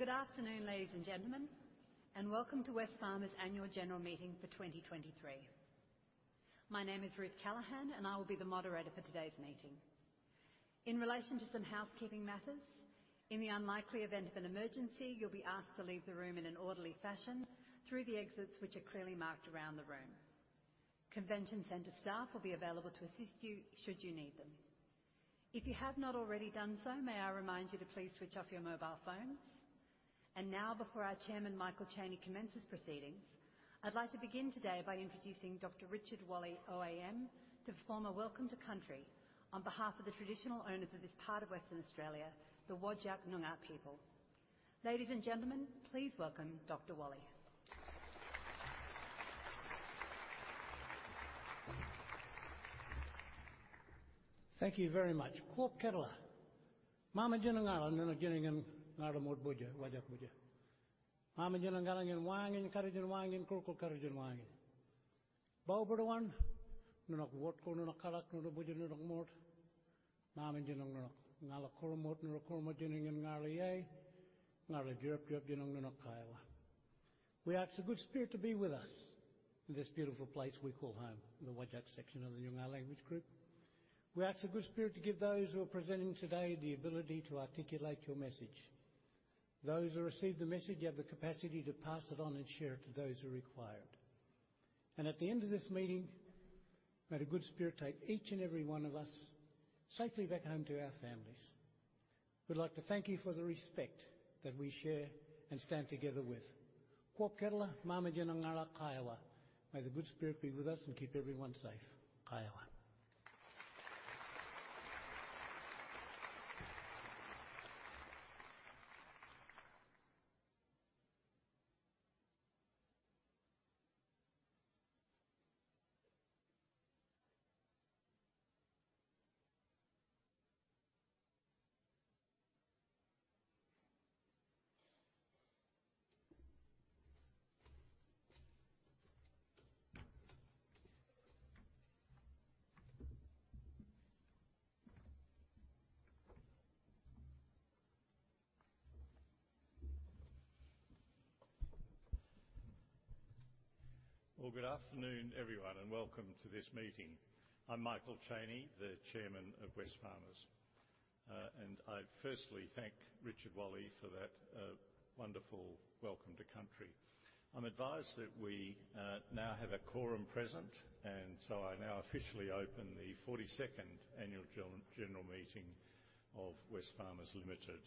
Good afternoon, ladies and gentlemen, and welcome to Wesfarmers' Annual General Meeting for 2023. My name is Ruth Callaghan, and I will be the moderator for today's meeting. In relation to some housekeeping matters, in the unlikely event of an emergency, you'll be asked to leave the room in an orderly fashion through the exits which are clearly marked around the room. Convention Centre staff will be available to assist you should you need them. If you have not already done so, may I remind you to please switch off your mobile phones? And now, before our chairman, Michael Chaney, commences proceedings, I'd like to begin today by introducing Dr. Richard Walley OAM, to perform a welcome to country on behalf of the traditional owners of this part of Western Australia, the Whadjuk Noongar people. Ladies and gentlemen, please welcome Dr. Walley. Thank you very much. We ask the good spirit to be with us in this beautiful place we call home, the Whadjuk section of the Noongar language group. We ask the good spirit to give those who are presenting today the ability to articulate your message. Those who receive the message, you have the capacity to pass it on and share it to those who are required. And at the end of this meeting, may the good spirit take each and every one of us safely back home to our families. We'd like to thank you for the respect that we share and stand together with. May the good spirit be with us and keep everyone safe. Well, good afternoon, everyone, and welcome to this meeting. I'm Michael Chaney, the Chairman of Wesfarmers. And I firstly thank Richard Walley for that wonderful welcome to Country. I'm advised that we now have a quorum present, and so I now officially open the 42nd Annual General Meeting of Wesfarmers Limited.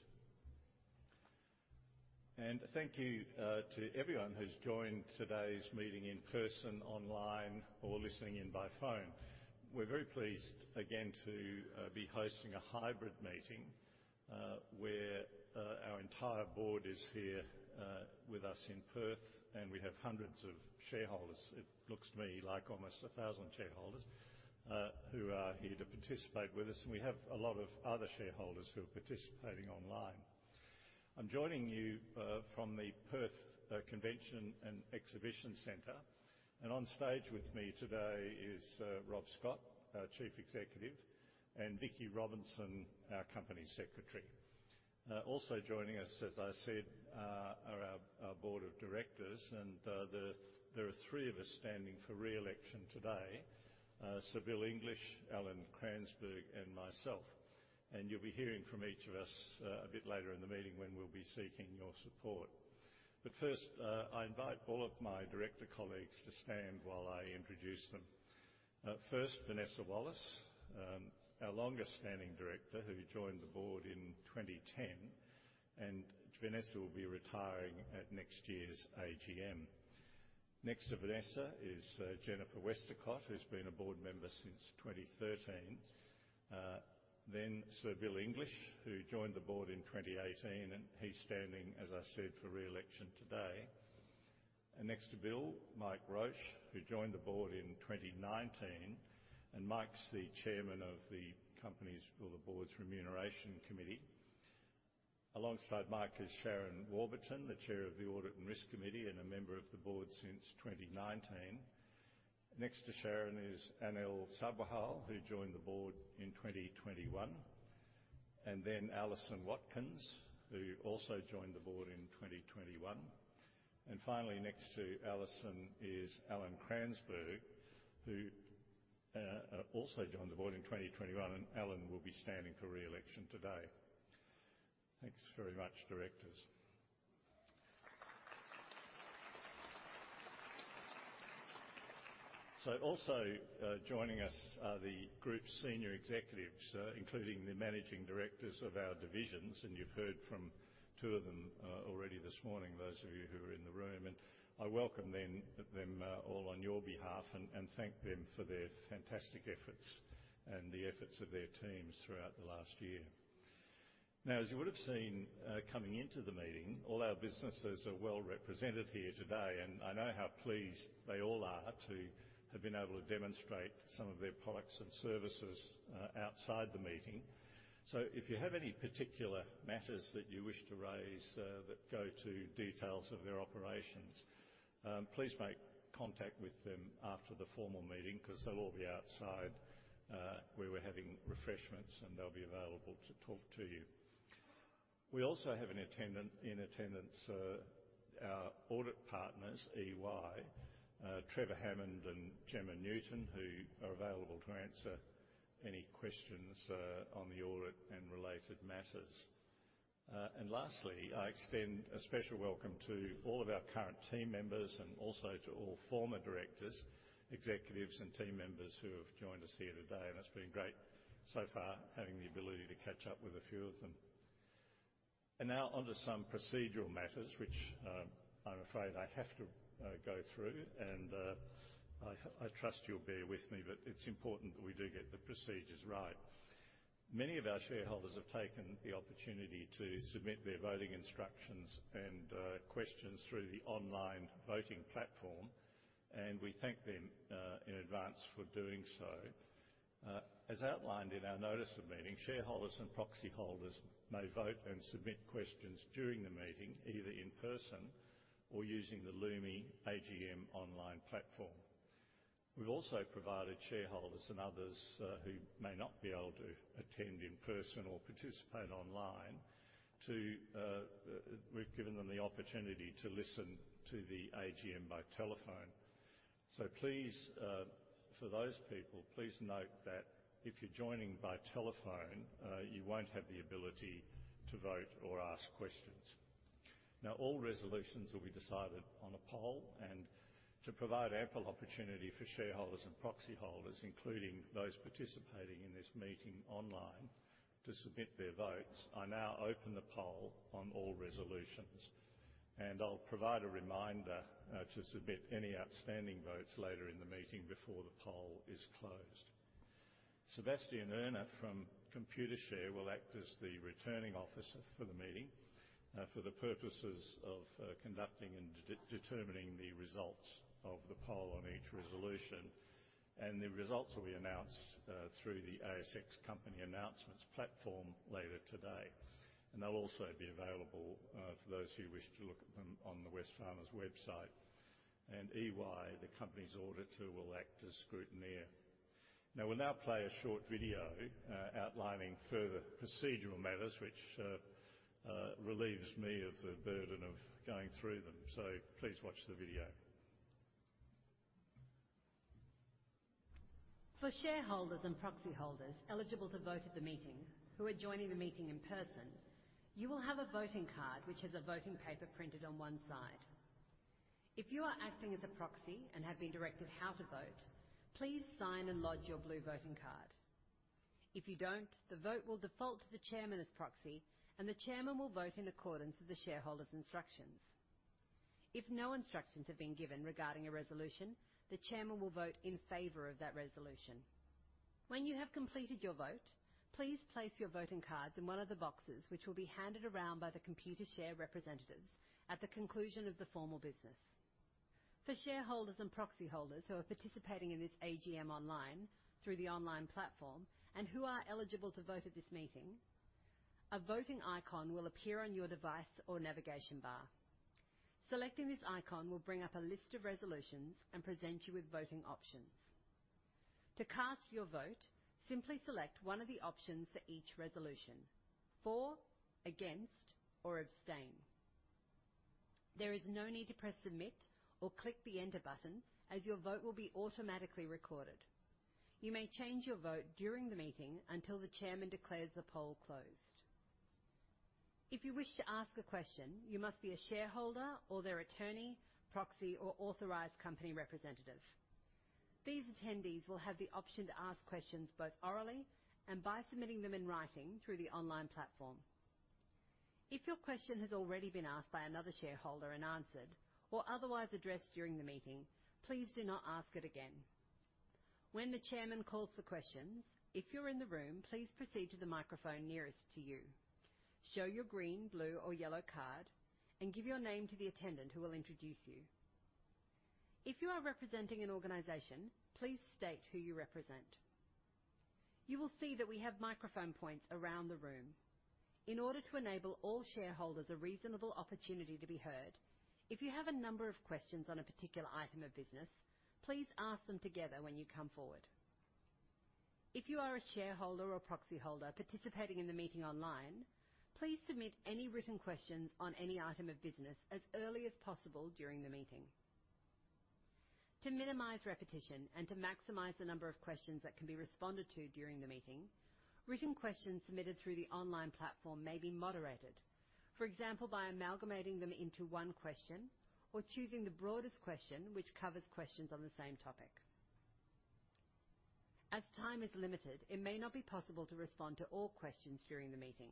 And thank you to everyone who's joined today's meeting in person, online, or listening in by phone. We're very pleased again to be hosting a hybrid meeting, where our entire board is here with us in Perth, and we have hundreds of shareholders. It looks to me like almost a thousand shareholders who are here to participate with us, and we have a lot of other shareholders who are participating online. I'm joining you from the Perth Convention and Exhibition Centre, and on stage with me today is Rob Scott, our Chief Executive, and Vicki Robinson, our Company Secretary. Also joining us, as I said, are our Board of Directors, and there are three of us standing for re-election today, Sir Bill English, Alan Cransberg, and myself. You'll be hearing from each of us a bit later in the meeting when we'll be seeking your support. But first, I invite all of my director colleagues to stand while I introduce them. First, Vanessa Wallace, our longest-standing director, who joined the board in 2010, and Vanessa will be retiring at next year's AGM. Next to Vanessa is Jennifer Westacott, who's been a board member since 2013. Then Sir Bill English, who joined the board in 2018, and he's standing, as I said, for re-election today. And next to Bill, Mike Roche, who joined the board in 2019, and Mike's the chairman of the Board's Remuneration Committee. Alongside Mike is Sharon Warburton, the Chair of the Audit and Risk Committee, and a member of the board since 2019. Next to Sharon is Anil Sabharwal, who joined the board in 2021, and then Alison Watkins, who also joined the board in 2021. And finally, next to Alison is Alan Cransberg, who also joined the board in 2021, and Alan will be standing for re-election today. Thanks very much, directors. So also, joining us are the group's senior executives, including the managing directors of our divisions, and you've heard from two of them, already this morning, those of you who are in the room. And I welcome them all on your behalf and thank them for their fantastic efforts and the efforts of their teams throughout the last year. Now, as you would have seen, coming into the meeting, all our businesses are well represented here today, and I know how pleased they all are to have been able to demonstrate some of their products and services, outside the meeting. So if you have any particular matters that you wish to raise, that go to details of their operations, please make contact with them after the formal meeting, 'cause they'll all be outside, where we're having refreshments, and they'll be available to talk to you. We also have in attendance our audit partners, EY, Trevor Hammond and Jemma Newton, who are available to answer any questions on the audit and related matters. Lastly, I extend a special welcome to all of our current team members and also to all former directors, executives, and team members who have joined us here today, and it's been great so far, having the ability to catch up with a few of them. Now on to some procedural matters, which I'm afraid I have to go through, and I trust you'll bear with me, but it's important that we do get the procedures right. Many of our shareholders have taken the opportunity to submit their voting instructions and questions through the online voting platform, and we thank them in advance for doing so. As outlined in our notice of meeting, shareholders and proxy holders may vote and submit questions during the meeting, either in person or using the Lumi AGM online platform. We've also provided shareholders and others who may not be able to attend in person or participate online to... We've given them the opportunity to listen to the AGM by telephone. So please, for those people, please note that if you're joining by telephone, you won't have the ability to vote or ask questions. Now, all resolutions will be decided on a poll, and to provide ample opportunity for shareholders and proxy holders, including those participating in this meeting online, to submit their votes, I now open the poll on all resolutions, and I'll provide a reminder to submit any outstanding votes later in the meeting before the poll is closed. Sebastian Erna from Computershare will act as the Returning Officer for the meeting, for the purposes of conducting and determining the results of the poll on each resolution. The results will be announced through the ASX company announcements platform later today, and they'll also be available for those who wish to look at them on the Wesfarmers website. EY, the company's auditor, will act as scrutineer. Now, we'll play a short video, outlining further procedural matters, which relieves me of the burden of going through them. So please watch the video. For shareholders and proxy holders eligible to vote at the meeting, who are joining the meeting in person, you will have a voting card, which has a voting paper printed on one side. If you are acting as a proxy and have been directed how to vote, please sign and lodge your blue voting card. If you don't, the vote will default to the chairman as proxy, and the chairman will vote in accordance with the shareholder's instructions. If no instructions have been given regarding a resolution, the chairman will vote in favor of that resolution. When you have completed your vote, please place your voting cards in one of the boxes, which will be handed around by the Computershare representatives at the conclusion of the formal business. For shareholders and proxy holders who are participating in this AGM online, through the online platform, and who are eligible to vote at this meeting, a voting icon will appear on your device or navigation bar. Selecting this icon will bring up a list of resolutions and present you with voting options. To cast your vote, simply select one of the options for each resolution: For, Against, or Abstain. There is no need to press Submit or click the Enter button, as your vote will be automatically recorded. You may change your vote during the meeting until the chairman declares the poll closed. If you wish to ask a question, you must be a shareholder or their attorney, proxy, or authorized company representative. These attendees will have the option to ask questions both orally and by submitting them in writing through the online platform. If your question has already been asked by another shareholder and answered or otherwise addressed during the meeting, please do not ask it again. When the chairman calls for questions, if you're in the room, please proceed to the microphone nearest to you. Show your green, blue, or yellow card and give your name to the attendant, who will introduce you. If you are representing an organization, please state who you represent. You will see that we have microphone points around the room. In order to enable all shareholders a reasonable opportunity to be heard, if you have a number of questions on a particular item of business, please ask them together when you come forward. If you are a shareholder or proxy holder participating in the meeting online, please submit any written questions on any item of business as early as possible during the meeting. To minimize repetition and to maximize the number of questions that can be responded to during the meeting, written questions submitted through the online platform may be moderated. For example, by amalgamating them into one question or choosing the broadest question, which covers questions on the same topic. As time is limited, it may not be possible to respond to all questions during the meeting,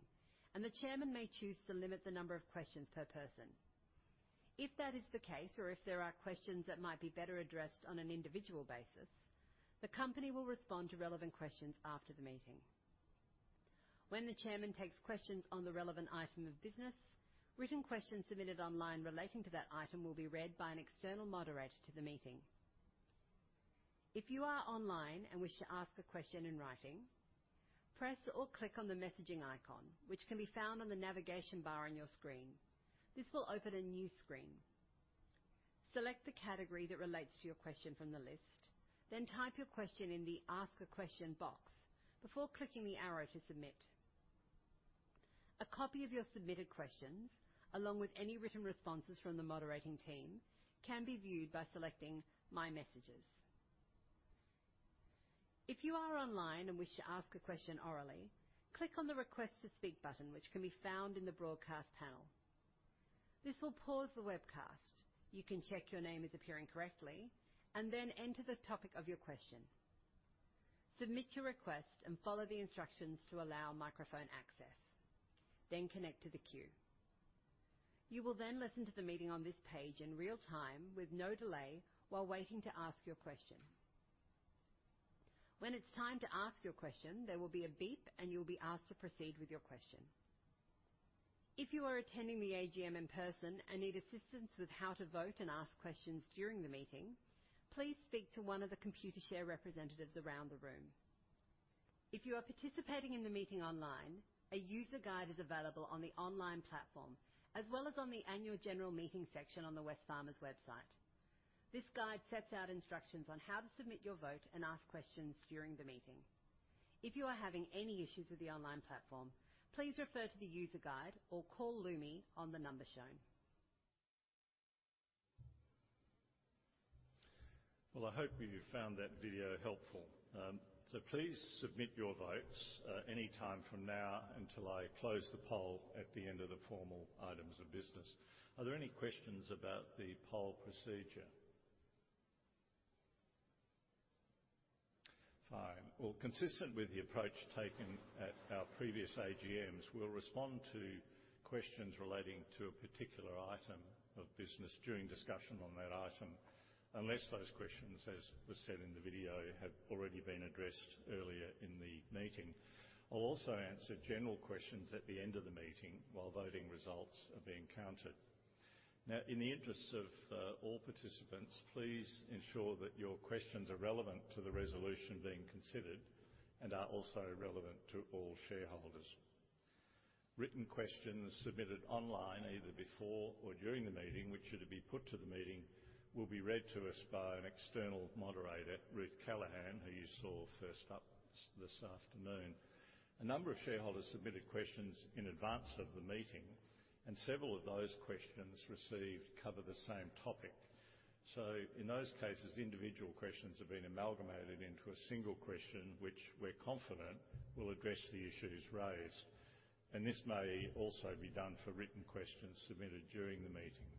and the chairman may choose to limit the number of questions per person. If that is the case, or if there are questions that might be better addressed on an individual basis, the company will respond to relevant questions after the meeting. When the chairman takes questions on the relevant item of business, written questions submitted online relating to that item will be read by an external moderator to the meeting. If you are online and wish to ask a question in writing, press or click on the messaging icon, which can be found on the navigation bar on your screen. This will open a new screen. Select the category that relates to your question from the list, then type your question in the Ask a Question box before clicking the arrow to submit. A copy of your submitted questions, along with any written responses from the moderating team, can be viewed by selecting My Messages. If you are online and wish to ask a question orally, click on the Request to Speak button, which can be found in the Broadcast panel. This will pause the webcast. You can check your name is appearing correctly, and then enter the topic of your question. Submit your request and follow the instructions to allow microphone access, then connect to the queue. You will then listen to the meeting on this page in real time with no delay while waiting to ask your question. When it's time to ask your question, there will be a beep, and you will be asked to proceed with your question. If you are attending the AGM in person and need assistance with how to vote and ask questions during the meeting, please speak to one of the Computershare representatives around the room. If you are participating in the meeting online, a user guide is available on the online platform, as well as on the Annual General Meeting section on the Wesfarmers website. This guide sets out instructions on how to submit your vote and ask questions during the meeting. If you are having any issues with the online platform, please refer to the user guide or call Lumi on the number shown. Well, I hope you found that video helpful. So please submit your votes any time from now until I close the poll at the end of the formal items of business. Are there any questions about the poll procedure? Fine. Well, consistent with the approach taken at our previous AGMs, we'll respond to questions relating to a particular item of business during discussion on that item, unless those questions, as was said in the video, have already been addressed earlier in the meeting. I'll also answer general questions at the end of the meeting while voting results are being counted. Now, in the interests of all participants, please ensure that your questions are relevant to the resolution being considered and are also relevant to all shareholders. Written questions submitted online, either before or during the meeting, which are to be put to the meeting, will be read to us by an external moderator, Ruth Callaghan, who you saw first up this afternoon. A number of shareholders submitted questions in advance of the meeting, and several of those questions received cover the same topic. So in those cases, individual questions have been amalgamated into a single question, which we're confident will address the issues raised, and this may also be done for written questions submitted during the meeting.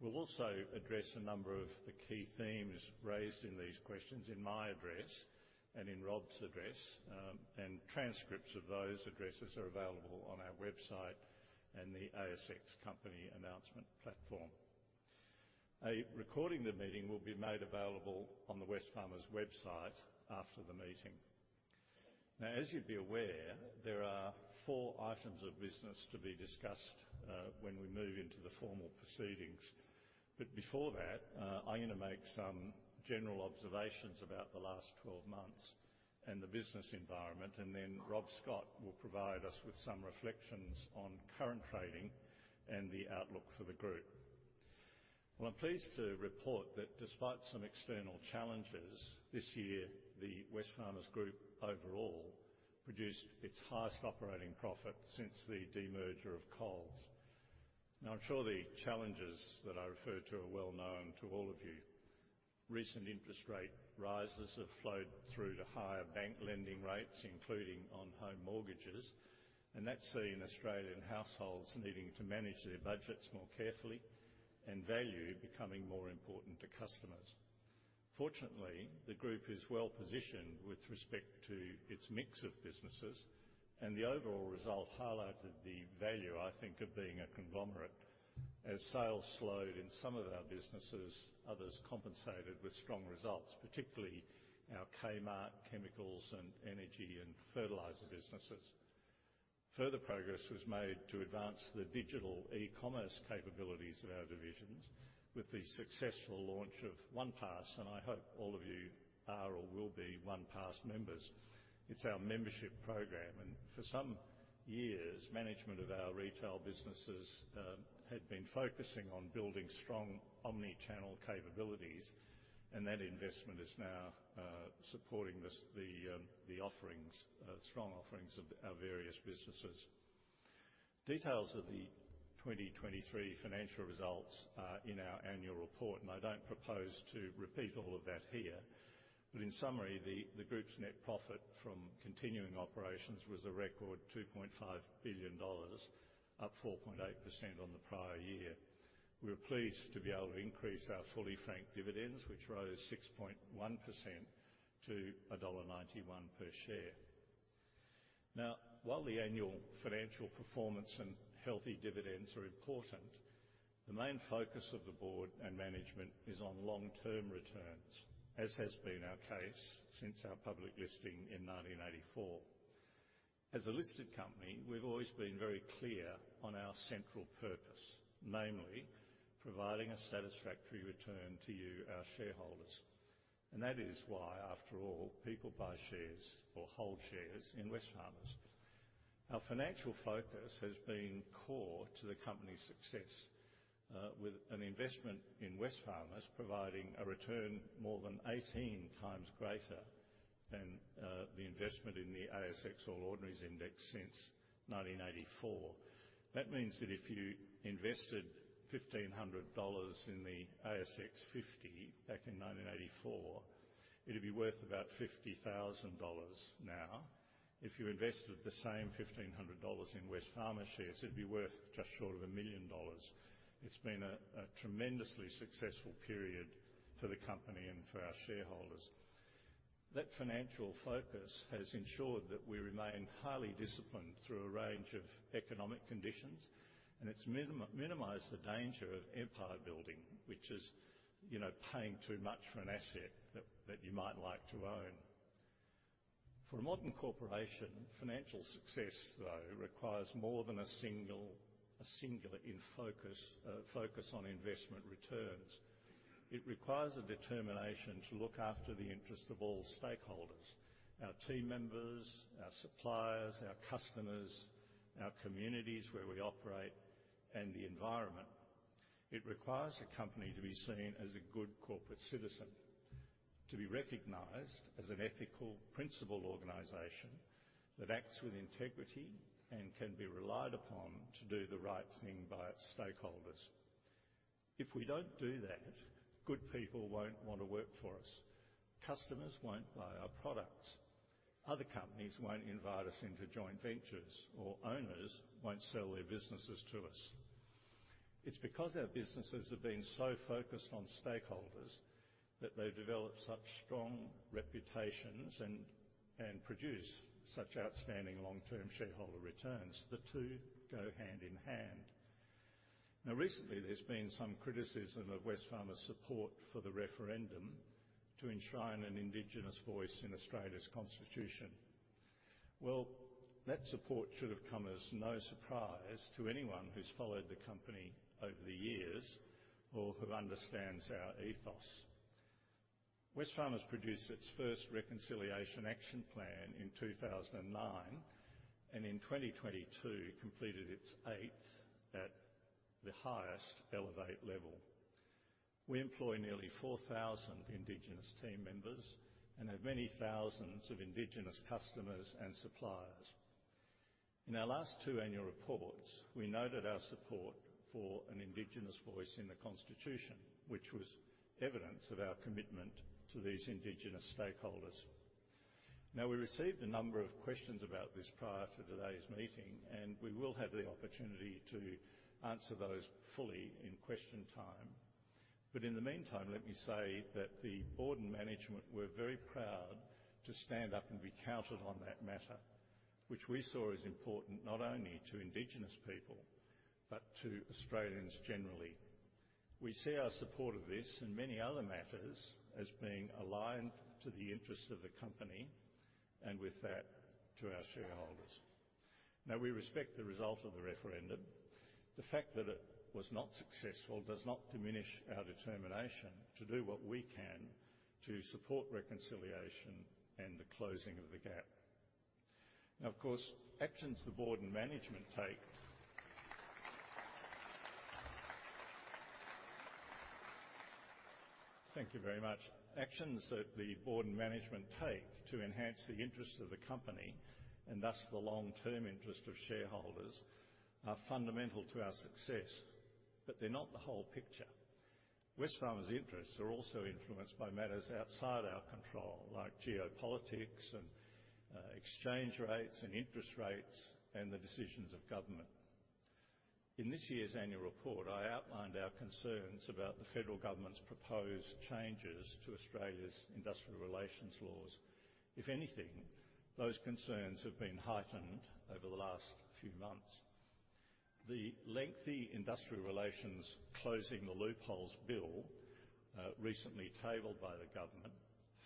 We'll also address a number of the key themes raised in these questions in my address and in Rob's address, and transcripts of those addresses are available on our website and the ASX company announcement platform. A recording of the meeting will be made available on the Wesfarmers website after the meeting. Now, as you'd be aware, there are four items of business to be discussed when we move into the formal proceedings. But before that, I'm going to make some general observations about the last 12 months and the business environment, and then Rob Scott will provide us with some reflections on current trading and the outlook for the group. Well, I'm pleased to report that despite some external challenges, this year, the Wesfarmers Group overall produced its highest operating profit since the demerger of Coles. Now, I'm sure the challenges that I referred to are well known to all of you. Recent interest rate rises have flowed through to higher bank lending rates, including on home mortgages, and that's seen Australian households needing to manage their budgets more carefully and value becoming more important to customers. Fortunately, the group is well-positioned with respect to its mix of businesses, and the overall result highlighted the value, I think, of being a conglomerate. As sales slowed in some of our businesses, others compensated with strong results, particularly our Kmart, Chemicals, and Energy, and Fertiliser businesses. Further progress was made to advance the digital e-commerce capabilities of our divisions with the successful launch of OnePass, and I hope all of you are or will be OnePass members. It's our membership program, and for some years, management of our retail businesses, had been focusing on building strong omni-channel capabilities, and that investment is now, supporting this, the, the offerings, strong offerings of our various businesses. Details of the 2023 financial results are in our annual report, and I don't propose to repeat all of that here. In summary, the group's net profit from continuing operations was a record $2.5 billion, up 4.8% on the prior year. We were pleased to be able to increase our fully franked dividends, which rose 6.1% to $1.91 per share. Now, while the annual financial performance and healthy dividends are important, the main focus of the board and management is on long-term returns, as has been our case since our public listing in 1984. As a listed company, we've always been very clear on our central purpose, namely providing a satisfactory return to you, our shareholders, and that is why, after all, people buy shares or hold shares in Wesfarmers. Our financial focus has been core to the company's success, with an investment in Wesfarmers providing a return more than 18x greater than the investment in the ASX All Ordinaries Index since 1984. That means that if you invested $1,500 in the ASX 50 back in 1984, it'd be worth about $50,000 now. If you invested the same $1,500 in Wesfarmers shares, it'd be worth just short of $1 million. It's been a tremendously successful period for the company and for our shareholders. That financial focus has ensured that we remain highly disciplined through a range of economic conditions, and it's minimized the danger of empire building, which is, you know, paying too much for an asset that you might like to own. For a modern corporation, financial success, though, requires more than a singular focus on investment returns. It requires a determination to look after the interests of all stakeholders: our team members, our suppliers, our customers, our communities where we operate, and the environment. It requires a company to be seen as a good corporate citizen, to be recognized as an ethical, principled organization that acts with integrity and can be relied upon to do the right thing by its stakeholders. If we don't do that, good people won't want to work for us, customers won't buy our products, other companies won't invite us into joint ventures, or owners won't sell their businesses to us. It's because our businesses have been so focused on stakeholders that they've developed such strong reputations and produce such outstanding long-term shareholder returns. The two go hand in hand. Now, recently, there's been some criticism of Wesfarmers' support for the referendum to enshrine an Indigenous voice in Australia's Constitution. Well, that support should have come as no surprise to anyone who's followed the company over the years or who understands our ethos. Wesfarmers produced its first Reconciliation Action Plan in 2009, and in 2022, completed its 8th at the highest Elevate level. We employ nearly 4,000 Indigenous team members and have many thousands of Indigenous customers and suppliers. In our last two annual reports, we noted our support for an Indigenous voice in the Constitution, which was evidence of our commitment to these Indigenous stakeholders. Now, we received a number of questions about this prior to today's meeting, and we will have the opportunity to answer those fully in question time. But in the meantime, let me say that the board and management were very proud to stand up and be counted on that matter, which we saw as important, not only to Indigenous people, but to Australians generally. We see our support of this and many other matters as being aligned to the interests of the company, and with that, to our shareholders. Now, we respect the result of the referendum. The fact that it was not successful does not diminish our determination to do what we can to support reconciliation and the Closing the Gap. Now, of course, actions the board and management take—Thank you very much. Actions that the board and management take to enhance the interests of the company, and thus the long-term interests of shareholders, are fundamental to our success, but they're not the whole picture. Wesfarmers' interests are also influenced by matters outside our control, like geopolitics and exchange rates and interest rates, and the decisions of government. In this year's annual report, I outlined our concerns about the federal government's proposed changes to Australia's industrial relations laws. If anything, those concerns have been heightened over the last few months. The lengthy Industrial Relations Closing the Loopholes Bill recently tabled by the government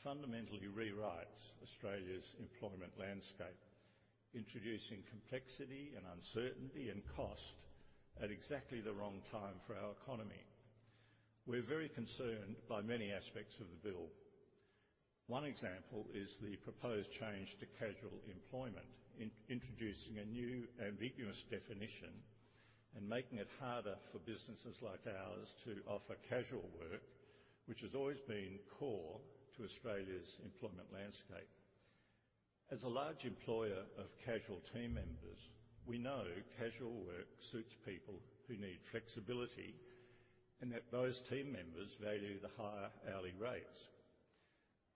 fundamentally rewrites Australia's employment landscape, introducing complexity and uncertainty and cost at exactly the wrong time for our economy. We're very concerned by many aspects of the bill. One example is the proposed change to casual employment, in introducing a new ambiguous definition and making it harder for businesses like ours to offer casual work, which has always been core to Australia's employment landscape.... As a large employer of casual team members, we know casual work suits people who need flexibility and that those team members value the higher hourly rates.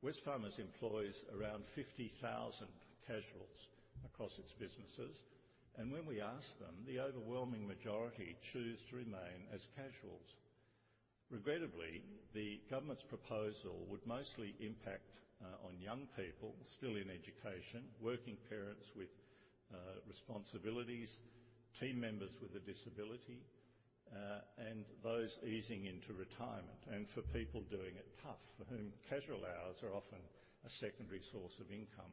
Wesfarmers employs around 50,000 casuals across its businesses, and when we ask them, the overwhelming majority choose to remain as casuals. Regrettably, the government's proposal would mostly impact on young people still in education, working parents with responsibilities, team members with a disability, and those easing into retirement, and for people doing it tough, for whom casual hours are often a secondary source of income.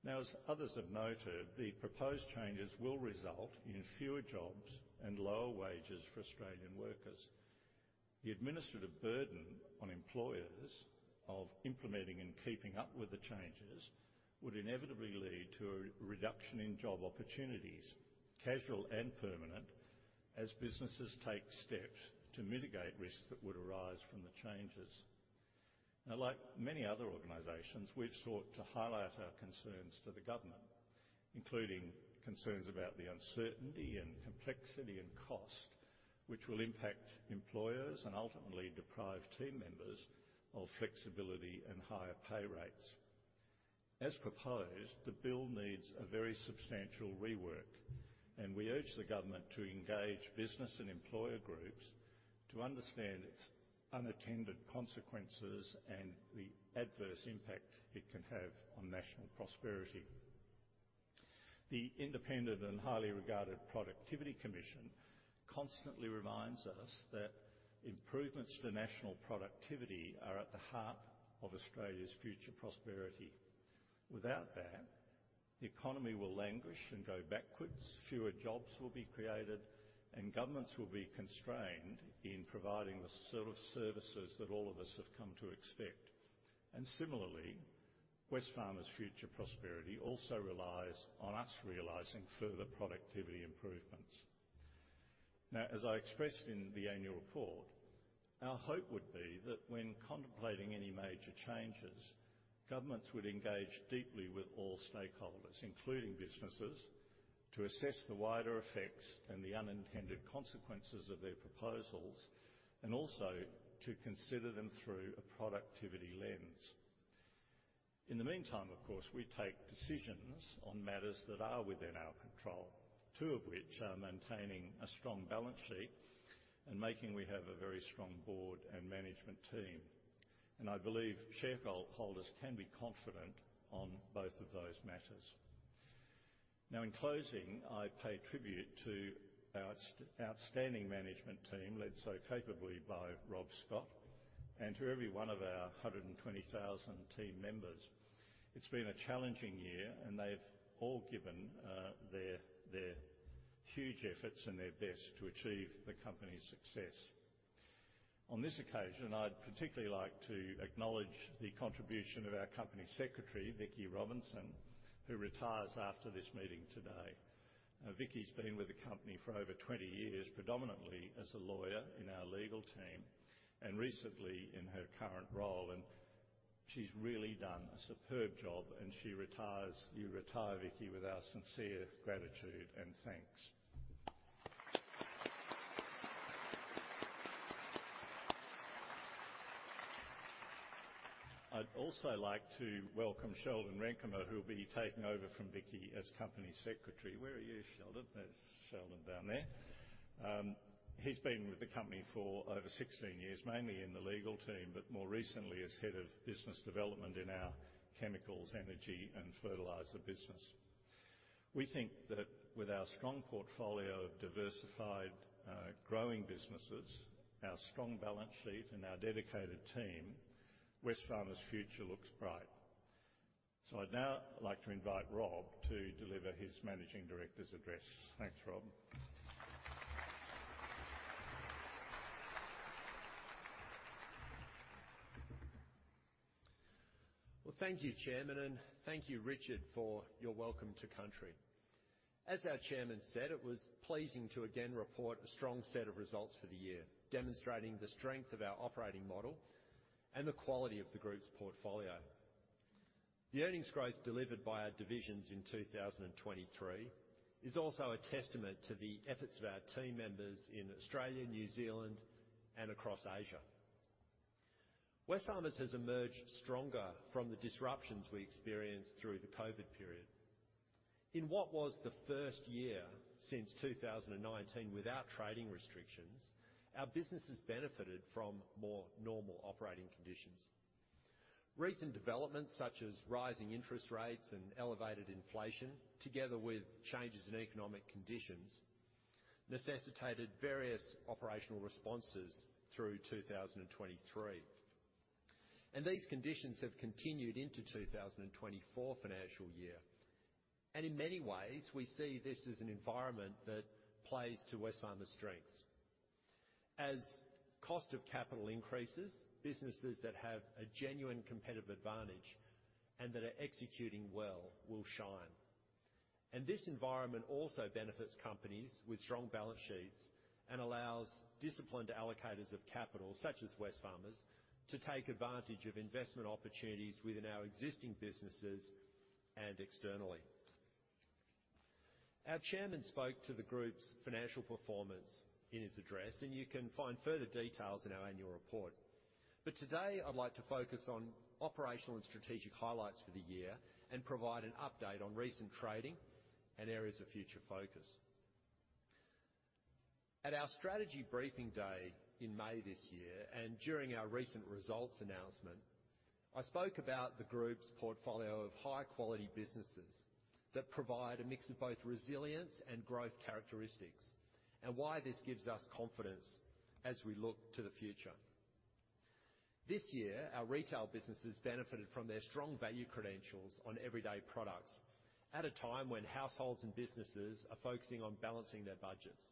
Now, as others have noted, the proposed changes will result in fewer jobs and lower wages for Australian workers. The administrative burden on employers of implementing and keeping up with the changes would inevitably lead to a reduction in job opportunities, casual and permanent, as businesses take steps to mitigate risks that would arise from the changes. Now, like many other organizations, we've sought to highlight our concerns to the government, including concerns about the uncertainty and complexity and cost, which will impact employers and ultimately deprive team members of flexibility and higher pay rates. As proposed, the bill needs a very substantial rework, and we urge the government to engage business and employer groups to understand its unintended consequences and the adverse impact it can have on national prosperity. The independent and highly regarded Productivity Commission constantly reminds us that improvements to national productivity are at the heart of Australia's future prosperity. Without that, the economy will languish and go backwards, fewer jobs will be created, and governments will be constrained in providing the sort of services that all of us have come to expect. Similarly, Wesfarmers' future prosperity also relies on us realizing further productivity improvements. Now, as I expressed in the annual report, our hope would be that when contemplating any major changes, governments would engage deeply with all stakeholders, including businesses, to assess the wider effects and the unintended consequences of their proposals, and also to consider them through a productivity lens. In the meantime, of course, we take decisions on matters that are within our control, two of which are maintaining a strong balance sheet and making sure we have a very strong board and management team, and I believe shareholders can be confident on both of those matters. Now, in closing, I pay tribute to our outstanding management team, led so capably by Rob Scott, and to every one of our 120,000 team members. It's been a challenging year, and they've all given their huge efforts and their best to achieve the company's success. On this occasion, I'd particularly like to acknowledge the contribution of our Company Secretary, Vicki Robinson, who retires after this meeting today. Vicki's been with the company for over 20 years, predominantly as a lawyer in our legal team and recently in her current role, and she's really done a superb job, and she retires. You retire, Vicki, with our sincere gratitude and thanks. I'd also like to welcome Sheldon Renkema, who will be taking over from Vicki as Company Secretary. Where are you, Sheldon? There's Sheldon down there. He's been with the company for over 16 years, mainly in the legal team, but more recently as Head of Business Development in our Chemicals, Energy and Fertiliser business. We think that with our strong portfolio of diversified, growing businesses, our strong balance sheet, and our dedicated team, Wesfarmers' future looks bright. So I'd now like to invite Rob to deliver his Managing Director's address. Thanks, Rob. Well, thank you, Chairman, and thank you, Richard, for your Welcome to Country. As our Chairman said, it was pleasing to again report a strong set of results for the year, demonstrating the strength of our operating model and the quality of the group's portfolio. The earnings growth delivered by our divisions in 2023 is also a testament to the efforts of our team members in Australia, New Zealand, and across Asia. Wesfarmers has emerged stronger from the disruptions we experienced through the COVID period. In what was the first year since 2019 without trading restrictions, our businesses benefited from more normal operating conditions. Recent developments, such as rising interest rates and elevated inflation, together with changes in economic conditions, necessitated various operational responses through 2023. These conditions have continued into 2024 financial year, and in many ways, we see this as an environment that plays to Wesfarmers' strengths. As cost of capital increases, businesses that have a genuine competitive advantage and that are executing well will shine. This environment also benefits companies with strong balance sheets and allows disciplined allocators of capital, such as Wesfarmers, to take advantage of investment opportunities within our existing businesses and externally. Our chairman spoke to the group's financial performance in his address, and you can find further details in our annual report. But today, I'd like to focus on operational and strategic highlights for the year and provide an update on recent trading and areas of future focus. At our strategy briefing day in May this year, and during our recent results announcement, I spoke about the group's portfolio of high-quality businesses that provide a mix of both resilience and growth characteristics, and why this gives us confidence as we look to the future. This year, our retail businesses benefited from their strong value credentials on everyday products, at a time when households and businesses are focusing on balancing their budgets.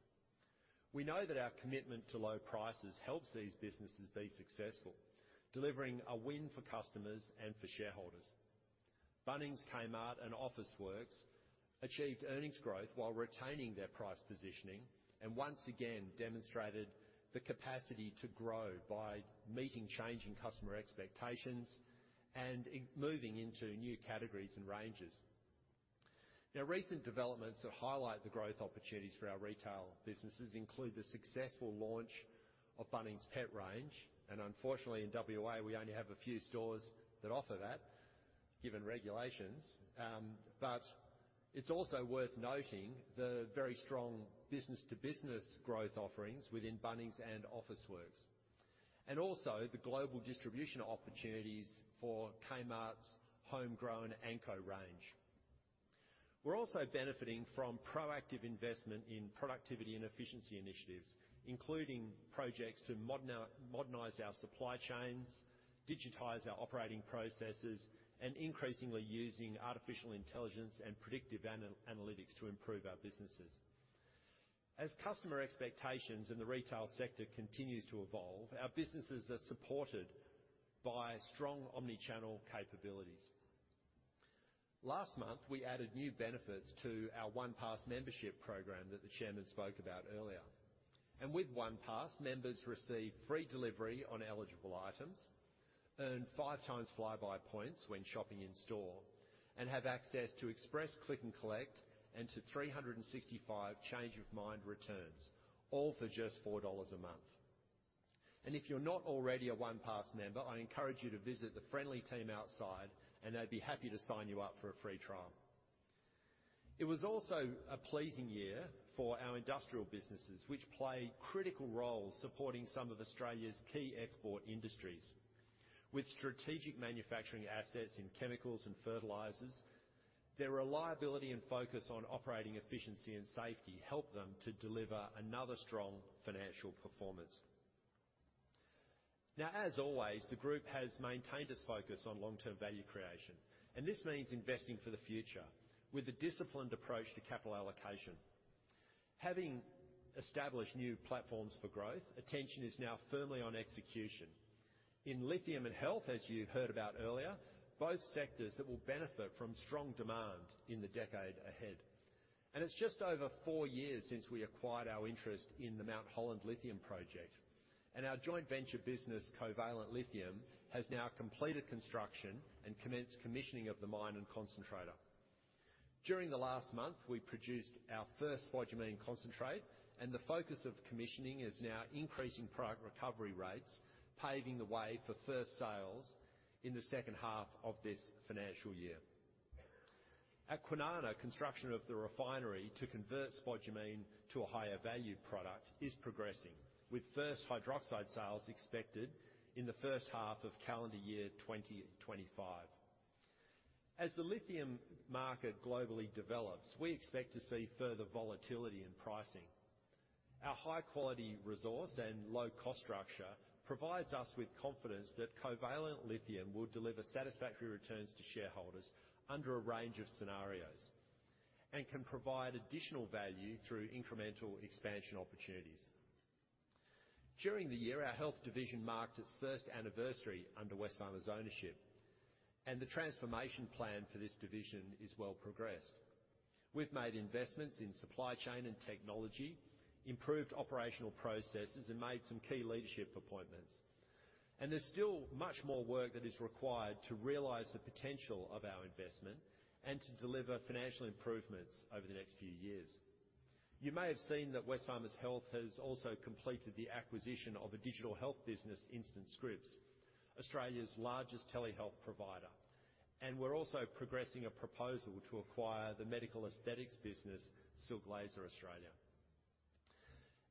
We know that our commitment to low prices helps these businesses be successful, delivering a win for customers and for shareholders. Bunnings, Kmart, and Officeworks achieved earnings growth while retaining their price positioning and once again demonstrated the capacity to grow by meeting changing customer expectations and in moving into new categories and ranges. Now, recent developments that highlight the growth opportunities for our retail businesses include the successful launch of Bunnings' pet range, and unfortunately, in WA, we only have a few stores that offer that, given regulations. But it's also worth noting the very strong business-to-business growth offerings within Bunnings and Officeworks, and also the global distribution opportunities for Kmart's homegrown Anko range. We're also benefiting from proactive investment in productivity and efficiency initiatives, including projects to modernize our supply chains, digitize our operating processes, and increasingly using artificial intelligence and predictive analytics to improve our businesses. As customer expectations in the retail sector continues to evolve, our businesses are supported by strong omni-channel capabilities. Last month, we added new benefits to our OnePass membership program that the chairman spoke about earlier. With OnePass, members receive free delivery on eligible items, earn 5x Flybuys points when shopping in store, and have access to express click and collect, and to 365 change of mind returns, all for just $4 a month. If you're not already a OnePass member, I encourage you to visit the friendly team outside, and they'd be happy to sign you up for a free trial. It was also a pleasing year for our industrial businesses, which play critical roles supporting some of Australia's key export industries. With strategic manufacturing assets in Chemicals and Fertilisers, their reliability and focus on operating efficiency and safety helped them to deliver another strong financial performance. Now, as always, the group has maintained its focus on long-term value creation, and this means investing for the future with a disciplined approach to capital allocation.. Having established new platforms for growth, attention is now firmly on execution. In lithium and health, as you heard about earlier, both sectors that will benefit from strong demand in the decade ahead. It's just over four years since we acquired our interest in the Mount Holland Lithium project, and our joint venture business, Covalent Lithium, has now completed construction and commenced commissioning of the mine and concentrator. During the last month, we produced our first spodumene concentrate, and the focus of commissioning is now increasing product recovery rates, paving the way for first sales in the second half of this financial year. At Kwinana, construction of the refinery to convert spodumene to a higher-value product is progressing, with first hydroxide sales expected in the first half of calendar year 2025. As the lithium market globally develops, we expect to see further volatility in pricing. Our high-quality resource and low-cost structure provides us with confidence that Covalent Lithium will deliver satisfactory returns to shareholders under a range of scenarios and can provide additional value through incremental expansion opportunities. During the year, our health division marked its first anniversary under Wesfarmers' ownership, and the transformation plan for this division is well progressed. We've made investments in supply chain and technology, improved operational processes, and made some key leadership appointments, and there's still much more work that is required to realize the potential of our investment and to deliver financial improvements over the next few years. You may have seen that Wesfarmers Health has also completed the acquisition of a digital health business, InstantScripts, Australia's largest telehealth provider, and we're also progressing a proposal to acquire the medical aesthetics business, Silk Laser Australia.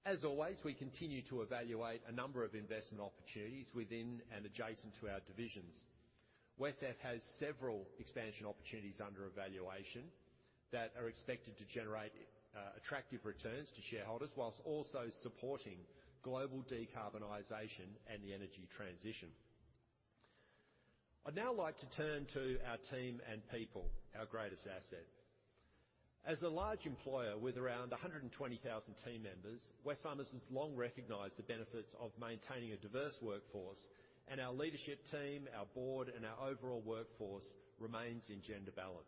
As always, we continue to evaluate a number of investment opportunities within and adjacent to our divisions. Wesfarmers has several expansion opportunities under evaluation that are expected to generate attractive returns to shareholders, while also supporting global decarbonization and the energy transition. I'd now like to turn to our team and people, our greatest asset. As a large employer with around 120,000 team members, Wesfarmers has long recognized the benefits of maintaining a diverse workforce, and our leadership team, our board, and our overall workforce remains in gender balance.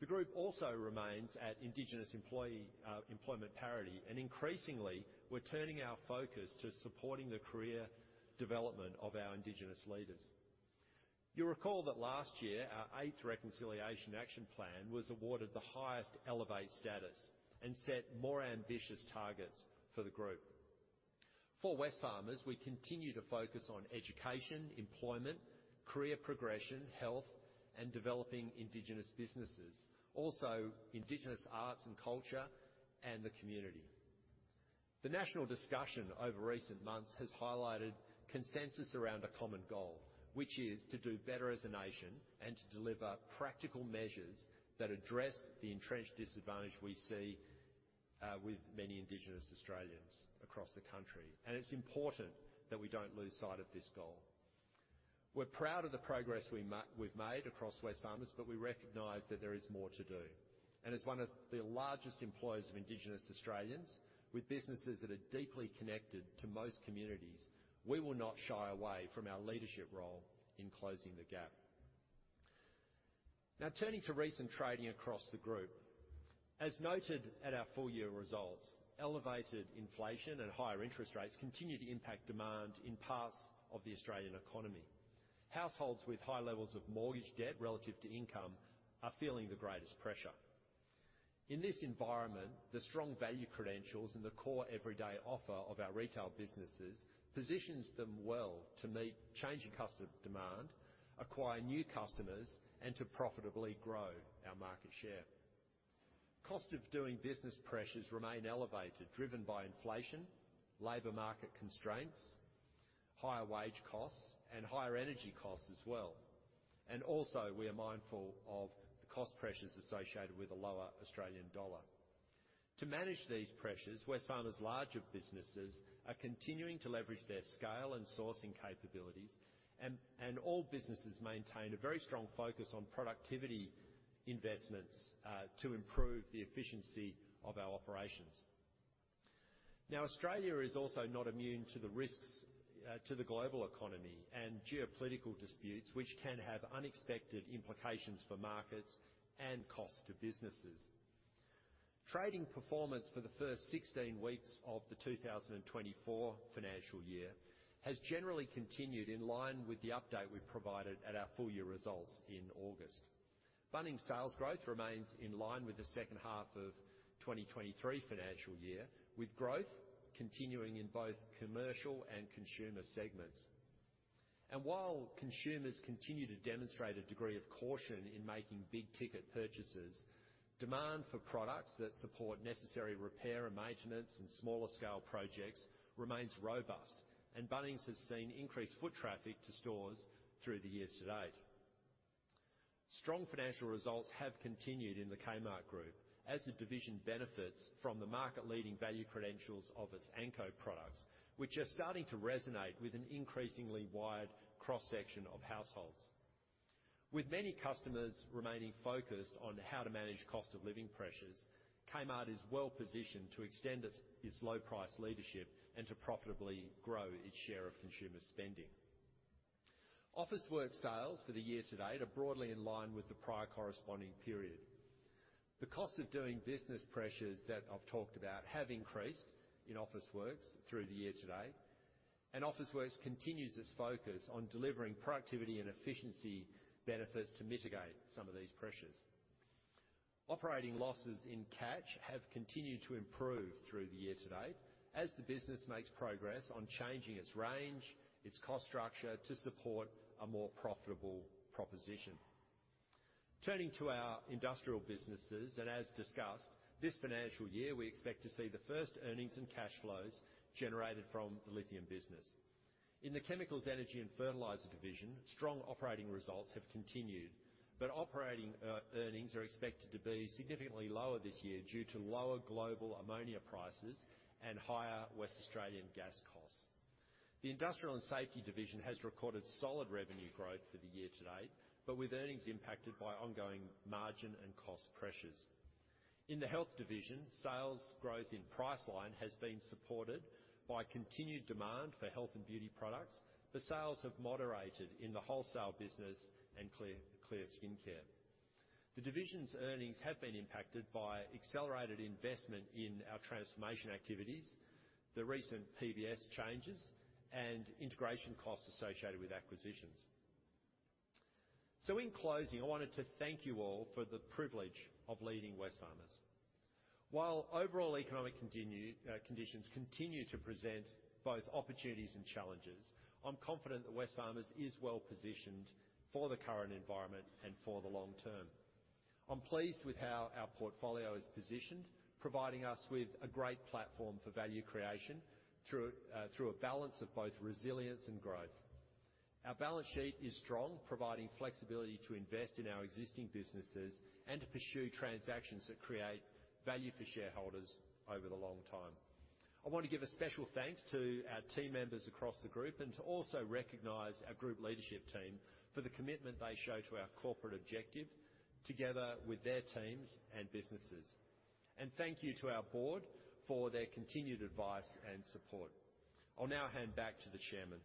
The group also remains at indigenous employee employment parity, and increasingly, we're turning our focus to supporting the career development of our indigenous leaders. You'll recall that last year, our eighth Reconciliation Action Plan was awarded the highest elevate status and set more ambitious targets for the group. For Wesfarmers, we continue to focus on education, employment, career progression, health, and developing Indigenous businesses, also Indigenous arts and culture, and the community. The national discussion over recent months has highlighted consensus around a common goal, which is to do better as a nation and to deliver practical measures that address the entrenched disadvantage we see with many Indigenous Australians across the country. It's important that we don't lose sight of this goal. We're proud of the progress we've made across Wesfarmers, but we recognize that there is more to do. As one of the largest employers of Indigenous Australians, with businesses that are deeply connected to most communities, we will not shy away from our leadership role in closing the gap. Now, turning to recent trading across the group. As noted at our full year results, elevated inflation and higher interest rates continue to impact demand in parts of the Australian economy. Households with high levels of mortgage debt relative to income are feeling the greatest pressure. In this environment, the strong value credentials and the core everyday offer of our retail businesses positions them well to meet changing customer demand, acquire new customers, and to profitably grow our market share. Cost of doing business pressures remain elevated, driven by inflation, labor market constraints, higher wage costs, and higher energy costs as well, and also, we are mindful of the cost pressures associated with the lower Australian dollar. To manage these pressures, Wesfarmers' larger businesses are continuing to leverage their scale and sourcing capabilities, and all businesses maintain a very strong focus on productivity investments to improve the efficiency of our operations. Now, Australia is also not immune to the risks to the global economy and geopolitical disputes, which can have unexpected implications for markets and costs to businesses. Trading performance for the first 16 weeks of the 2024 financial year has generally continued in line with the update we provided at our full year results in August. Bunnings sales growth remains in line with the second half of 2023 financial year, with growth continuing in both commercial and consumer segments. While consumers continue to demonstrate a degree of caution in making big ticket purchases, demand for products that support necessary repair and maintenance and smaller scale projects remains robust, and Bunnings has seen increased foot traffic to stores through the year to date. Strong financial results have continued in the Kmart Group as the division benefits from the market-leading value credentials of its Anko products, which are starting to resonate with an increasingly wide cross-section of households. With many customers remaining focused on how to manage cost of living pressures, Kmart is well positioned to extend its low price leadership and to profitably grow its share of consumer spending. Officeworks sales for the year to date are broadly in line with the prior corresponding period. The cost of doing business pressures that I've talked about have increased in Officeworks through the year to date, and Officeworks continues its focus on delivering productivity and efficiency benefits to mitigate some of these pressures. Operating losses in Catch have continued to improve through the year to date, as the business makes progress on changing its range, its cost structure, to support a more profitable proposition. Turning to our industrial businesses, and as discussed, this financial year, we expect to see the first earnings and cash flows generated from the lithium business. In the Chemicals, Energy, and Fertiliser division, strong operating results have continued, but operating earnings are expected to be significantly lower this year due to lower global ammonia prices and higher Western Australian gas costs. The Industrial and Safety division has recorded solid revenue growth for the year to date, but with earnings impacted by ongoing margin and cost pressures. In the health division, sales growth in Priceline has been supported by continued demand for health and beauty products. The sales have moderated in the wholesale business and Clear Skincare. The division's earnings have been impacted by accelerated investment in our transformation activities, the recent PBS changes, and integration costs associated with acquisitions. So in closing, I wanted to thank you all for the privilege of leading Wesfarmers. While overall economic continue, conditions continue to present both opportunities and challenges, I'm confident that Wesfarmers is well positioned for the current environment and for the long term. I'm pleased with how our portfolio is positioned, providing us with a great platform for value creation through, through a balance of both resilience and growth. Our balance sheet is strong, providing flexibility to invest in our existing businesses and to pursue transactions that create value for shareholders over the long time. I want to give a special thanks to our team members across the group, and to also recognize our group leadership team for the commitment they show to our corporate objective together with their teams and businesses. And thank you to our board for their continued advice and support. I'll now hand back to the chairman.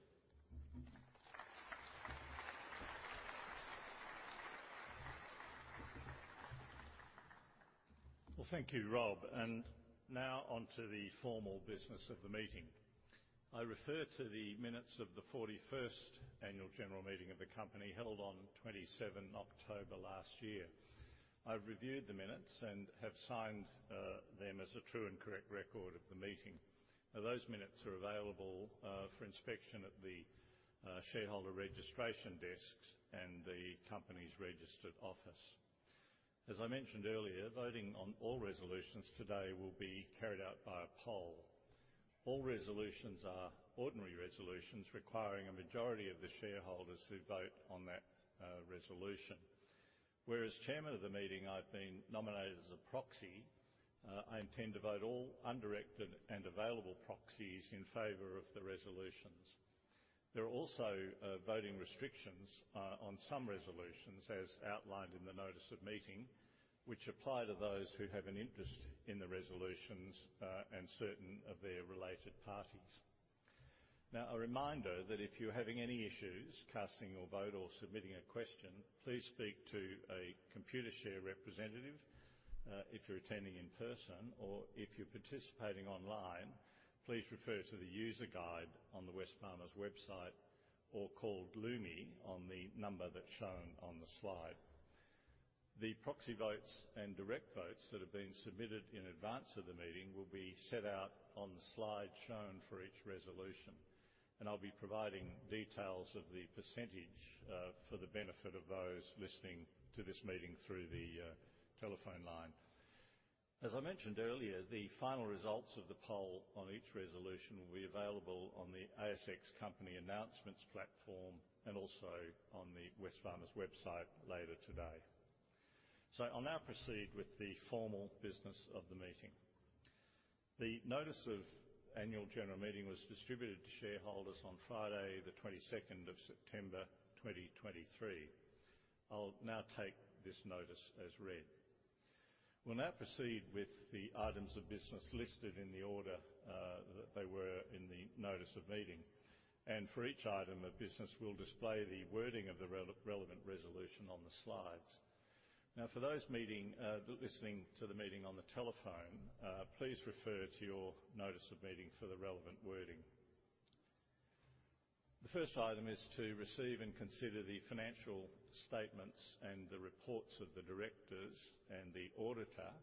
Well, thank you, Rob. And now on to the formal business of the meeting. I refer to the minutes of the 41st annual general meeting of the company, held on 27 October last year. I've reviewed the minutes and have signed them as a true and correct record of the meeting. Now, those minutes are available for inspection at the shareholder registration desks and the company's registered office. As I mentioned earlier, voting on all resolutions today will be carried out by a poll. All resolutions are ordinary resolutions requiring a majority of the shareholders who vote on that resolution. Whereas as chairman of the meeting, I've been nominated as a proxy, I intend to vote all undirected and available proxies in favor of the resolutions. There are also, voting restrictions, on some resolutions, as outlined in the notice of meeting, which apply to those who have an interest in the resolutions, and certain of their related parties. Now, a reminder that if you're having any issues casting your vote or submitting a question, please speak to a Computershare representative, if you're attending in person, or if you're participating online, please refer to the user guide on the Wesfarmers website or call Lumi on the number that's shown on the slide. The proxy votes and direct votes that have been submitted in advance of the meeting will be set out on the slide shown for each resolution, and I'll be providing details of the percentage, for the benefit of those listening to this meeting through the, telephone line. As I mentioned earlier, the final results of the poll on each resolution will be available on the ASX company announcements platform and also on the Wesfarmers website later today. So I'll now proceed with the formal business of the meeting. The notice of annual general meeting was distributed to shareholders on Friday, the 22nd of September, 2023. I'll now take this notice as read. We'll now proceed with the items of business listed in the order that they were in the notice of meeting, and for each item of business, we'll display the wording of the relevant resolution on the slides. Now, for those meeting listening to the meeting on the telephone, please refer to your notice of meeting for the relevant wording. The first item is to receive and consider the financial statements and the reports of the directors and the auditor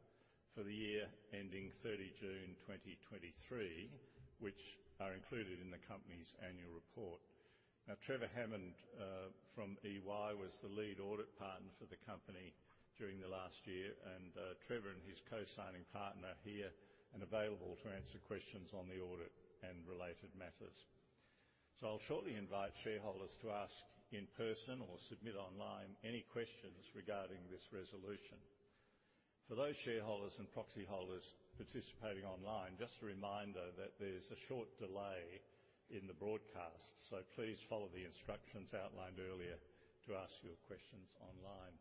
for the year ending 30 June 2023, which are included in the company's annual report. Now, Trevor Hammond from EY was the lead audit partner for the company during the last year, and Trevor and his co-signing partner are here and available to answer questions on the audit and related matters. So I'll shortly invite shareholders to ask in person or submit online any questions regarding this resolution. For those shareholders and proxy holders participating online, just a reminder that there's a short delay in the broadcast, so please follow the instructions outlined earlier to ask your questions online.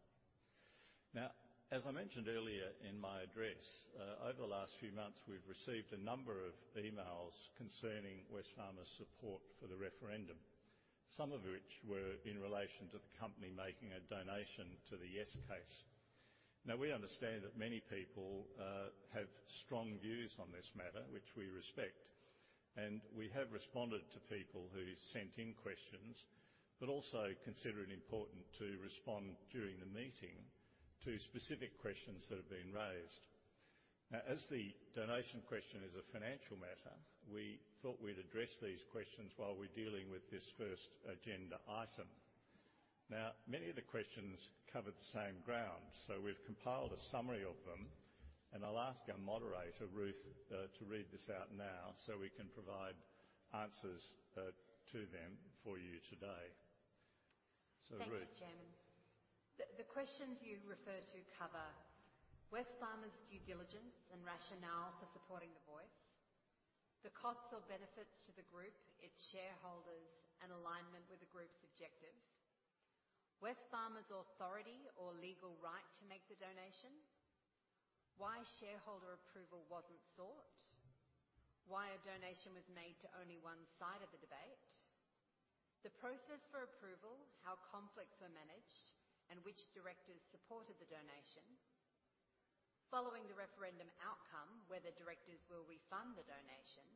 Now, as I mentioned earlier in my address, over the last few months, we've received a number of emails concerning Wesfarmers' support for the referendum, some of which were in relation to the company making a donation to the Yes case. Now, we understand that many people have strong views on this matter, which we respect, and we have responded to people who sent in questions, but also consider it important to respond during the meeting to specific questions that have been raised. Now, as the donation question is a financial matter, we thought we'd address these questions while we're dealing with this first agenda item. Now, many of the questions covered the same ground, so we've compiled a summary of them, and I'll ask our moderator, Ruth, to read this out now, so we can provide answers to them for you today. So, Ruth? Thank you, Chairman. The questions you refer to cover Wesfarmers' due diligence and rationale for supporting the Voice, the costs or benefits to the group, its shareholders, and alignment with the group's objectives, Wesfarmers' authority or legal right to make the donation, why shareholder approval wasn't sought, why a donation was made to only one side of the debate, the process for approval, how conflicts were managed, and which directors supported the donation, following the referendum outcome, whether directors will refund the donation,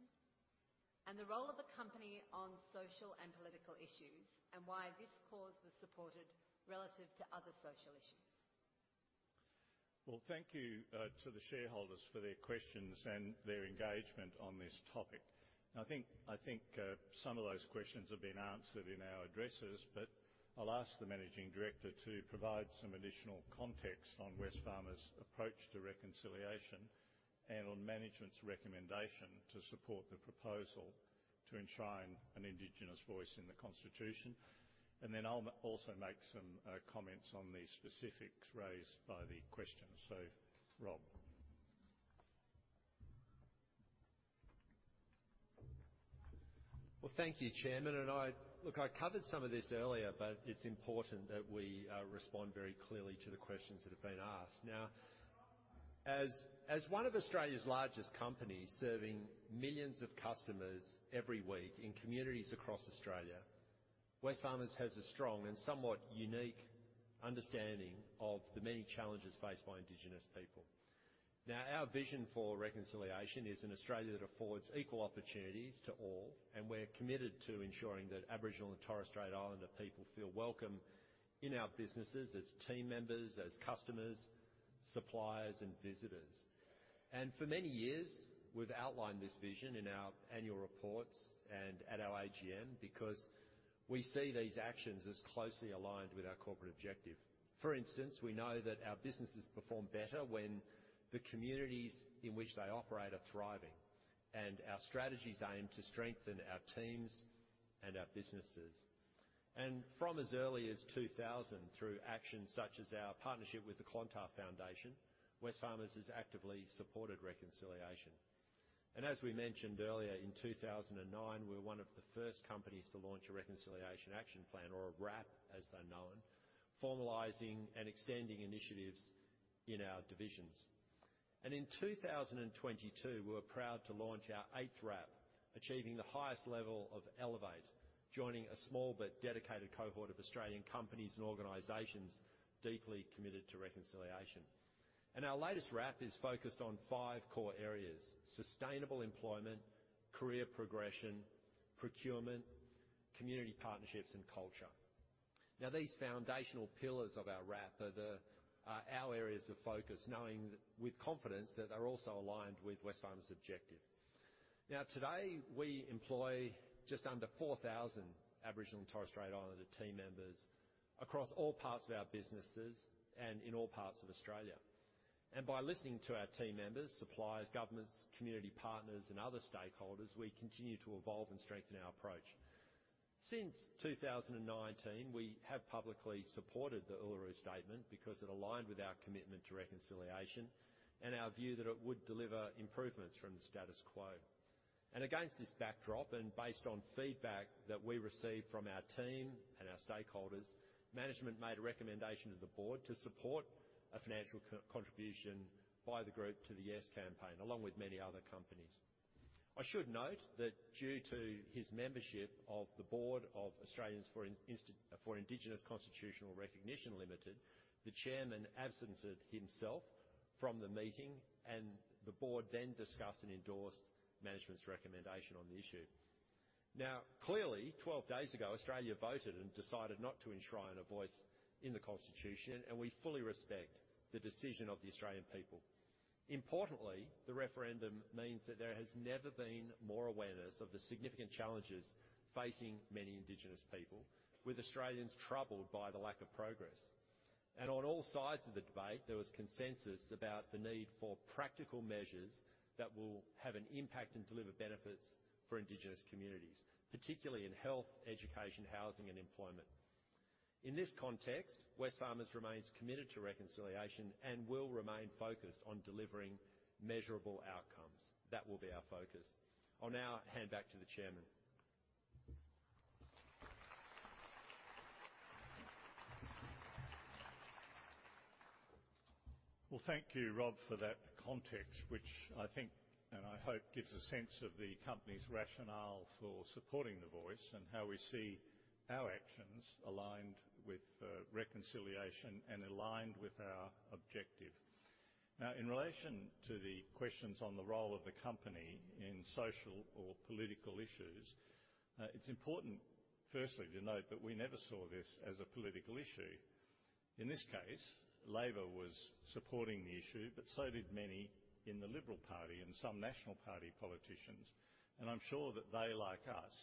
and the role of the company on social and political issues, and why this cause was supported relative to other social issues. Well, thank you to the shareholders for their questions and their engagement on this topic. I think, I think some of those questions have been answered in our addresses, but I'll ask the Managing Director to provide some additional context on Wesfarmers' approach to reconciliation and on management's recommendation to support the proposal to enshrine an Indigenous voice in the Constitution. And then I'll also make some comments on the specifics raised by the question. So, Rob? Well, thank you, Chairman, and I look. I covered some of this earlier, but it's important that we respond very clearly to the questions that have been asked. As one of Australia's largest companies, serving millions of customers every week in communities across Australia, Wesfarmers has a strong and somewhat unique understanding of the many challenges faced by Indigenous people. Now, our vision for reconciliation is an Australia that affords equal opportunities to all, and we're committed to ensuring that Aboriginal and Torres Strait Islander people feel welcome in our businesses as team members, as customers, suppliers, and visitors. For many years, we've outlined this vision in our annual reports and at our AGM, because we see these actions as closely aligned with our corporate objective. For instance, we know that our businesses perform better when the communities in which they operate are thriving, and our strategies aim to strengthen our teams and our businesses. From as early as 2000, through actions such as our partnership with the Clontarf Foundation, Wesfarmers has actively supported reconciliation. As we mentioned earlier, in 2009, we were one of the first companies to launch a Reconciliation Action Plan, or a RAP, as they're known, formalizing and extending initiatives in our divisions. In 2022, we were proud to launch our eighth RAP, achieving the highest level of Elevate, joining a small but dedicated cohort of Australian companies and organizations deeply committed to reconciliation. Our latest RAP is focused on five core areas: sustainable employment, career progression, procurement, community partnerships, and culture. Now, these foundational pillars of our RAP are the, our areas of focus, knowing that with confidence, that they're also aligned with Wesfarmers' objective. Now, today, we employ just under 4,000 Aboriginal and Torres Strait Islander team members across all parts of our businesses and in all parts of Australia. And by listening to our team members, suppliers, governments, community partners, and other stakeholders, we continue to evolve and strengthen our approach. Since 2019, we have publicly supported the Uluru Statement because it aligned with our commitment to reconciliation and our view that it would deliver improvements from the status quo. And against this backdrop, and based on feedback that we received from our team and our stakeholders, management made a recommendation to the board to support a financial co-contribution by the group to the Yes campaign, along with many other companies. I should note that due to his membership of the board of Australians for Indigenous Constitutional Recognition Limited, the chairman absented himself from the meeting, and the board then discussed and endorsed management's recommendation on the issue. Now, clearly, 12 days ago, Australia voted and decided not to enshrine a Voice in the Constitution, and we fully respect the decision of the Australian people. Importantly, the referendum means that there has never been more awareness of the significant challenges facing many Indigenous people, with Australians troubled by the lack of progress. On all sides of the debate, there was consensus about the need for practical measures that will have an impact and deliver benefits for Indigenous communities, particularly in health, education, housing, and employment. In this context, Wesfarmers remains committed to reconciliation and will remain focused on delivering measurable outcomes. That will be our focus. I'll now hand back to the chairman. Well, thank you, Rob, for that context, which I think and I hope gives a sense of the company's rationale for supporting the Voice and how we see our actions aligned with reconciliation and aligned with our objective. Now, in relation to the questions on the role of the company in social or political issues, it's important, firstly, to note that we never saw this as a political issue. In this case, Labor was supporting the issue, but so did many in the Liberal Party and some National Party politicians, and I'm sure that they, like us,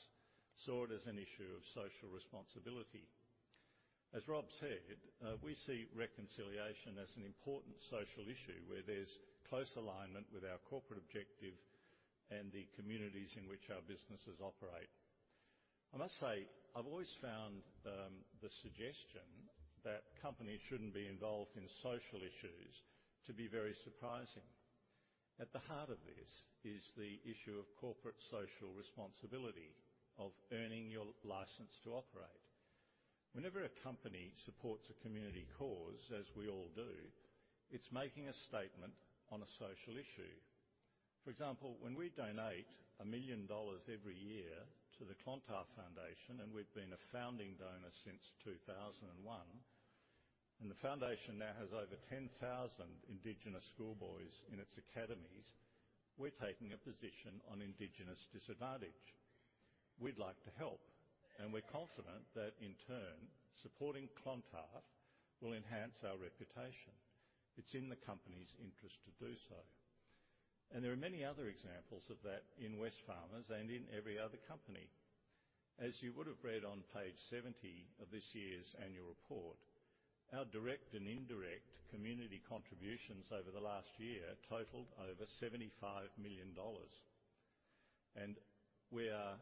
saw it as an issue of social responsibility. As Rob said, we see reconciliation as an important social issue where there's close alignment with our corporate objective and the communities in which our businesses operate. I must say, I've always found the suggestion that companies shouldn't be involved in social issues to be very surprising. At the heart of this is the issue of corporate social responsibility, of earning your license to operate. Whenever a company supports a community cause, as we all do, it's making a statement on a social issue. For example, when we donate $1 million every year to the Clontarf Foundation, and we've been a founding donor since 2001, and the foundation now has over 10,000 Indigenous schoolboys in its academies, we're taking a position on Indigenous disadvantage. We'd like to help, and we're confident that, in turn, supporting Clontarf will enhance our reputation. It's in the company's interest to do so. And there are many other examples of that in Wesfarmers and in every other company. As you would have read on page 70 of this year's annual report, our direct and indirect community contributions over the last year totaled over $75 million, and we are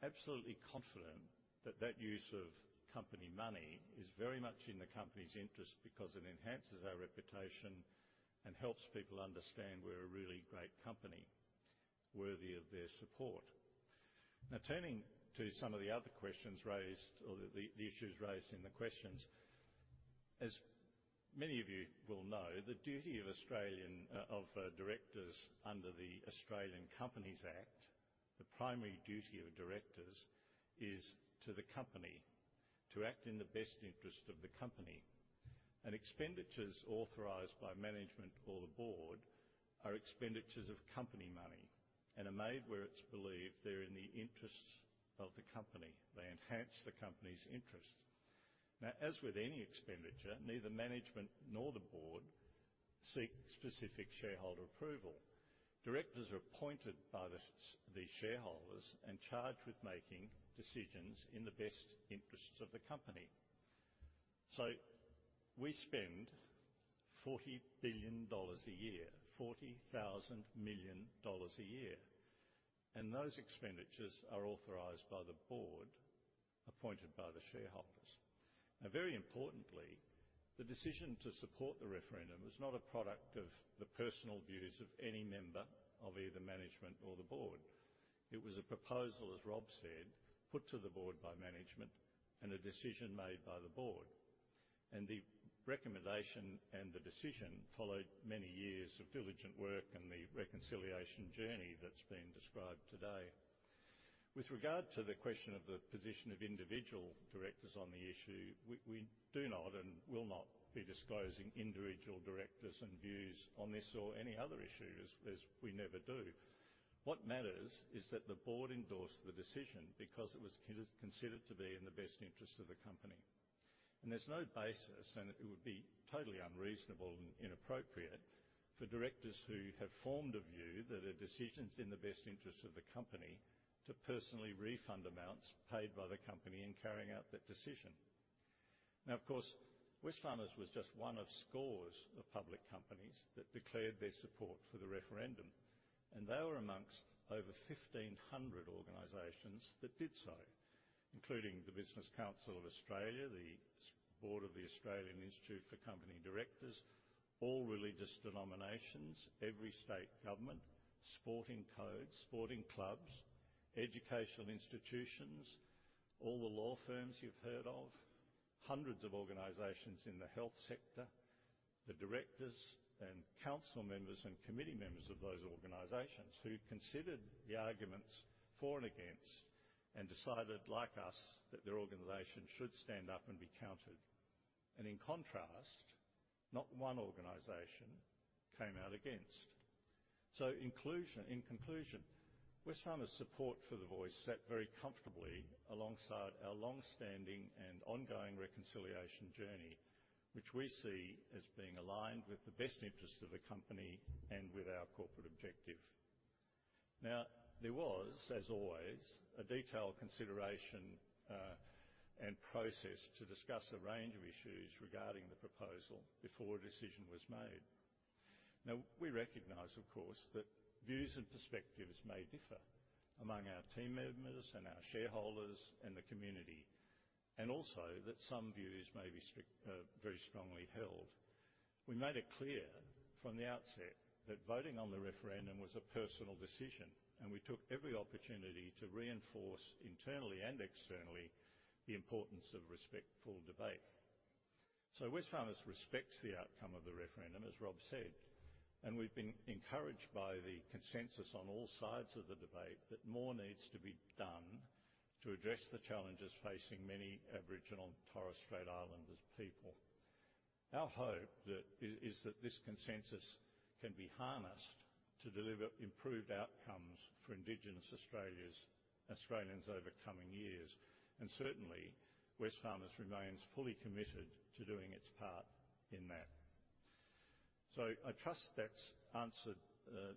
absolutely confident that that use of company money is very much in the company's interest because it enhances our reputation and helps people understand we're a really great company, worthy of their support. Now, turning to some of the other questions raised or the issues raised in the questions. As many of you will know, the duty of Australian directors under the Australian Companies Act, the primary duty of directors, is to the company: to act in the best interest of the company. Expenditures authorized by management or the board are expenditures of company money and are made where it's believed they're in the interests of the company. They enhance the company's interest. Now, as with any expenditure, neither management nor the board seek specific shareholder approval. Directors are appointed by the shareholders and charged with making decisions in the best interests of the company. So we spend $40 billion a year, $40,000 million dollars a year, and those expenditures are authorized by the board, appointed by the shareholders. Now, very importantly, the decision to support the referendum was not a product of the personal views of any member of either management or the board. It was a proposal, as Rob said, put to the board by management and a decision made by the board, and the recommendation and the decision followed many years of diligent work and the reconciliation journey that's been described today. With regard to the question of the position of individual directors on the issue, we do not and will not be disclosing individual directors' views on this or any other issue, as we never do. What matters is that the board endorsed the decision because it was considered to be in the best interest of the company. There's no basis, and it would be totally unreasonable and inappropriate, for directors who have formed a view that a decision's in the best interest of the company to personally refund amounts paid by the company in carrying out that decision. Now, of course, Wesfarmers was just one of scores of public companies that declared their support for the referendum, and they were amongst over 1,500 organizations that did so, including the Business Council of Australia, the Board of the Australian Institute for Company Directors, all religious denominations, every state government, sporting codes, sporting clubs, educational institutions, all the law firms you've heard of, hundreds of organizations in the health sector, the directors and council members and committee members of those organizations who considered the arguments for and against and decided, like us, that their organization should stand up and be counted. And in contrast, not one organization came out against. So, in conclusion, Wesfarmers' support for the Voice sat very comfortably alongside our long-standing and ongoing reconciliation journey, which we see as being aligned with the best interest of the company and with our corporate objective. Now, there was, as always, a detailed consideration, and process to discuss a range of issues regarding the proposal before a decision was made. Now, we recognize, of course, that views and perspectives may differ among our team members and our shareholders and the community, and also that some views may be strong, very strongly held. We made it clear from the outset that voting on the referendum was a personal decision, and we took every opportunity to reinforce internally and externally the importance of respectful debate. So Wesfarmers respects the outcome of the referendum, as Rob said, and we've been encouraged by the consensus on all sides of the debate that more needs to be done to address the challenges facing many Aboriginal and Torres Strait Islander people. Our hope that is that this consensus can be harnessed to deliver improved outcomes for Indigenous Australians, Australians over coming years, and certainly, Wesfarmers remains fully committed to doing its part in that. So I trust that's answered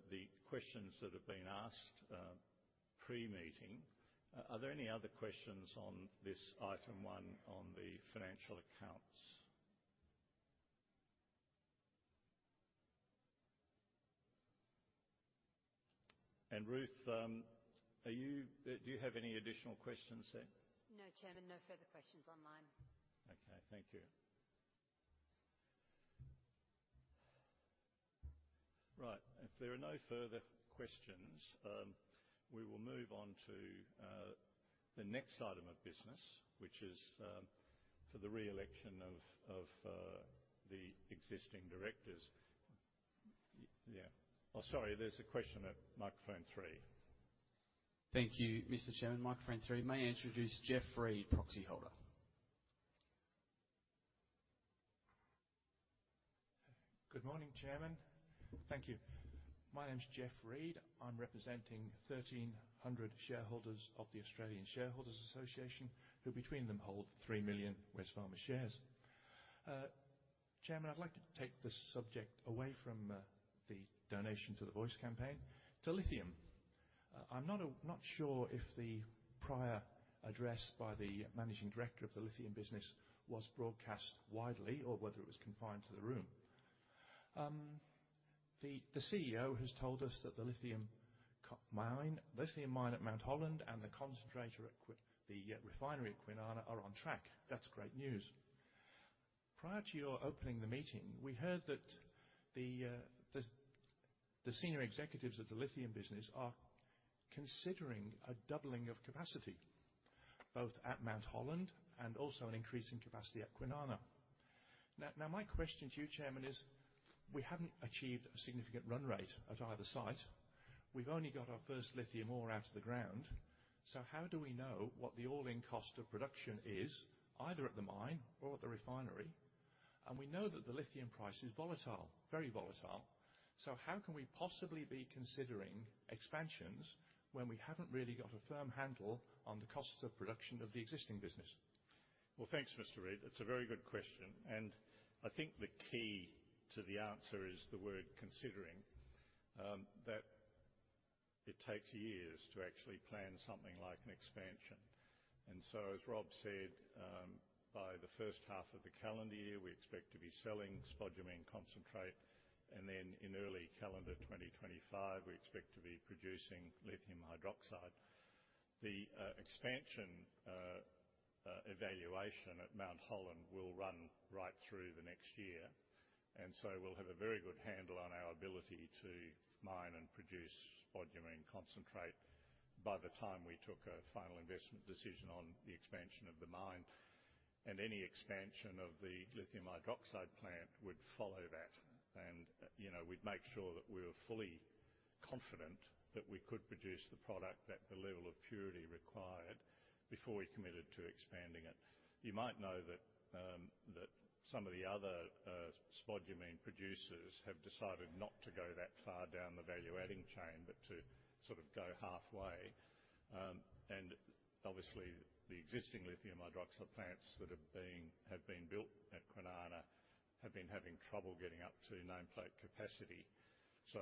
the questions that have been asked pre-meeting. Are there any other questions on this item one on the financial accounts? And Ruth, are you do you have any additional questions there? No, Chairman, no further questions online. Okay, thank you. Right, if there are no further questions, we will move on to the next item of business, which is for the re-election of the existing directors. Oh, sorry, there's a question at microphone three. Thank you, Mr. Chairman. Microphone three. May I introduce Jeff Reid, proxy holder. Good morning, Chairman. Thank you. My name's Jeff Reid. I'm representing 1,300 shareholders of the Australian Shareholders Association, who between them hold 3 million Wesfarmers shares. Chairman, I'd like to take this subject away from the donation to the Voice campaign to lithium. I'm not sure if the prior address by the managing director of the lithium business was broadcast widely or whether it was confined to the room. The CEO has told us that the lithium mine at Mount Holland and the concentrator, the refinery at Kwinana are on track. That's great news. Prior to your opening the meeting, we heard that the senior executives of the lithium business are considering a doubling of capacity, both at Mount Holland and also an increase in capacity at Kwinana. My question to you, Chairman, is: we haven't achieved a significant run rate at either site. We've only got our first lithium ore out of the ground. So how do we know what the all-in cost of production is, either at the mine or at the refinery? And we know that the lithium price is volatile, very volatile. So how can we possibly be considering expansions when we haven't really got a firm handle on the costs of production of the existing business? Well, thanks, Mr. Reid. It's a very good question, and I think the key to the answer is the word considering that it takes years to actually plan something like an expansion. And so, as Rob said, by the first half of the calendar year, we expect to be selling spodumene concentrate, and then in early calendar 2025, we expect to be producing lithium hydroxide. The expansion evaluation at Mount Holland will run right through the next year, and so we'll have a very good handle on our ability to mine and produce spodumene concentrate by the time we took a final investment decision on the expansion of the mine. And any expansion of the lithium hydroxide plant would follow that. And, you know, we'd make sure that we were fully confident that we could produce the product at the level of purity required before we committed to expanding it. You might know that some of the other spodumene producers have decided not to go that far down the value-adding chain, but to sort of go halfway. And obviously, the existing lithium hydroxide plants that have been built at Kwinana have been having trouble getting up to nameplate capacity. So,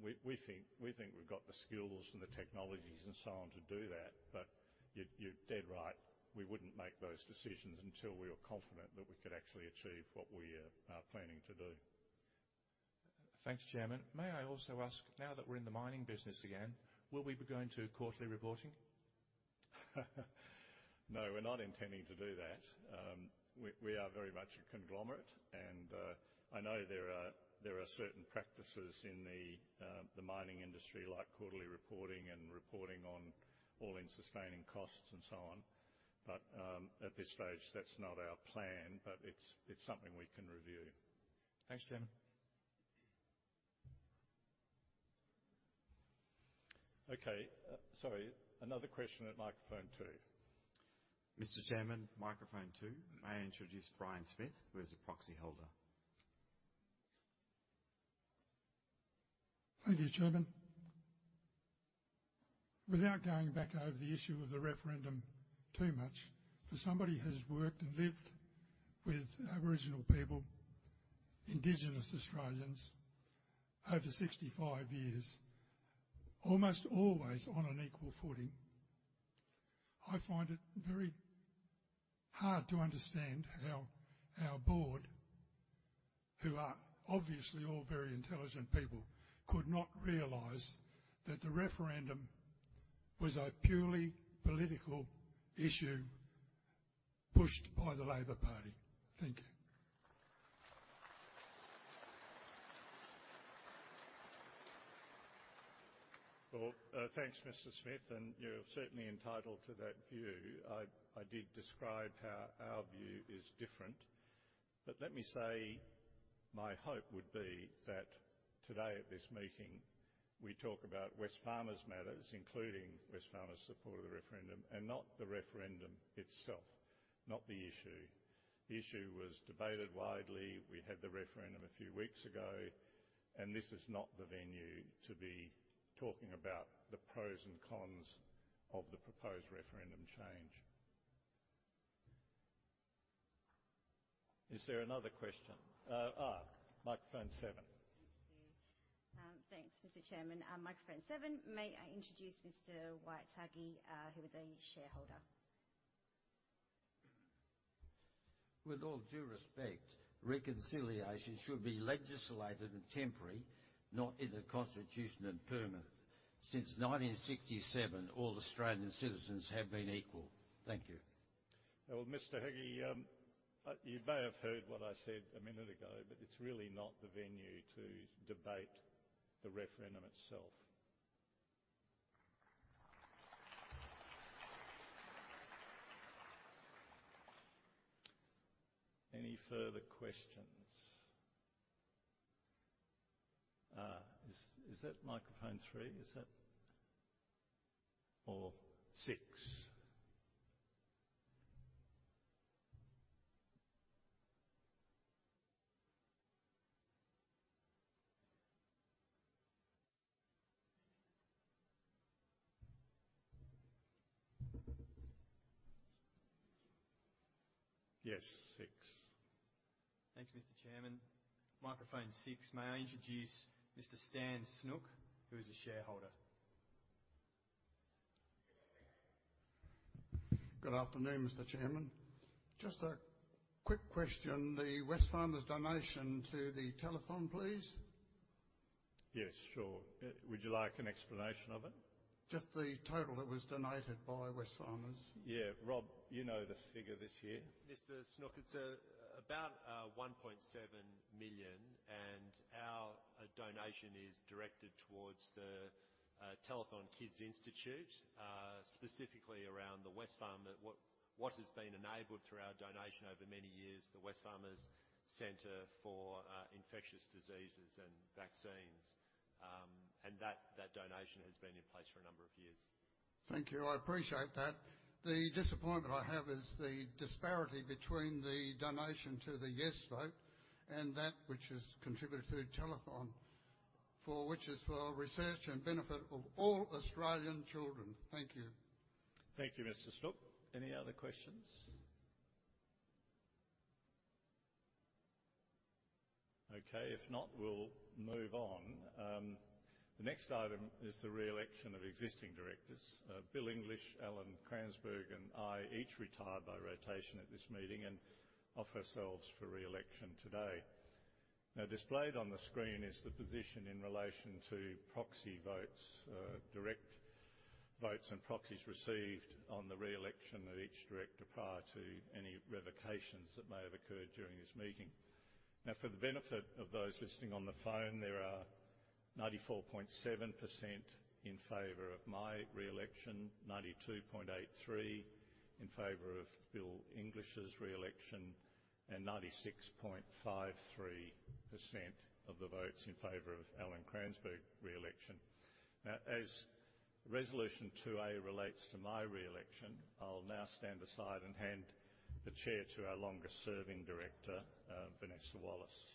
we think we've got the skills and the technologies and so on to do that. But you're dead right. We wouldn't make those decisions until we were confident that we could actually achieve what we are planning to do. Thanks, Chairman. May I also ask, now that we're in the mining business again, will we be going to quarterly reporting? No, we're not intending to do that. We are very much a conglomerate, and I know there are certain practices in the mining industry, like quarterly reporting and reporting on all-in sustaining costs and so on. But at this stage, that's not our plan, but it's something we can review. Thanks, Chairman. Okay, sorry, another question at microphone two. Mr. Chairman, microphone two. May I introduce Brian Smith, who is a proxy holder. Thank you, Chairman. Without going back over the issue of the referendum too much, for somebody who's worked and lived with Aboriginal people, Indigenous Australians, over 65 years, almost always on an equal footing, I find it very hard to understand how our board, who are obviously all very intelligent people, could not realize that the referendum was a purely political issue pushed by the Labor Party. Thank you. Well, thanks, Mr. Smith, and you're certainly entitled to that view. I did describe how our view is different, but let me say, my hope would be that today at this meeting, we talk about Wesfarmers matters, including Wesfarmers' support of the referendum and not the referendum itself, not the issue. The issue was debated widely. We had the referendum a few weeks ago, and this is not the venue to be talking about the pros and cons of the proposed referendum change. Is there another question? Microphone seven. Thank you. Thanks, Mr. Chairman. Microphone seven. May I introduce Mr. Wyatt Heggie, who is a shareholder. With all due respect, reconciliation should be legislated and temporary, not in the Constitution and permanent. Since 1967, all Australian citizens have been equal. Thank you. Well, Mr. Heggie, you may have heard what I said a minute ago, but it's really not the venue to debate the referendum itself. Any further questions? Is that microphone three, is it? Or six. Yes, six. Thanks, Mr. Chairman. Microphone six. May I introduce Mr. Stan Snook, who is a shareholder. Good afternoon, Mr. Chairman. Just a quick question: the Wesfarmers donation to the Telethon, please?... Yes, sure. Would you like an explanation of it? Just the total that was donated by Wesfarmers. Yeah. Rob, you know the figure this year? Mr. Snook, it's about $1.7 million, and our donation is directed towards the Telethon Kids Institute, specifically around the Wesfarmers. What has been enabled through our donation over many years, the Wesfarmers Centre for Infectious Diseases and Vaccines. And that donation has been in place for a number of years. Thank you. I appreciate that. The disappointment I have is the disparity between the donation to the Yes vote and that which is contributed through Telethon, for which is for research and benefit of all Australian children. Thank you. Thank you, Mr. Snook. Any other questions? Okay, if not, we'll move on. The next item is the re-election of existing directors. Bill English, Alan Cransberg, and I each retire by rotation at this meeting and offer ourselves for re-election today. Now, displayed on the screen is the position in relation to proxy votes, direct votes and proxies received on the re-election of each director prior to any revocations that may have occurred during this meeting. Now, for the benefit of those listening on the phone, there are 94.7% in favor of my re-election, 92.83% in favor of Bill English's re-election, and 96.53% of the votes in favor of Alan Cransberg's re-election. Now, as Resolution 2A relates to my re-election, I'll now stand aside and hand the chair to our longest-serving director, Vanessa Wallace.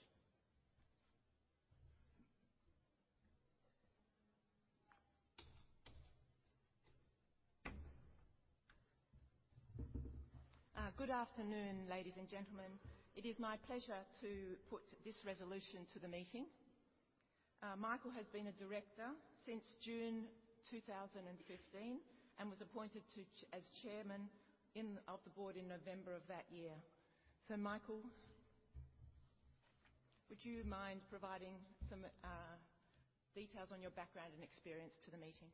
Good afternoon, ladies and gentlemen. It is my pleasure to put this resolution to the meeting. Michael has been a director since June 2015, and was appointed as Chairman of the Board in November of that year. So, Michael, would you mind providing some details on your background and experience to the meeting?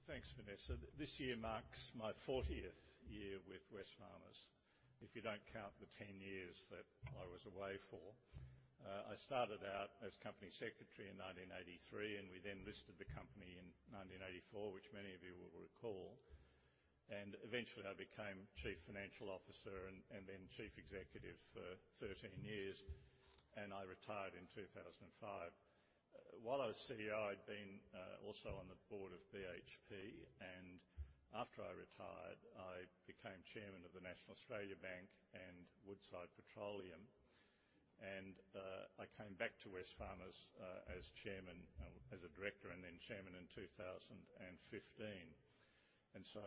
Well, thanks, Vanessa. This year marks my 40th year with Wesfarmers, if you don't count the 10 years that I was away for. I started out as Company Secretary in 1983, and we then listed the company in 1984, which many of you will recall. And eventually, I became Chief Financial Officer and then Chief Executive for 13 years, and I retired in 2005. While I was CEO, I'd been also on the board of BHP, and after I retired, I became Chairman of the National Australia Bank and Woodside Petroleum. And I came back to Wesfarmers as a director and then Chairman in 2015. And so,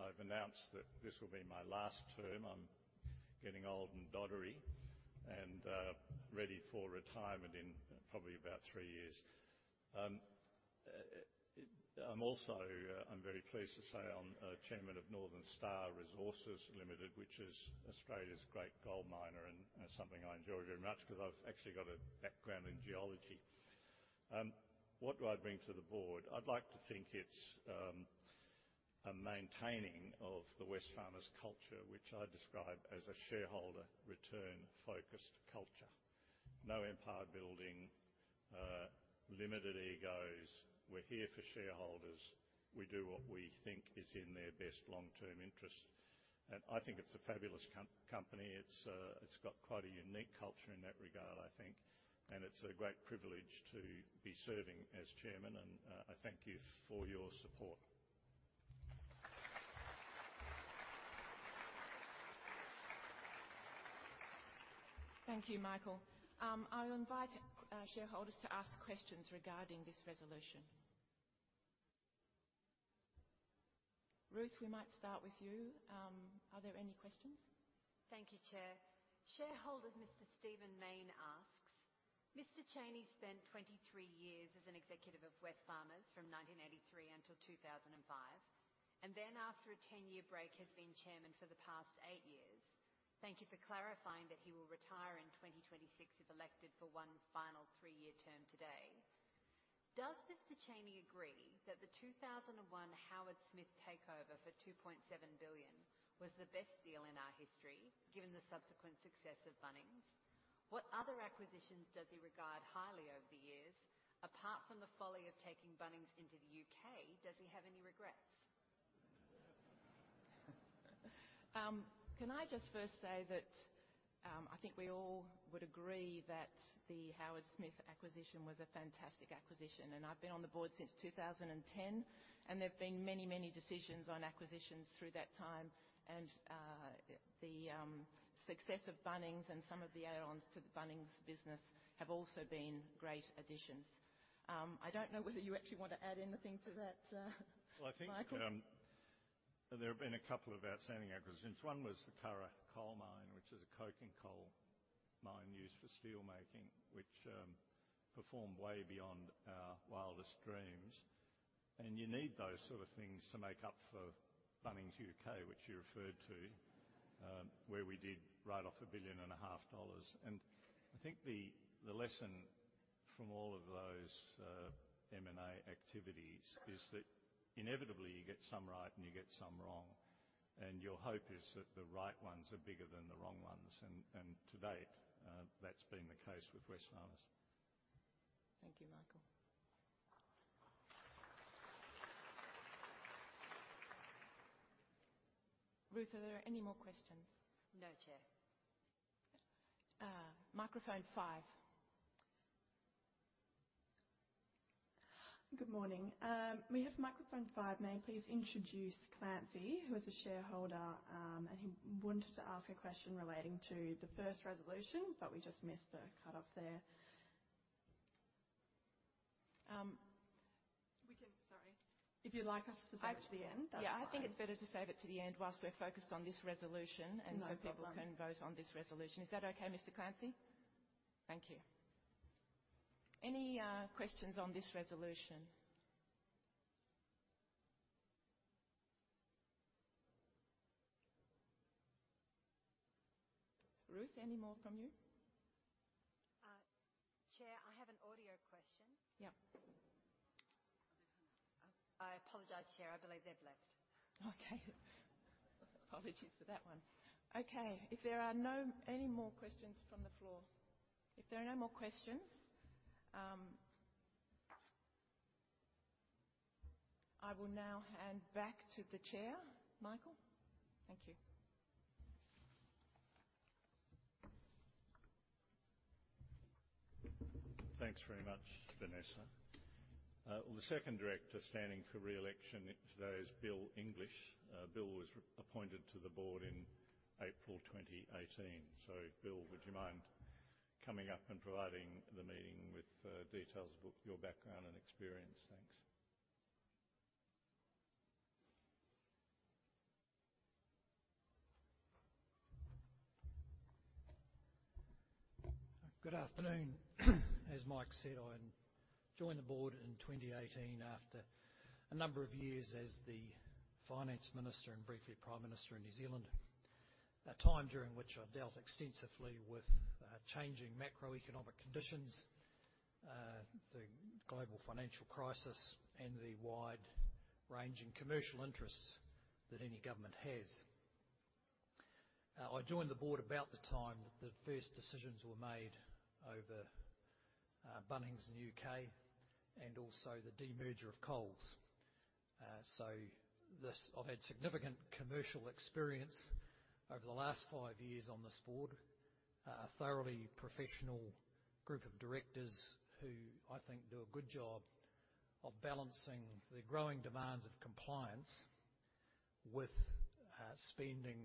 I've announced that this will be my last term. I'm getting old and doddery and ready for retirement in probably about 3 years. I'm also, I'm very pleased to say I'm chairman of Northern Star Resources Limited, which is Australia's great gold miner and something I enjoy very much because I've actually got a background in geology. What do I bring to the board? I'd like to think it's a maintaining of the Wesfarmers culture, which I describe as a shareholder return-focused culture. No empire building, limited egos. We're here for shareholders. We do what we think is in their best long-term interest, and I think it's a fabulous company. It's got quite a unique culture in that regard, I think, and it's a great privilege to be serving as chairman, and I thank you for your support. Thank you, Michael. I'll invite shareholders to ask questions regarding this resolution. Ruth, we might start with you. Are there any questions? Thank you, Chair. Shareholder Mr. Stephen Mayne asks: Mr. Chaney spent 23 years as an executive of Wesfarmers from 1983 until 2005, and then, after a 10-year break, has been chairman for the past 8 years. Thank you for clarifying that he will retire in 2026 if elected for one final 3-year term today. Does Mr. Chaney agree that the 2001 Howard Smith takeover for $2.7 billion was the best deal in our history, given the subsequent success of Bunnings? What other acquisitions does he regard highly over the years? Apart from the folly of taking Bunnings into the UK, does he have any regrets? Can I just first say that I think we all would agree that the Howard Smith acquisition was a fantastic acquisition, and I've been on the board since 2010, and there have been many, many decisions on acquisitions through that time. And, the success of Bunnings and some of the add-ons to the Bunnings business have also been great additions. I don't know whether you actually want to add anything to that, Michael? Well, I think, there have been a couple of outstanding acquisitions. One was the Curragh Coal Mine, which is a coking coal mine used for steelmaking, which performed way beyond our wildest dreams. And you need those sort of things to make up for Bunnings UK, which you referred to, where we did write off $1.5 billion. And I think the lesson from all of those M&A activities is that inevitably you get some right and you get some wrong, and your hope is that the right ones are bigger than the wrong ones. And to date, that's been the case with Wesfarmers. Thank you, Michael. Ruth, are there any more questions? No, Chair. Microphone 5. Good morning. We have microphone five. May I please introduce Clancy, who is a shareholder, and he wanted to ask a question relating to the first resolution, but we just missed the cut off there. Sorry. If you'd like us to save it to the end? Yeah, I think it's better to save it to the end while we're focused on this resolution- No problem. So people can vote on this resolution. Is that okay, Mr. Clancy? Thank you. Any questions on this resolution? Ruth, any more from you? Chair, I have an audo question. Yep. I apologize, Chair. I believe they've left. Okay. Apologies for that one. Okay, if there are no more questions from the floor? If there are no more questions, I will now hand back to the chair. Michael, thank you. Thanks very much, Vanessa. Well, the second director standing for re-election today is Bill English. Bill was appointed to the board in April 2018. So Bill, would you mind coming up and providing the meeting with details about your background and experience? Thanks. Good afternoon. As Mike said, I joined the board in 2018 after a number of years as the Finance Minister and briefly Prime Minister in New Zealand. A time during which I dealt extensively with changing macroeconomic conditions, the global financial crisis, and the wide-ranging commercial interests that any government has. I joined the board about the time that the first decisions were made over Bunnings in the U.K. and also the demerger of Coles. So this... I've had significant commercial experience over the last five years on this board. A thoroughly professional group of directors who I think do a good job of balancing the growing demands of compliance with spending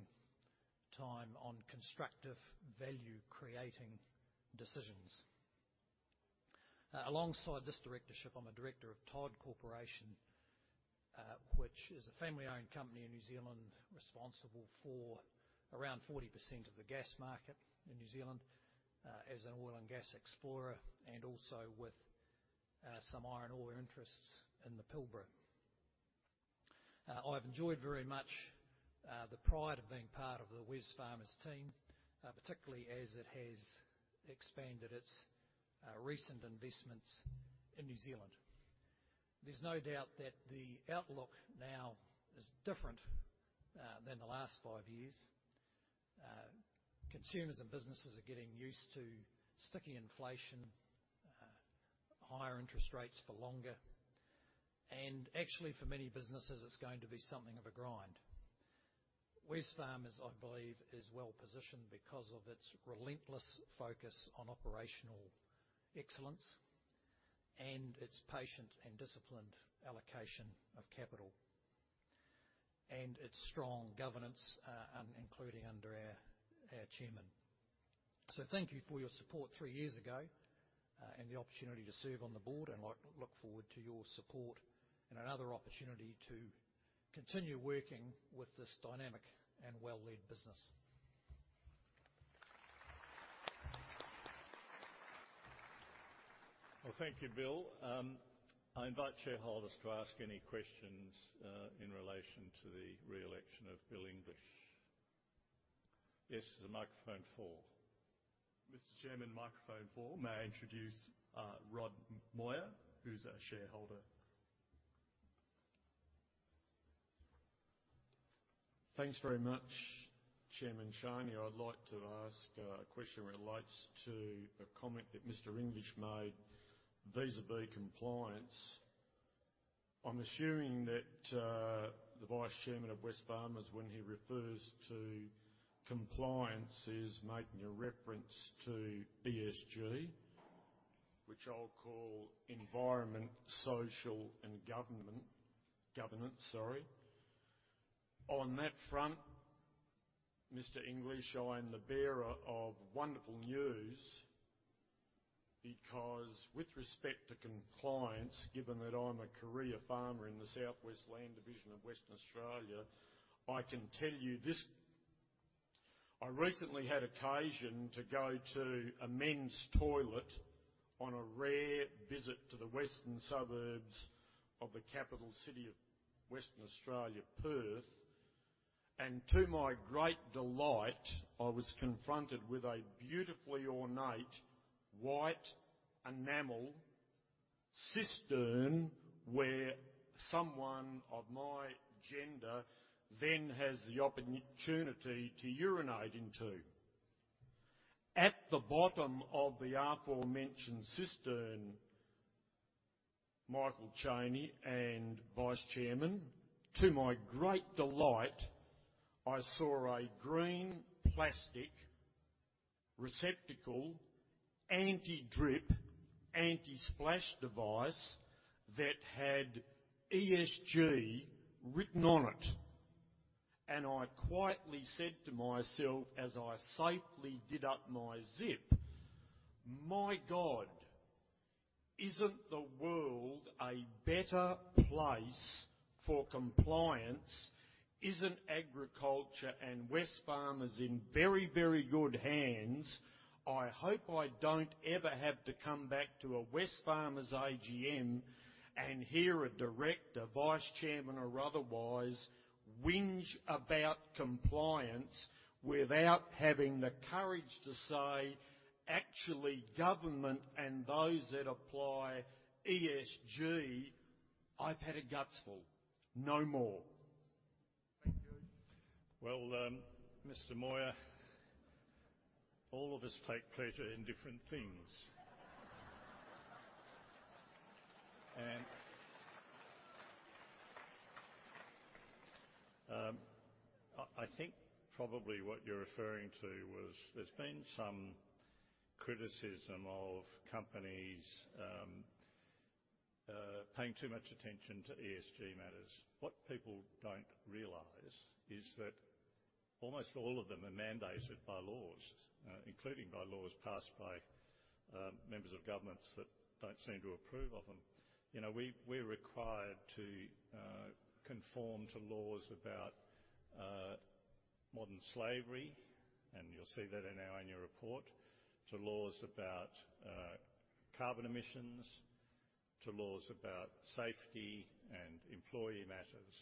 time on constructive, value-creating decisions. Alongside this directorship, I'm a director of Todd Corporation, which is a family-owned company in New Zealand, responsible for around 40% of the gas market in New Zealand, as an oil and gas explorer, and also with some iron ore interests in the Pilbara. I've enjoyed very much the pride of being part of the Wesfarmers team, particularly as it has expanded its recent investments in New Zealand. There's no doubt that the outlook now is different than the last five years. Consumers and businesses are getting used to sticky inflation, higher interest rates for longer, and actually, for many businesses, it's going to be something of a grind. Wesfarmers, I believe, is well-positioned because of its relentless focus on operational excellence, and its patient and disciplined allocation of capital, and its strong governance, including under our chairman. So thank you for your support three years ago, and the opportunity to serve on the board, and I look forward to your support and another opportunity to continue working with this dynamic and well-led business. Well, thank you, Bill. I invite shareholders to ask any questions in relation to the re-election of Bill English. Yes, to the microphone 4. Mr. Chairman, microphone four. May I introduce Rod Moir, who's a shareholder. Thanks very much, Chairman Chaney. I'd like to ask a question relates to a comment that Mr. English made vis-à-vis compliance. I'm assuming that, the vice chairman of Wesfarmers, when he refers to compliance, is making a reference to ESG, which I'll call environment, social, and government, governance, sorry. On that front, Mr. English, I am the bearer of wonderful news, because with respect to compliance, given that I'm a career farmer in the Southwest Land Division of Western Australia, I can tell you this- I recently had occasion to go to a men's toilet on a rare visit to the western suburbs of the capital city of Western Australia, Perth. And to my great delight, I was confronted with a beautifully ornate white enamel cistern, where someone of my gender then has the opportunity to urinate into. At the bottom of the aforementioned cistern, Michael Chaney and Vice Chairman, to my great delight, I saw a green plastic receptacle, anti-drip, anti-splash device that had ESG written on it. I quietly said to myself, as I safely did up my zip: "My God, isn't the world a better place for compliance? Isn't agriculture and Wesfarmers in very, very good hands? I hope I don't ever have to come back to a Wesfarmers AGM and hear a director, vice chairman, or otherwise, whinge about compliance without having the courage to say, 'Actually, government and those that apply ESG, I've had a guts full. No more.'" Thank you. Well, Mr. Moir, all of us take pleasure in different things. I think probably what you're referring to was there's been some criticism of companies paying too much attention to ESG matters. What people don't realize is that almost all of them are mandated by laws, including by laws passed by members of governments that don't seem to approve of them. You know, we're required to conform to laws about modern slavery, and you'll see that in our annual report, to laws about carbon emissions, to laws about safety and employee matters.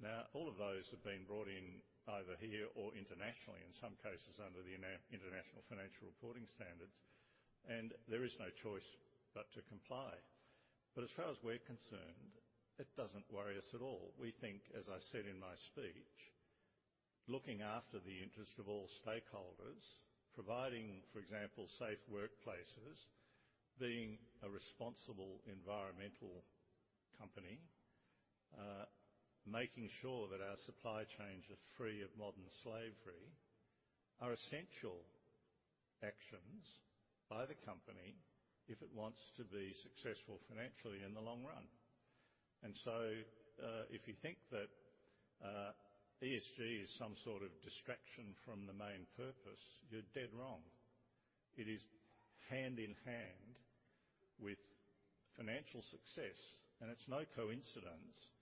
Now, all of those have been brought in either here or internationally, in some cases under the International Financial Reporting Standards, and there is no choice but to comply. But as far as we're concerned, it doesn't worry us at all. We think, as I said in my speech, looking after the interest of all stakeholders, providing, for example, safe workplaces, being a responsible environmental company, making sure that our supply chains are free of modern slavery, are essential actions by the company if it wants to be successful financially in the long run. And so, if you think that, ESG is some sort of distraction from the main purpose, you're dead wrong. It is hand in hand with financial success, and it's no coincidence that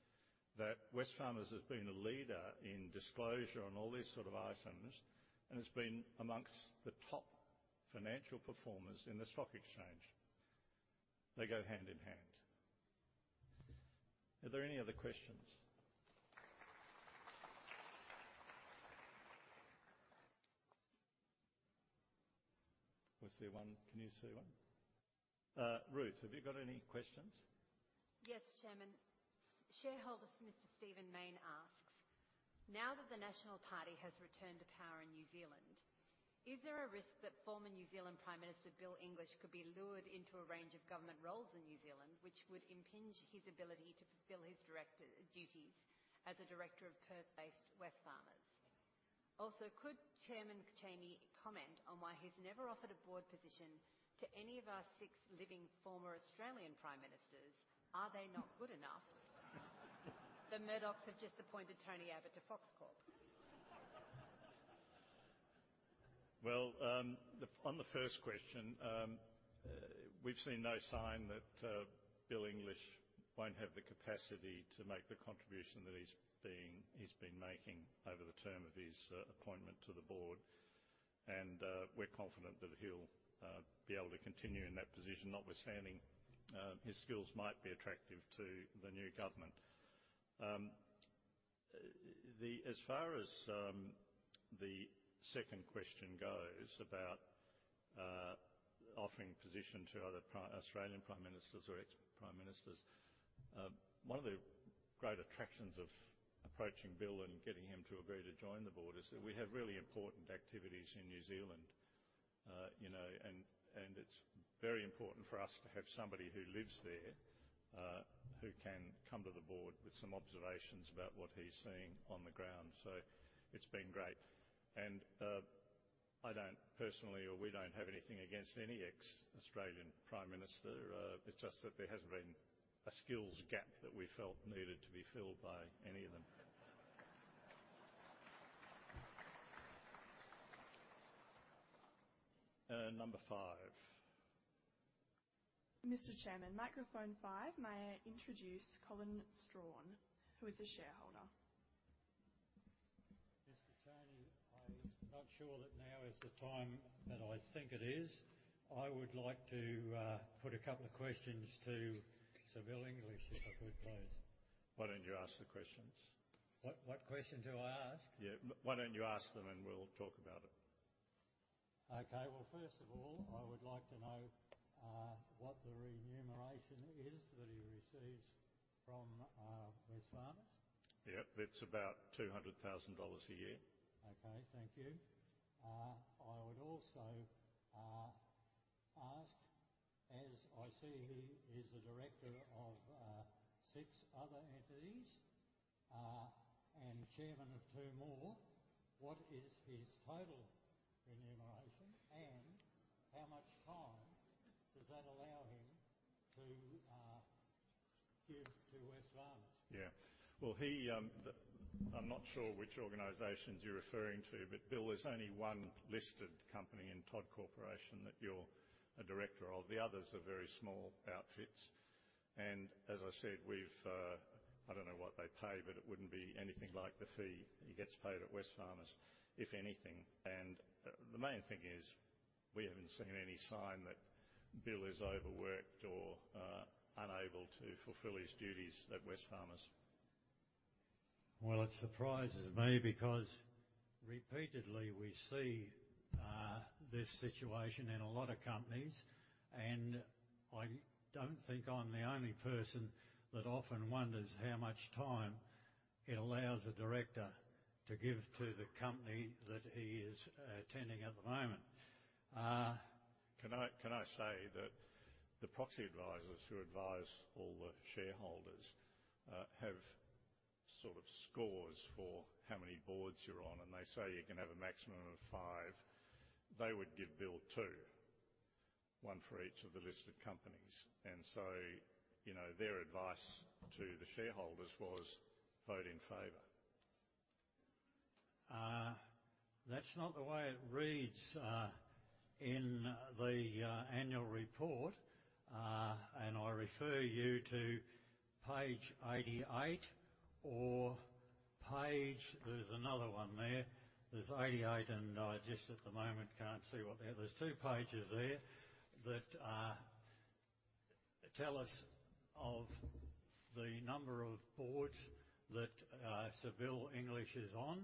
Wesfarmers has been a leader in disclosure on all these sort of items and has been amongst the top financial performers in the stock exchange. They go hand in hand. Are there any other questions? Was there one? Can you see one? Ruth, have you got any questions? Yes, Chairman. Shareholder, Mr. Stephen Mayne asks: Now that the National Party has returned to power in New Zealand, is there a risk that former New Zealand Prime Minister Bill English could be lured into a range of government roles in New Zealand, which would impinge his ability to fulfill his director duties as a director of Perth-based Wesfarmers? Also, could Chairman Chaney comment on why he's never offered a board position to any of our six living former Australian prime ministers? Are they not good enough? The Murdochs have just appointed Tony Abbott to Fox Corp. Well, on the first question, we've seen no sign that Bill English won't have the capacity to make the contribution that he's been making over the term of his appointment to the board, and we're confident that he'll be able to continue in that position, notwithstanding his skills might be attractive to the new government. As far as the second question goes about offering a position to other Australian prime ministers or ex-prime ministers, one of the great attractions of approaching Bill and getting him to agree to join the board is that we have really important activities in New Zealand. You know, and it's very important for us to have somebody who lives there who can come to the board with some observations about what he's seeing on the ground. So it's been great, and I don't personally or we don't have anything against any ex-Australian prime minister. It's just that there hasn't been a skills gap that we felt needed to be filled by any of them.... number five. Mr. Chairman, Microphone five. May I introduce Colin [Straughn], who is a shareholder. Mr. Chaney, I'm not sure that now is the time that I think it is. I would like to put a couple of questions to Bill English, if I could please. Why don't you ask the questions? What, what question do I ask? Yeah. Why don't you ask them, and we'll talk about it. Okay. Well, first of all, I would like to know what the remuneration is that he receives from Wesfarmers? Yeah, that's about $200,000 a year. Okay, thank you. I would also ask, as I see he is a director of six other entities, and chairman of two more, what is his total remuneration, and how much time does that allow him to give to Wesfarmers? Yeah. Well, he... I'm not sure which organizations you're referring to, but Bill, there's only one listed company in Todd Corporation that you're a director of. The others are very small outfits, and as I said, we've... I don't know what they pay, but it wouldn't be anything like the fee he gets paid at Wesfarmers, if anything. And the main thing is, we haven't seen any sign that Bill is overworked or, unable to fulfill his duties at Wesfarmers. Well, it surprises me because repeatedly we see this situation in a lot of companies, and I don't think I'm the only person that often wonders how much time it allows a director to give to the company that he is attending at the moment. Can I, can I say that the proxy advisors who advise all the shareholders have sort of scores for how many boards you're on, and they say you can have a maximum of 5. They would give Bill 2, 1 for each of the listed companies, and so, you know, their advice to the shareholders was vote in favor. That's not the way it reads in the annual report. And I refer you to page 88 or page... There's another one there. There's 88, and I just, at the moment, can't see what the other-- There's two pages there that tell us of the number of boards that Bill English is on,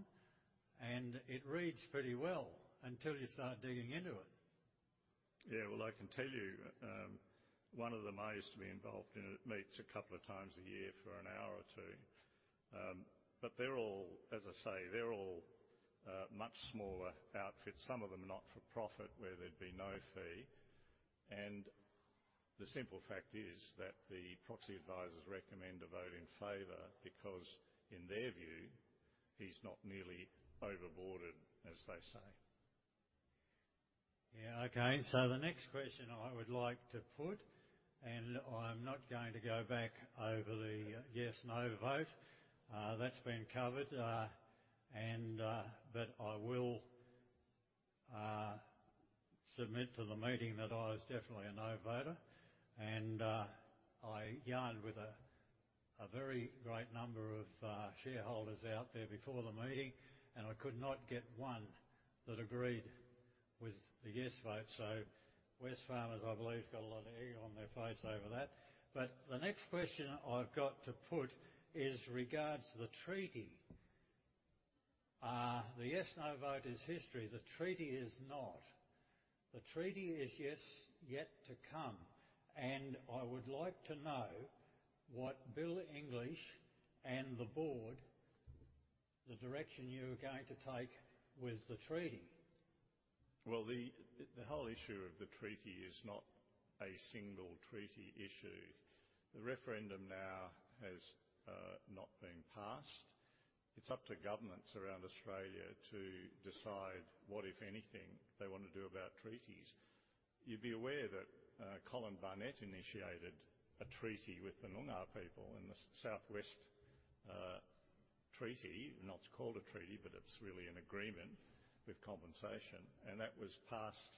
and it reads pretty well until you start digging into it. Yeah, well, I can tell you, one of them I used to be involved in. It meets a couple of times a year for an hour or two. But they're all, as I say, they're all, much smaller outfits, some of them not-for-profit, where there'd be no fee. And the simple fact is that the proxy advisors recommend a vote in favor because in their view, he's not nearly over-boarded, as they say. Yeah, okay. So the next question I would like to put, and I'm not going to go back over the yes/no vote, that's been covered. But I will submit to the meeting that I was definitely a no voter, and I yarned with a very great number of shareholders out there before the meeting, and I could not get one that agreed with the yes vote. So Wesfarmers, I believe, got a lot of egg on their face over that. But the next question I've got to put is regards the treaty. The yes/no vote is history, the treaty is not. The treaty is yes, yet to come, and I would like to know what Bill English and the board, the direction you are going to take with the treaty. Well, the whole issue of the treaty is not a single treaty issue. The referendum now has not been passed. It's up to governments around Australia to decide what, if anything, they want to do about treaties. You'd be aware that Colin Barnett initiated a treaty with the Noongar people in the Southwest, treaty. Not called a treaty, but it's really an agreement with compensation, and that was passed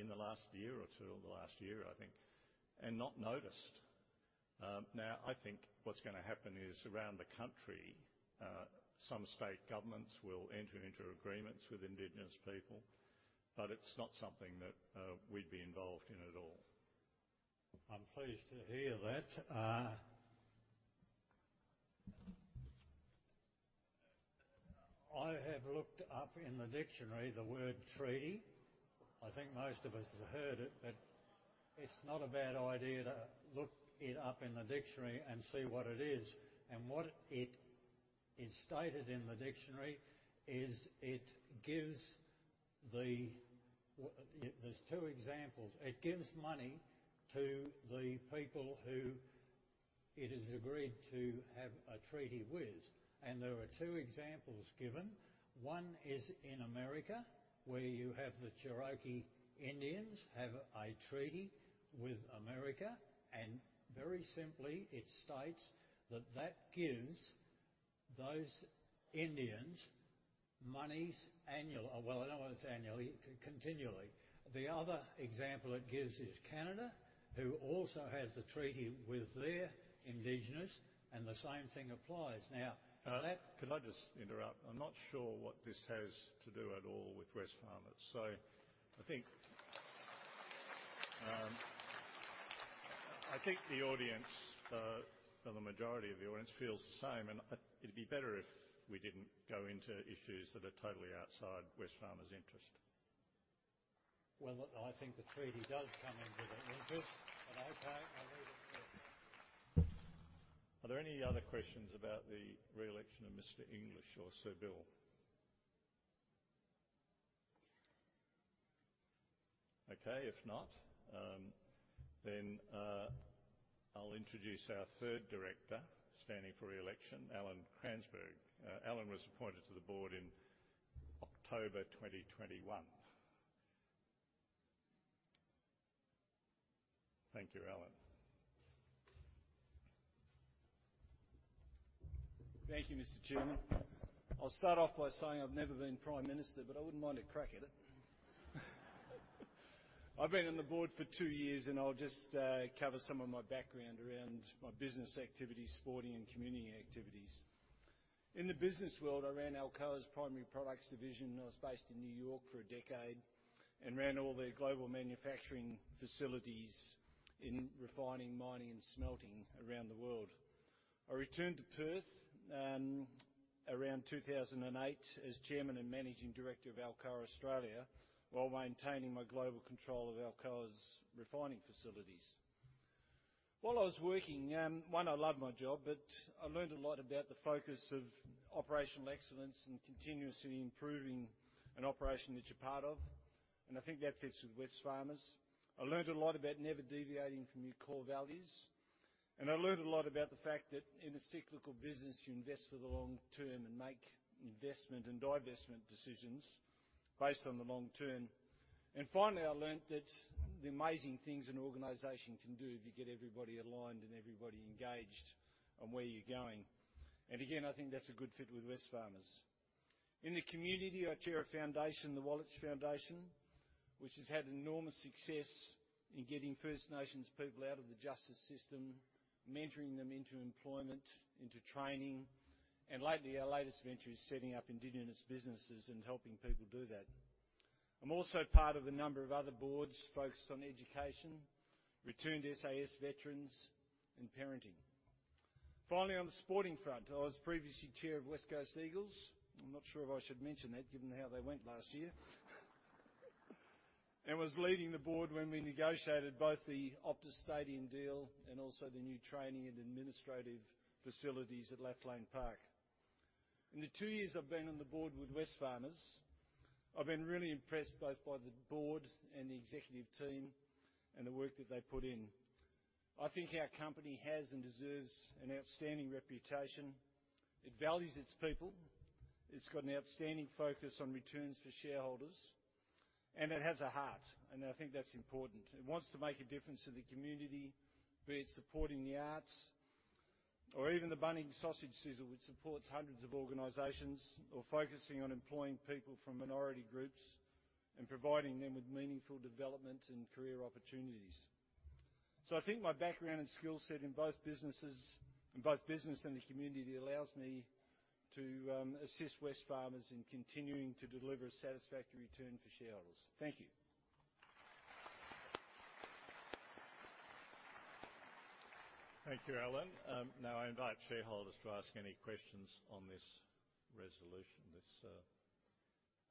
in the last year or two, or the last year, I think, and not noticed. Now, I think what's gonna happen is, around the country, some state governments will enter into agreements with indigenous people, but it's not something that we'd be involved in at all. I'm pleased to hear that. I have looked up in the dictionary the word treaty. I think most of us have heard it, but it's not a bad idea to look it up in the dictionary and see what it is. And what it is stated in the dictionary is, it gives the. There's two examples: It gives money to the people who it is agreed to have a treaty with. And there are two examples given. One is in America, where you have the Cherokee Indians have a treaty with America, and very simply, it states that that gives those Indians' monies annual, well, I don't know whether it's annually, continually. The other example it gives is Canada, who also has a treaty with their Indigenous, and the same thing applies. Now, that- Can I just interrupt? I'm not sure what this has to do at all with Wesfarmers. So I think, I think the audence, or the majority of the audence feels the same, and I, it'd be better if we didn't go into issues that are totally outside Wesfarmers' interest. Well, I think the treaty does come into their interest, but okay, I'll leave it there. Are there any other questions about the re-election of Mr. English or Sir Bill? Okay, if not, then, I'll introduce our third director, standing for re-election, Alan Cransberg. Alan was appointed to the board in October 2021. Thank you, Alan. Thank you, Mr. Chairman. I'll start off by saying I've never been Prime Minister, but I wouldn't mind a crack at it. I've been on the board for two years, and I'll just cover some of my background around my business activities, sporting and community activities. In the business world, I ran Alcoa's Primary Products division. I was based in New York for a decade and ran all their global manufacturing facilities in refining, mining, and smelting around the world. I returned to Perth around 2008 as chairman and managing director of Alcoa Australia, while maintaining my global control of Alcoa's refining facilities. While I was working, I loved my job, but I learned a lot about the focus of operational excellence and continuously improving an operation that you're part of, and I think that fits with Wesfarmers. I learned a lot about never deviating from your core values, and I learned a lot about the fact that in a cyclical business, you invest for the long term and make investment and divestment decisions based on the long term. Finally, I learned that the amazing things an organization can do if you get everybody aligned and everybody engaged on where you're going. Again, I think that's a good fit with Wesfarmers. In the community, I chair a foundation, the Waalitj Foundation, which has had enormous success in getting First Nations people out of the justice system, mentoring them into employment, into training, and lately, our latest venture is setting up Indigenous businesses and helping people do that. I'm also part of a number of other boards focused on education, returned SAS veterans, and parenting. Finally, on the sporting front, I was previously chair of West Coast Eagles. I'm not sure if I should mention that, given how they went last year. Was leading the board when we negotiated both the Optus Stadium deal and also the new training and administrative facilities at Lathlain Park. In the two years I've been on the board with Wesfarmers, I've been really impressed both by the board and the executive team and the work that they put in. I think our company has and deserves an outstanding reputation. It values its people, it's got an outstanding focus on returns for shareholders, and it has a heart, and I think that's important. It wants to make a difference in the community, be it supporting the arts or even the Bunnings Sausage Sizzle, which supports hundreds of organizations, or focusing on employing people from minority groups and providing them with meaningful development and career opportunities. So I think my background and skill set in both businesses, in both business and the community, allows me to assist Wesfarmers in continuing to deliver a satisfactory return for shareholders. Thank you. Thank you, Alan. Now I invite shareholders to ask any questions on this resolution, this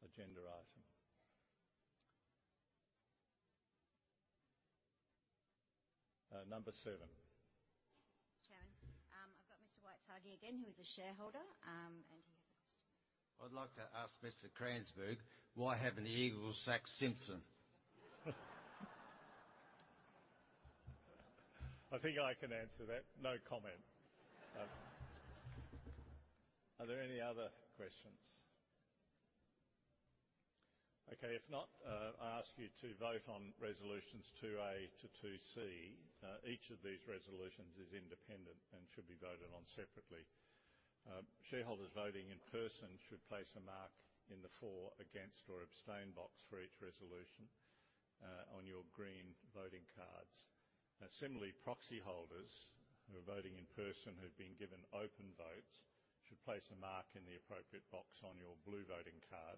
agenda item. Number 7. Chairman, I've got Mr. Wyatt Heggie again, who is a shareholder, and he has a question. I'd like to ask Mr. Cransberg, why haven't the Eagles sacked Simpson? I think I can answer that. No comment. Are there any other questions? Okay, if not, I ask you to vote on resolutions 2A to 2C. Each of these resolutions is independent and should be voted on separately. Shareholders voting in person should place a mark in the for, against, or abstain box for each resolution, on your green voting cards. Now, similarly, proxy holders who are voting in person, who've been given open votes, should place a mark in the appropriate box on your blue voting card,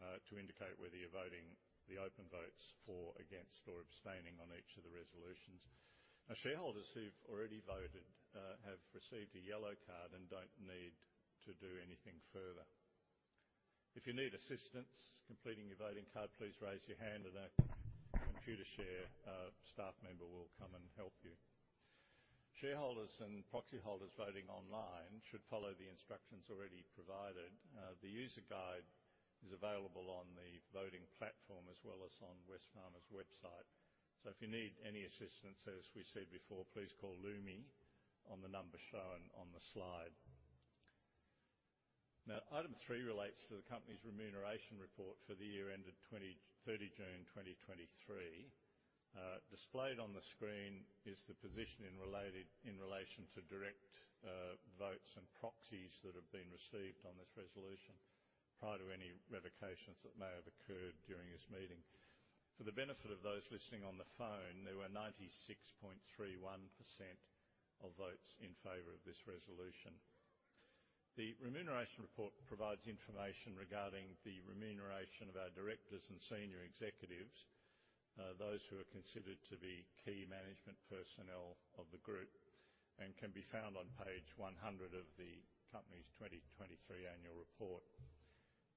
to indicate whether you're voting the open votes for, against, or abstaining on each of the resolutions. Now, shareholders who've already voted, have received a yellow card and don't need to do anything further. If you need assistance completing your voting card, please raise your hand, and a Computershare staff member will come and help you. Shareholders and proxy holders voting online should follow the instructions already provided. The user guide is available on the voting platform as well as on Wesfarmers' website. So if you need any assistance, as we said before, please call Lumi on the number shown on the slide. Now, item three relates to the company's remuneration report for the year ended 30 June 2023. Displayed on the screen is the position in relation to direct votes and proxies that have been received on this resolution, prior to any revocations that may have occurred during this meeting. For the benefit of those listening on the phone, there were 96.31% of votes in favor of this resolution. The remuneration report provides information regarding the remuneration of our directors and senior executives, those who are considered to be Key Management Personnel of the group, and can be found on page 100 of the company's 2023 annual report.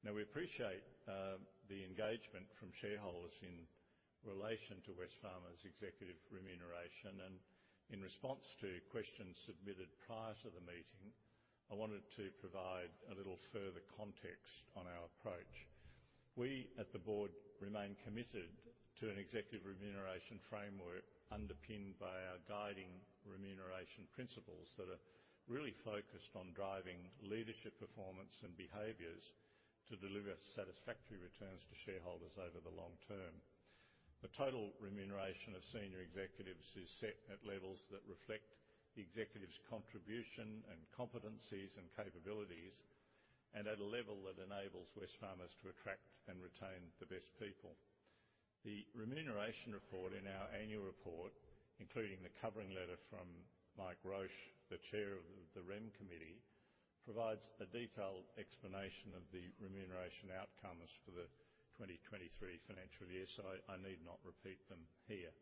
Now, we appreciate the engagement from shareholders in relation to Wesfarmers' executive remuneration, and in response to questions submitted prior to the meeting, I wanted to provide a little further context on our approach. We, at the board, remain committed to an executive remuneration framework underpinned by our guiding remuneration principles, that are really focused on driving leadership, performance, and behaviors to deliver satisfactory returns to shareholders over the long term. The total remuneration of senior executives is set at levels that reflect the executives' contribution, and competencies, and capabilities, and at a level that enables Wesfarmers to attract and retain the best people. The remuneration report in our annual report, including the covering letter from Mike Roche, the Chair of the Rem Committee, provides a detailed explanation of the remuneration outcomes for the 2023 financial year, so I, I need not repeat them here.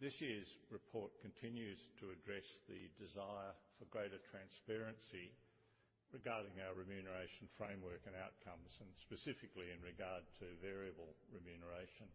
This year's report continues to address the desire for greater transparency regarding our remuneration framework and outcomes, and specifically in regard to variable remuneration.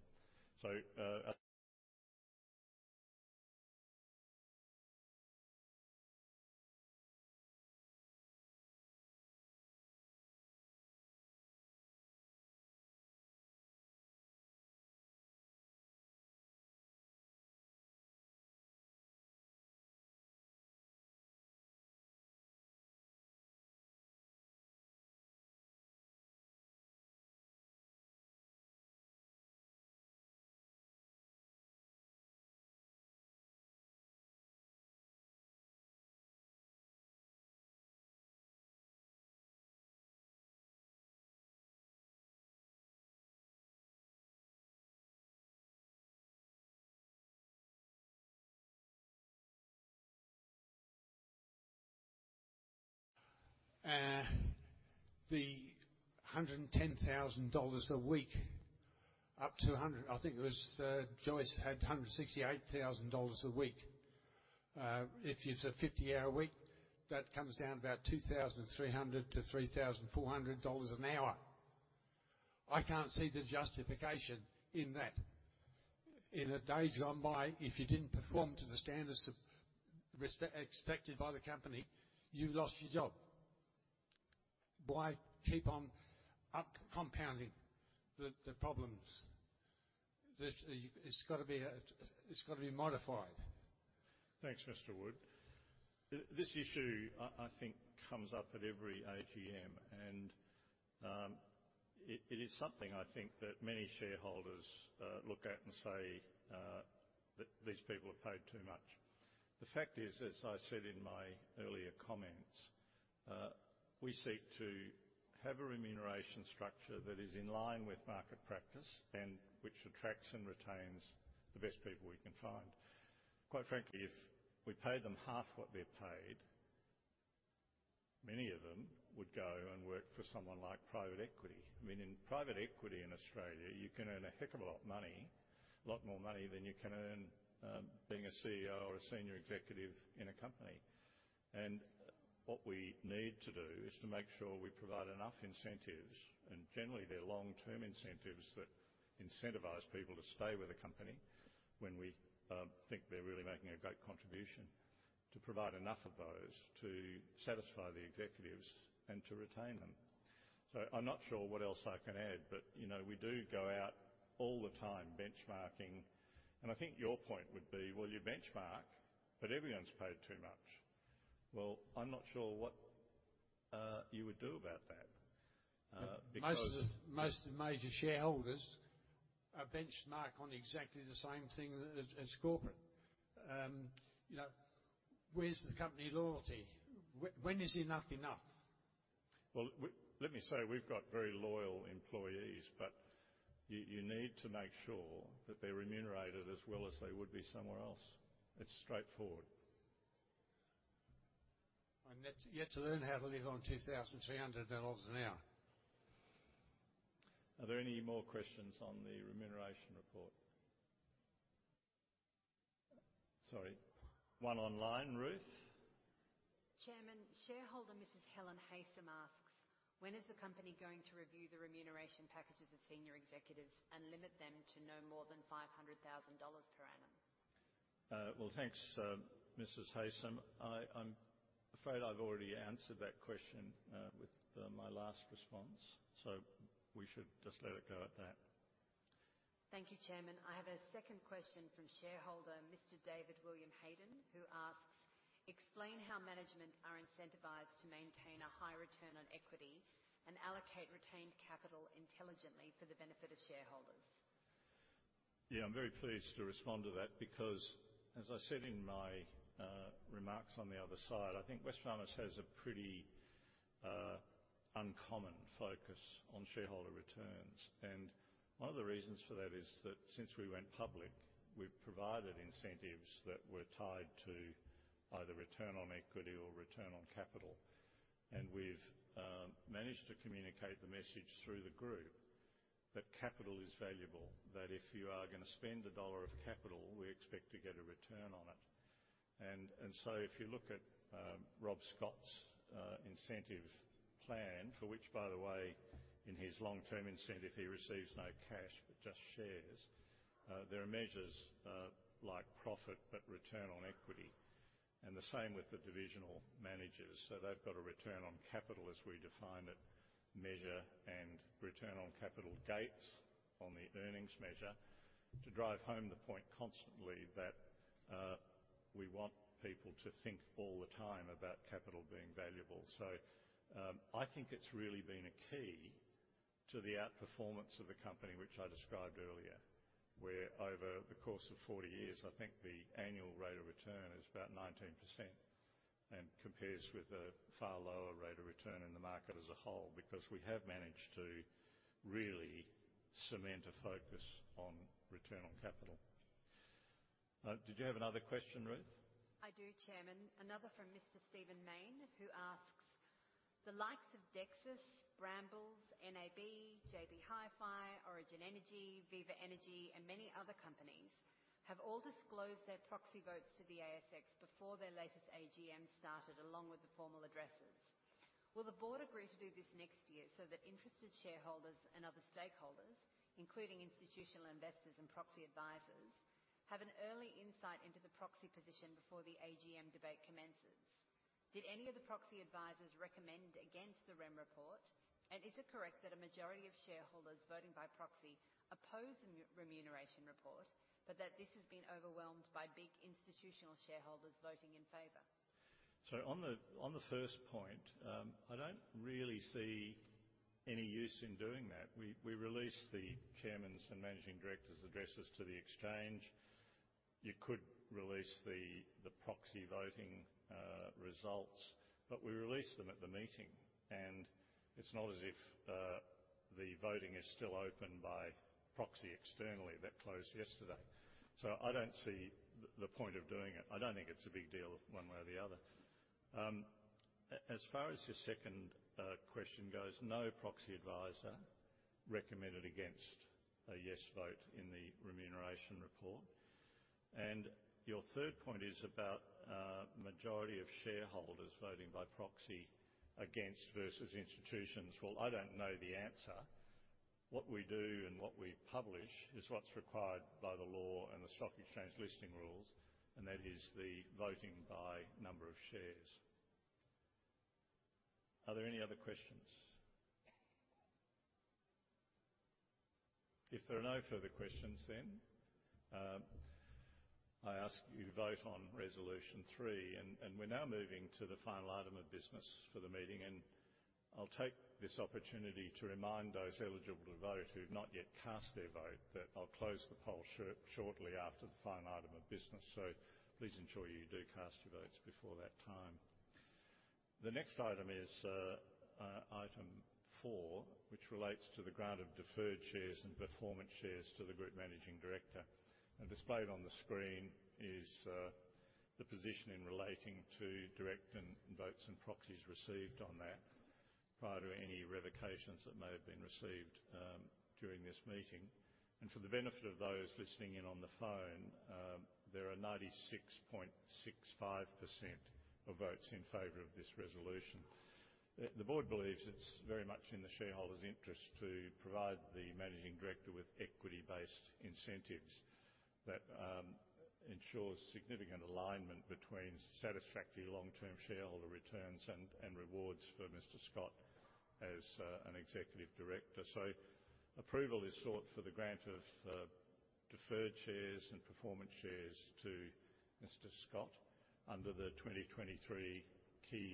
So, The 110,000 dollars a week, up to a hundred... I think it was, Joyce had 168,000 dollars a week. If it's a 50-hour week, that comes down to about 2,300-3,400 dollars an hour. I can't see the justification in that. In the days gone by, if you didn't perform to the standards of expected by the company, you lost your job. Why keep on up compounding the problems? This, it's gotta be, it's gotta be modified. Thanks, Mr. Wood. This issue, I think, comes up at every AGM, and it is something I think that many shareholders look at and say, "That these people are paid too much." The fact is, as I said in my earlier comments, we seek to have a remuneration structure that is in line with market practice and which attracts and retains the best people we can find. Quite frankly, if we paid them half what they're paid, many of them would go and work for someone like private equity. I mean, in private equity in Australia, you can earn a heck of a lot money, a lot more money than you can earn, being a CEO or a senior executive in a company. What we need to do is to make sure we provide enough incentives, and generally, they're long-term incentives that incentivize people to stay with the company when we think they're really making a great contribution, to provide enough of those to satisfy the executives and to retain them. I'm not sure what else I can add, but you know, we do go out all the time benchmarking, and I think your point would be: well, you benchmark, but everyone's paid too much. Well, I'm not sure what you would do about that because- Most of the major shareholders benchmark on exactly the same thing as corporate. You know, where's the company loyalty? When is enough, enough? Well, let me say, we've got very loyal employees, but you, you need to make sure that they're remunerated as well as they would be somewhere else. It's straightforward. I'm yet to learn how to live on $2,300 an hour. Are there any more questions on the remuneration report? Sorry, one online. Ruth? Chairman, shareholder Mrs. Helen Haysom asks, "When is the company going to review the remuneration packages of senior executives and limit them to no more than $500,000 per annum? Well, thanks, Mrs. Haysom. I'm afraid I've already answered that question with my last response, so we should just let it go at that. ...Thank you, Chairman. I have a second question from shareholder Mr. David William Hayden, who asks: "Explain how management are incentivized to maintain a high return on equity and allocate retained capital intelligently for the benefit of shareholders? Yeah, I'm very pleased to respond to that because as I said in my remarks on the other side, I think Wesfarmers has a pretty uncommon focus on shareholder returns. And one of the reasons for that is that since we went public, we've provided incentives that were tied to either return on equity or return on capital. And we've managed to communicate the message through the group that capital is valuable, that if you are gonna spend a dollar of capital, we expect to get a return on it. And so if you look at Rob Scott's incentive plan, for which, by the way, in his long-term incentive, he receives no cash, but just shares. There are measures like profit, but return on equity, and the same with the divisional managers. So they've got a return on capital as we define it, measure and return on capital gates on the earnings measure, to drive home the point constantly that, we want people to think all the time about capital being valuable. So, I think it's really been a key to the outperformance of the company, which I described earlier, where over the course of 40 years, I think the annual rate of return is about 19% and compares with a far lower rate of return in the market as a whole, because we have managed to really cement a focus on return on capital. Did you have another question, Ruth? I do, Chairman. Another from Mr. Stephen Maine, who asks: "The likes of Dexus, Brambles, NAB, JB Hi-Fi, Origin Energy, Viva Energy, and many other companies, have all disclosed their proxy votes to the ASX before their latest AGM started, along with the formal addresses. Will the board agree to do this next year so that interested shareholders and other stakeholders, including institutional investors and proxy advisors, have an early insight into the proxy position before the AGM debate commences? Did any of the proxy advisors recommend against the remuneration report? And is it correct that a majority of shareholders voting by proxy oppose the remuneration report, but that this has been overwhelmed by big institutional shareholders voting in favor? So on the first point, I don't really see any use in doing that. We released the Chairman's and Managing Director's addresses to the exchange. You could release the proxy voting results, but we release them at the meeting, and it's not as if the voting is still open by proxy externally. That closed yesterday. So I don't see the point of doing it. I don't think it's a big deal one way or the other. As far as your second question goes, no proxy advisor recommended against a yes vote in the remuneration report. And your third point is about majority of shareholders voting by proxy against versus institutions. Well, I don't know the answer. What we do and what we publish is what's required by the law and the stock exchange listing rules, and that is the voting by number of shares. Are there any other questions? If there are no further questions, then I ask you to vote on Resolution 3, and we're now moving to the final item of business for the meeting, and I'll take this opportunity to remind those eligible to vote who've not yet cast their vote, that I'll close the poll shortly after the final item of business. So please ensure you do cast your votes before that time. The next item is item four, which relates to the grant of deferred shares and performance shares to the Group Managing Director. Displayed on the screen is the position in relation to direct and indirect votes and proxies received on that prior to any revocations that may have been received during this meeting. For the benefit of those listening in on the phone, there are 96.65% of votes in favor of this resolution. The board believes it's very much in the shareholders' interest to provide the Managing Director with equity-based incentives that ensures significant alignment between satisfactory long-term shareholder returns and rewards for Mr. Scott as an Executive Director. So approval is sought for the grant of Deferred Shares and Performance Shares to Mr. Scott under the 2023 Key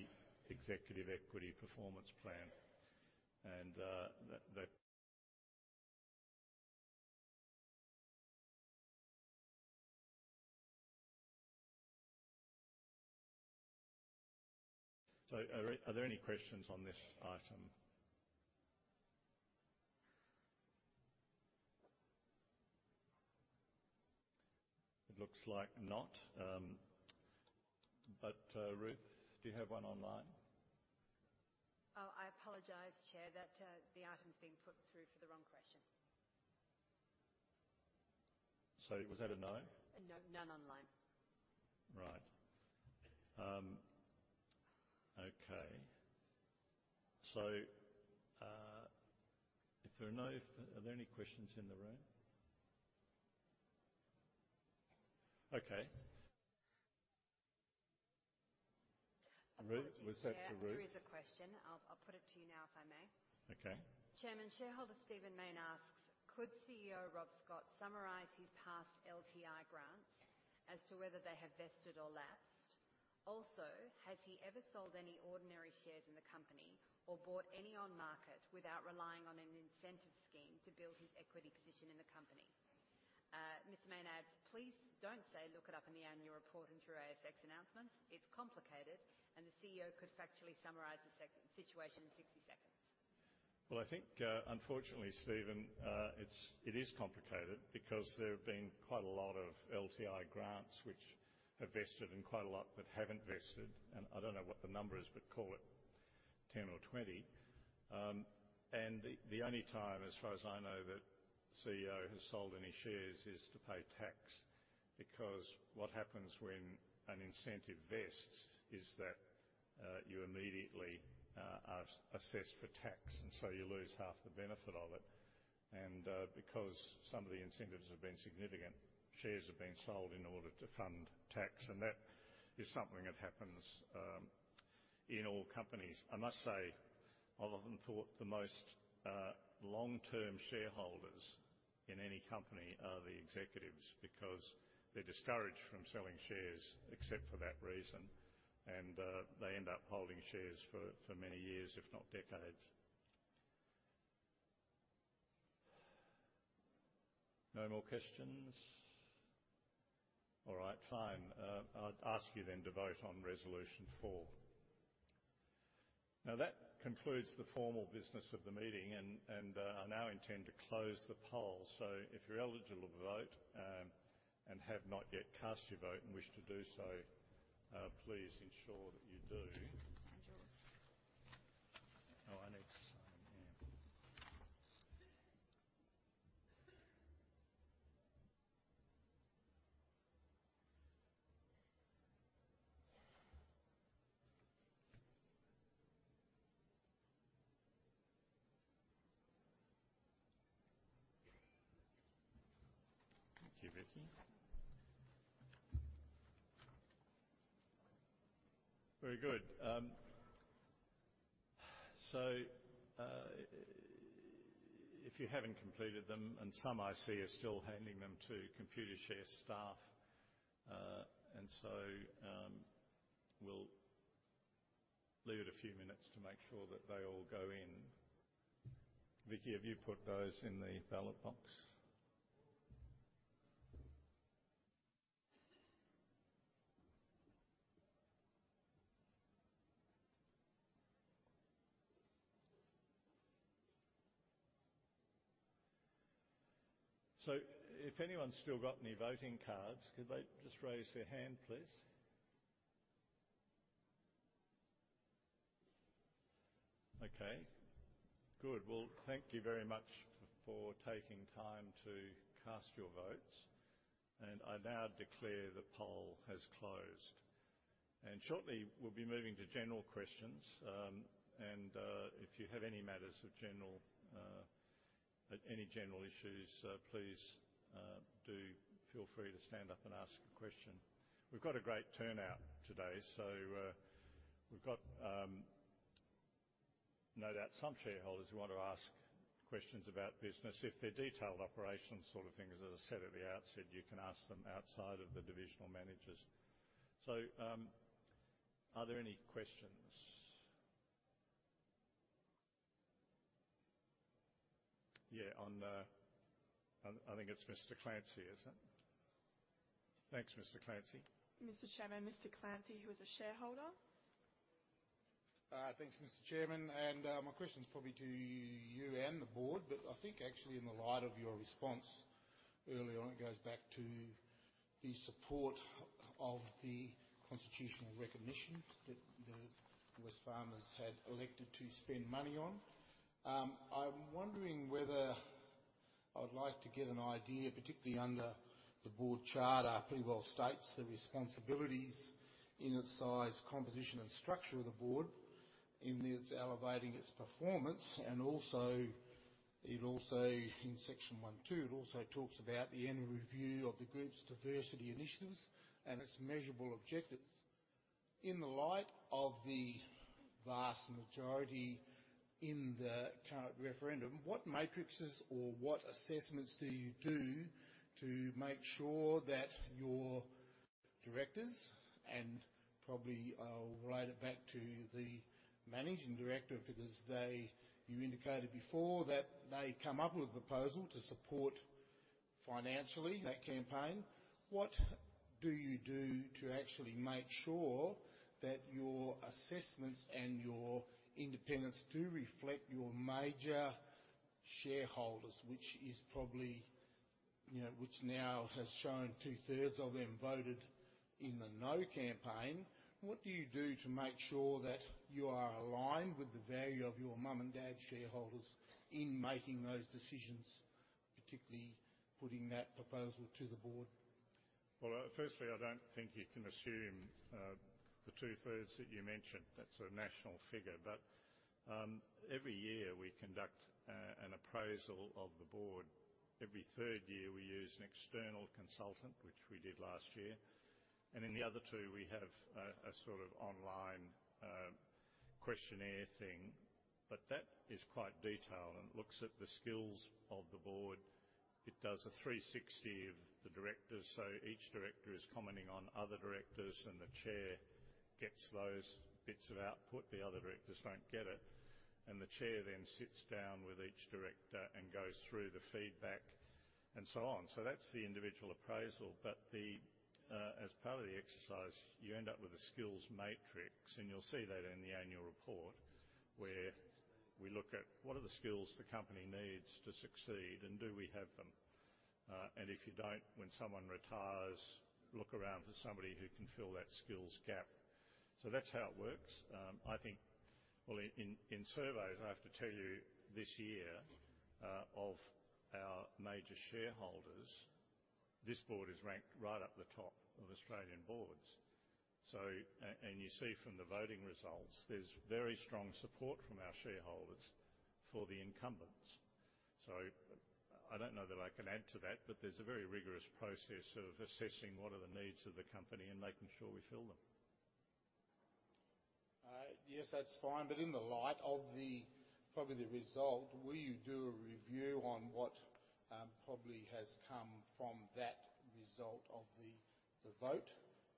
Executive Equity Performance Plan. So are there any questions on this item? It looks like not. But, Ruth, do you have one online? Oh, I apologize, Chair. That, the item's being put through for the wrong question. So was that a no? No, none online. Right. Okay. So, if there are no-- Are there any questions in the room? Okay... Ruth, was that to Ruth? There is a question. I'll put it to you now, if I may. Okay. Chairman, shareholder Stephen Mayne asks: Could CEO Rob Scott summarize his past LTI grants as to whether they have vested or lapsed? Also, has he ever sold any ordinary shares in the company or bought any on market without relying on an incentive scheme to build his equity position in the company? Mr. Mayne adds, "Please don't say look it up in the annual report and through ASX announcements. It's complicated, and the CEO could factually summarize the situation in 60 seconds. Well, I think, unfortunately, Steven, it's, it is complicated because there have been quite a lot of LTI grants which have vested and quite a lot that haven't vested, and I don't know what the number is, but call it 10 or 20. And the, the only time, as far as I know, that CEO has sold any shares is to pay tax, because what happens when an incentive vests is that, you immediately, are assessed for tax, and so you lose half the benefit of it. And, because some of the incentives have been significant, shares have been sold in order to fund tax, and that is something that happens, in all companies. I must say, I'll often thought the most long-term shareholders in any company are the executives, because they're discouraged from selling shares except for that reason, and they end up holding shares for many years, if not decades. No more questions? All right, fine. I'd ask you then to vote on Resolution 4. Now, that concludes the formal business of the meeting, and I now intend to close the poll. So if you're eligible to vote, and have not yet cast your vote and wish to do so, please ensure that you do.[ [Angela] Thank you, Vicki. Very good. So, if you haven't completed them, and some I see are still handing them to Computershare staff, and so, we'll leave it a few minutes to make sure that they all go in. Vicki, have you put those in the ballot box? So if anyone's still got any voting cards, could they just raise their hand, please? Okay, good. Well, thank you very much for taking time to cast your votes, and I now declare the poll has closed. Shortly, we'll be moving to general questions. If you have any matters of general, any general issues, please, do feel free to stand up and ask a question. We've got a great turnout today, so, we've got, no doubt some shareholders who want to ask questions about business. If they're detailed operations sort of things, as I said at the outset, you can ask them outside of the divisional managers. So, are there any questions? Yeah, on... I think it's Mr. Clancy, is it? Thanks, Mr. Clancy. Mr. Chairman, Mr. Clancy, who is a shareholder. Thanks, Mr. Chairman, and my question is probably to you and the board, but I think actually in the light of your response earlier on, it goes back to the support of the constitutional recognition that the Wesfarmers had elected to spend money on. I'm wondering whether I'd like to get an idea, particularly under the board charter, pretty well states the responsibilities in its size, composition, and structure of the board, in its elevating its performance, and also, it also in Section 1.2, it also talks about the annual review of the group's diversity initiatives and its measurable objectives. In the light of the vast majority in the current referendum, what metrics or what assessments do you do to make sure that your directors, and probably I'll relate it back to the managing director, because they, you indicated before that they come up with a proposal to support financially that campaign? What do you do to actually make sure that your assessments and your independence do reflect your major shareholders, which is probably, you know, which now has shown two-thirds of them voted in the no campaign? What do you do to make sure that you are aligned with the value of your mom and dad shareholders in making those decisions, particularly putting that proposal to the board? Well, firstly, I don't think you can assume the two-thirds that you mentioned. That's a national figure, but every year we conduct an appraisal of the board. Every third year, we use an external consultant, which we did last year, and in the other two, we have a sort of online questionnaire thing. But that is quite detailed and looks at the skills of the board. It does a three-sixty of the directors, so each director is commenting on other directors, and the chair gets those bits of output. The other directors don't get it, and the chair then sits down with each director and goes through the feedback and so on. So that's the individual appraisal, but the. As part of the exercise, you end up with a skills matrix, and you'll see that in the annual report, where we look at what are the skills the company needs to succeed, and do we have them? And if you don't, when someone retires, look around for somebody who can fill that skills gap. So that's how it works. I think. Well, in surveys, I have to tell you, this year, of our major shareholders, this board is ranked right at the top of Australian boards. So, and you see from the voting results, there's very strong support from our shareholders for the incumbents. So I don't know that I can add to that, but there's a very rigorous process of assessing what are the needs of the company and making sure we fill them. Yes, that's fine, but in the light of the, probably the result, will you do a review on what, probably has come from that result of the, the vote?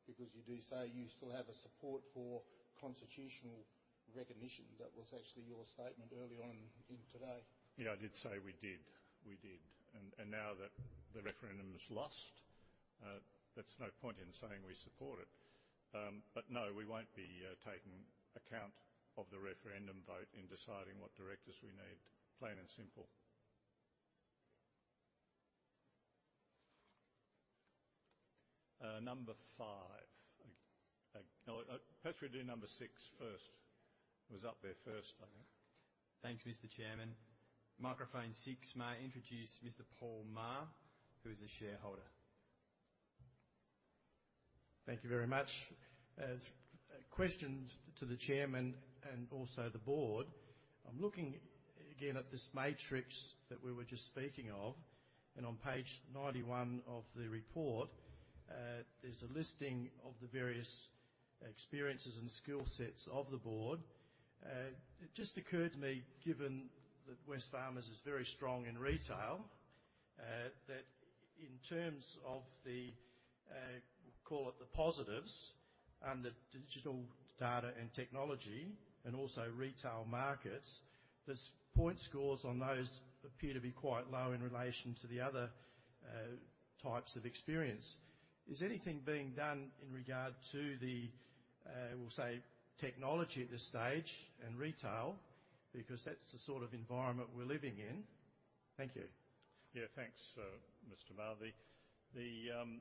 Because you do say you still have a support for constitutional recognition. That was actually your statement early on in today. Yeah, I did say we did. We did. And now that the referendum is lost, there's no point in saying we support it. But no, we won't be taking account of the referendum vote in deciding what directors we need. Plain and simple. Number five. Perhaps we do number six first. It was up there first, I think. Thanks, Mr. Chairman. Microphone six, may I introduce Mr. Paul Maher, who is a shareholder. Thank you very much. As questions to the chairman and also the board, I'm looking again at this matrix that we were just speaking of, and on page 91 of the report, there's a listing of the various experiences and skill sets of the board. It just occurred to me, given that Wesfarmers is very strong in retail, that in terms of the, call it the positives under digital data and technology and also retail markets, the point scores on those appear to be quite low in relation to the other, types of experience. Is anything being done in regard to the, we'll say, technology at this stage and retail? Because that's the sort of environment we're living in. Thank you. Yeah, thanks, Mr. Maher. The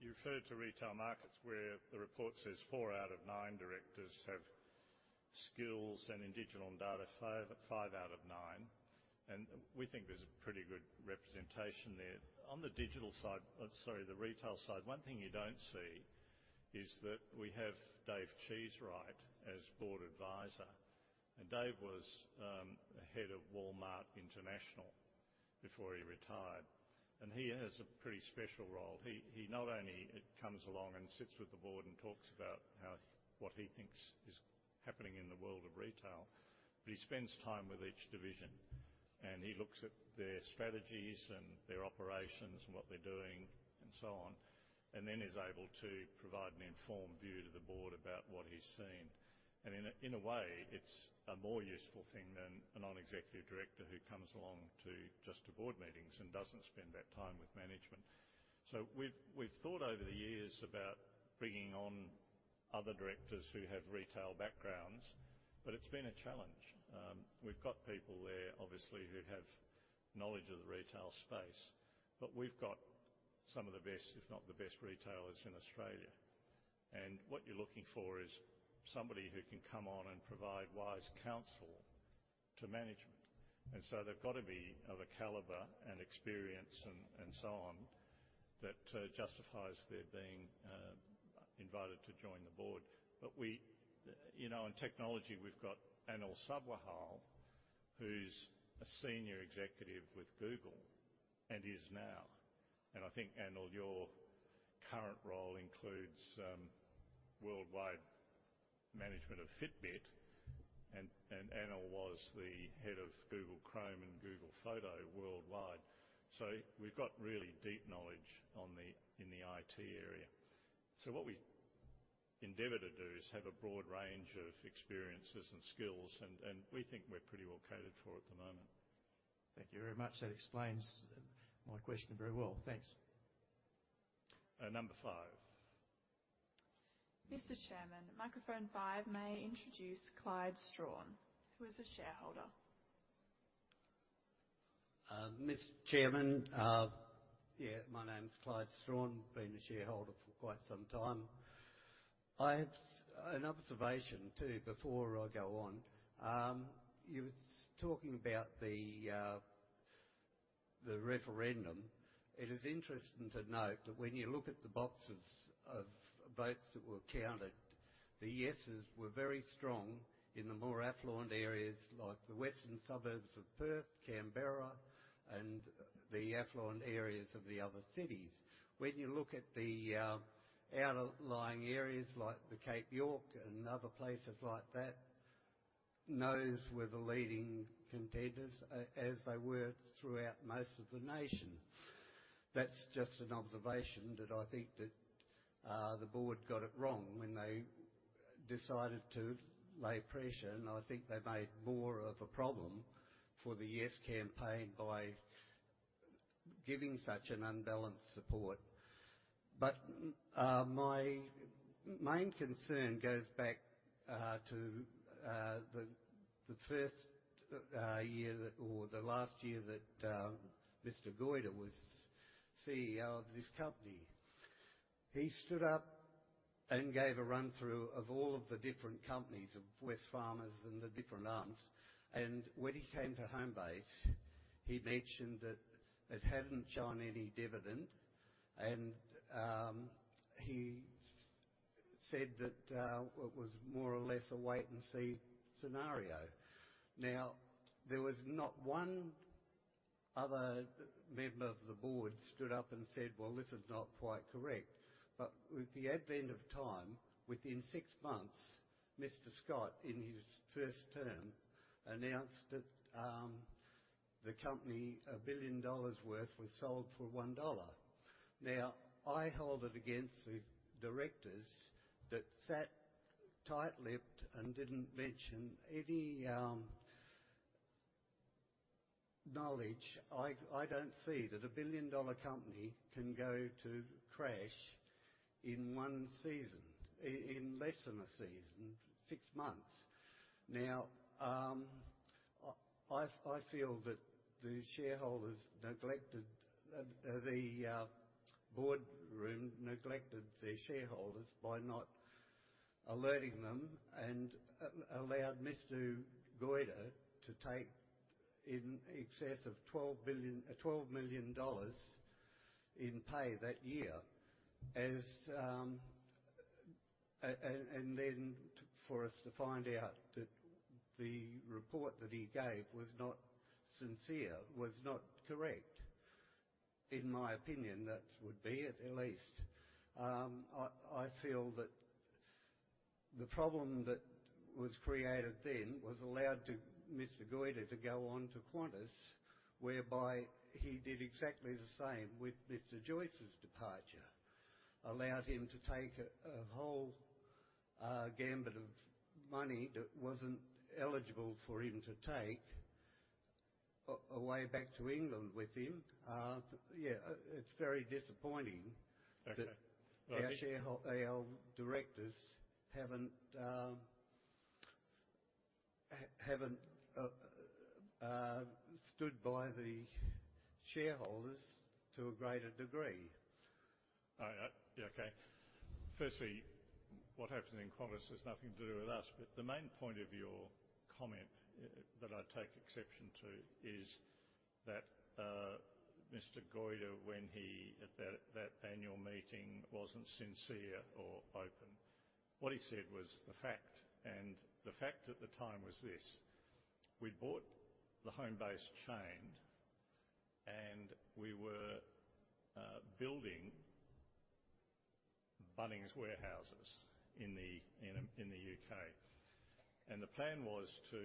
You referred to retail markets, where the report says four out of nine directors have skills, and in digital and data, five, five out of nine, and we think there's a pretty good representation there. On the digital side, sorry, the retail side, one thing you don't see is that we have Dave Cheesewright as board advisor, and Dave was head of Walmart International before he retired, and he has a pretty special role. He not only comes along and sits with the board and talks about how, what he thinks is happening in the world of retail, but he spends time with each division, and he looks at their strategies and their operations and what they're doing, and so on. And then is able to provide an informed view to the board about what he's seen. In a way, it's a more useful thing than a non-executive director who comes along to just to board meetings and doesn't spend that time with management. So we've thought over the years about bringing on other directors who have retail backgrounds, but it's been a challenge. We've got people there, obviously, who have knowledge of the retail space, but we've got some of the best, if not the best, retailers in Australia. What you're looking for is somebody who can come on and provide wise counsel to management, and so they've got to be of a caliber and experience and, and so on, that justifies their being invited to join the board. But we... You know, in technology, we've got Anil Sabharwal, who's a senior executive with Google and is now. I think, Anil, your current role includes worldwide management of Fitbit, and Anil was the head of Google Chrome and Google Photos worldwide. So we've got really deep knowledge in the IT area. So what we endeavor to do is have a broad range of experiences and skills, and we think we're pretty well catered for at the moment. Thank you very much. That explains my question very well. Thanks. Number 5. Mr. Chairman, microphone 5, may I introduce Clyde Straughn, who is a shareholder. Mr. Chairman, my name is Clyde Straughn. Been a shareholder for quite some time. I have an observation, too, before I go on. You were talking about the,... the referendum, it is interesting to note that when you look at the boxes of votes that were counted, the yeses were very strong in the more affluent areas like the western suburbs of Perth, Canberra, and the affluent areas of the other cities. When you look at the outlying areas like the Cape York and other places like that, nos were the leading contenders, as they were throughout most of the nation. That's just an observation that I think that the board got it wrong when they decided to lay pressure, and I think they made more of a problem for the yes campaign by giving such an unbalanced support. But, my main concern goes back, to, the first year that or the last year that, Mr. Goyder was CEO of this company. He stood up and gave a run-through of all of the different companies of Wesfarmers and the different arms, and when he came to Homebase, he mentioned that it hadn't shown any dividend. He said that it was more or less a wait-and-see scenario. Now, there was not one other member of the board stood up and said, "Well, this is not quite correct." But with the advent of time, within six months, Mr. Scott, in his first term, announced that the company, $1 billion worth, was sold for $1. Now, I hold it against the directors that sat tight-lipped and didn't mention any knowledge. I don't see that a billion-dollar company can go to crash in one season, in less than a season, six months. Now, I feel that the boardroom neglected their shareholders by not alerting them and allowed Mr. Goyder to take in excess of $12 billion... $12 million in pay that year, and then for us to find out that the report that he gave was not sincere, was not correct. In my opinion, that would be it, at least. I feel that the problem that was created then was allowed to Mr. Goyder to go on to Qantas, whereby he did exactly the same with Mr. Joyce's departure. Allowed him to take a whole gamut of money that wasn't eligible for him to take away back to England with him. Yeah, it's very disappointing- Okay. that our shareholders, our directors haven't stood by the shareholders to a greater degree. Yeah, okay. Firstly, what happens in Qantas has nothing to do with us, but the main point of your comment that I take exception to is that Mr. Goyder, when he at that annual meeting, wasn't sincere or open. What he said was the fact, and the fact at the time was this: We'd bought the Homebase chain, and we were building Bunnings warehouses in the UK. And the plan was to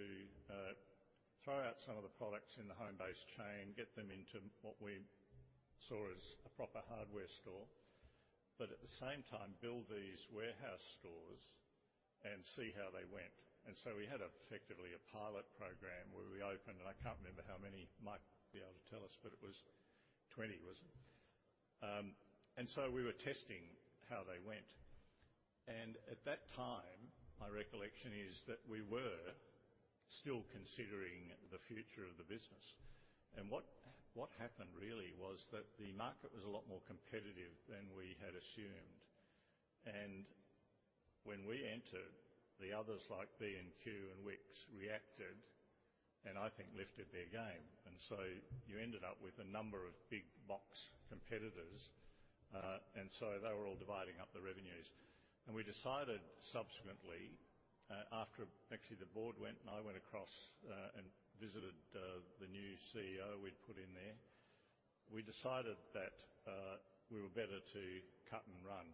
throw out some of the products in the Homebase chain, get them into what we saw as a proper hardware store, but at the same time, build these warehouse stores and see how they went. And so we had effectively a pilot program where we opened, and I can't remember how many, Mike might be able to tell us, but it was 20, was it? and so we were testing how they went, and at that time, my recollection is that we were still considering the future of the business. And what, what happened really was that the market was a lot more competitive than we had assumed. And when we entered, the others, like B&Q and Wickes, reacted and I think lifted their game, and so you ended up with a number of big box competitors. and so they were all dividing up the revenues. And we decided subsequently, after actually the board went, and I went across, and visited, the new CEO we'd put in there. We decided that, we were better to cut and run.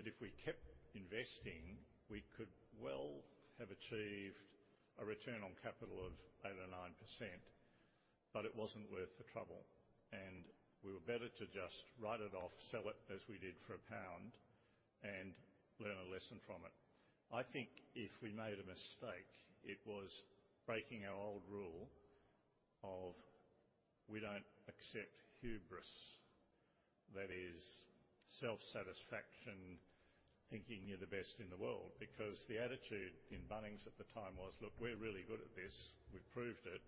That if we kept investing, we could well have achieved a return on capital of 8% or 9%, but it wasn't worth the trouble, and we were better to just write it off, sell it as we did for GBP 1, and learn a lesson from it. I think if we made a mistake, it was breaking our old rule of we don't accept hubris. That is, self-satisfaction, thinking you're the best in the world, because the attitude in Bunnings at the time was: Look, we're really good at this, we've proved it,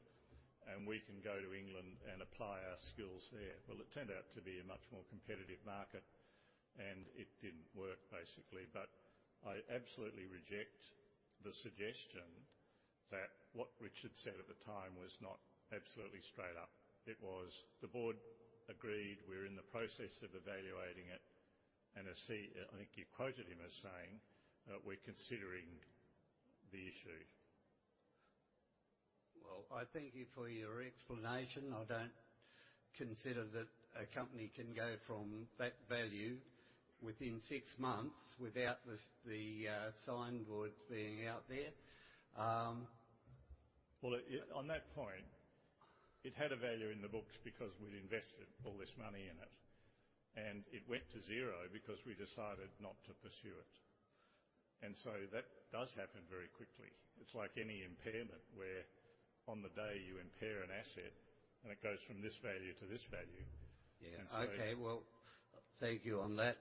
and we can go to England and apply our skills there. Well, it turned out to be a much more competitive market, and it didn't work, basically. But I absolutely reject the suggestion that what Richard said at the time was not absolutely straight up. It was, "The board agreed. We're in the process of evaluating it," and as he, I think you quoted him as saying, "We're considering the issue. Well, I thank you for your explanation. I don't consider that a company can go from that value within six months without the sign board being out there. Well, on that point, it had a value in the books because we'd invested all this money in it, and it went to zero because we decided not to pursue it, and so that does happen very quickly. It's like any impairment, where on the day you impair an asset, and it goes from this value to this value. Yeah. And so- Okay, well, thank you on that.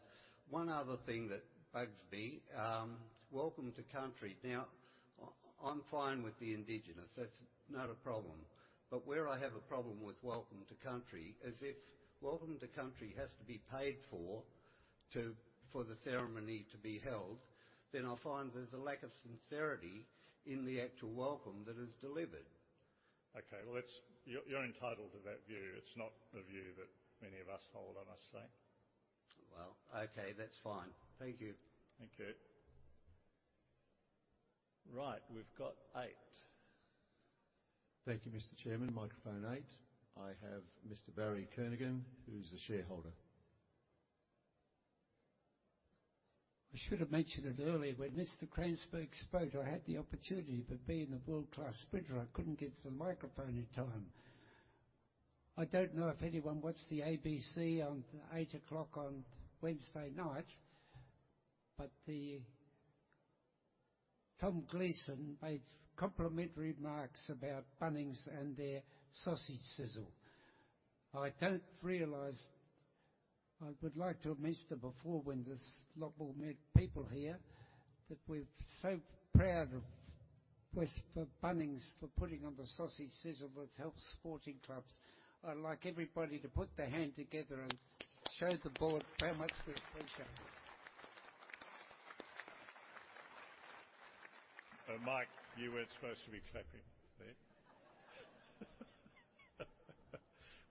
One other thing that bugs me, Welcome to Country. Now, I'm fine with the Indigenous. That's not a problem. But where I have a problem with Welcome to Country is if Welcome to Country has to be paid for, for the ceremony to be held, then I find there's a lack of sincerity in the actual welcome that is delivered. Okay, well, that's... You're entitled to that view. It's not the view that many of us hold, I must say. Well, okay, that's fine. Thank you. Thank you. Right, we've got eight. Thank you, Mr. Chairman. Microphone eight, I have Mr. Barry Kernaghan, who is a shareholder. I should have mentioned it earlier, when Mr. Cransberg spoke, I had the opportunity, but being a world-class sprinter, I couldn't get to the microphone in time. I don't know if anyone watched the ABC at 8:00 P.M. on Wednesday night, but Tom Gleeson made complimentary remarks about Bunnings and their sausage sizzle. I would like to have mentioned it before, when there's a lot more people here, that we're so proud of Wesfarmers Bunnings for putting on the sausage sizzle, which helps sporting clubs. I'd like everybody to put their hands together and show the board how much we appreciate it. Oh, Mike, you weren't supposed to be clapping there.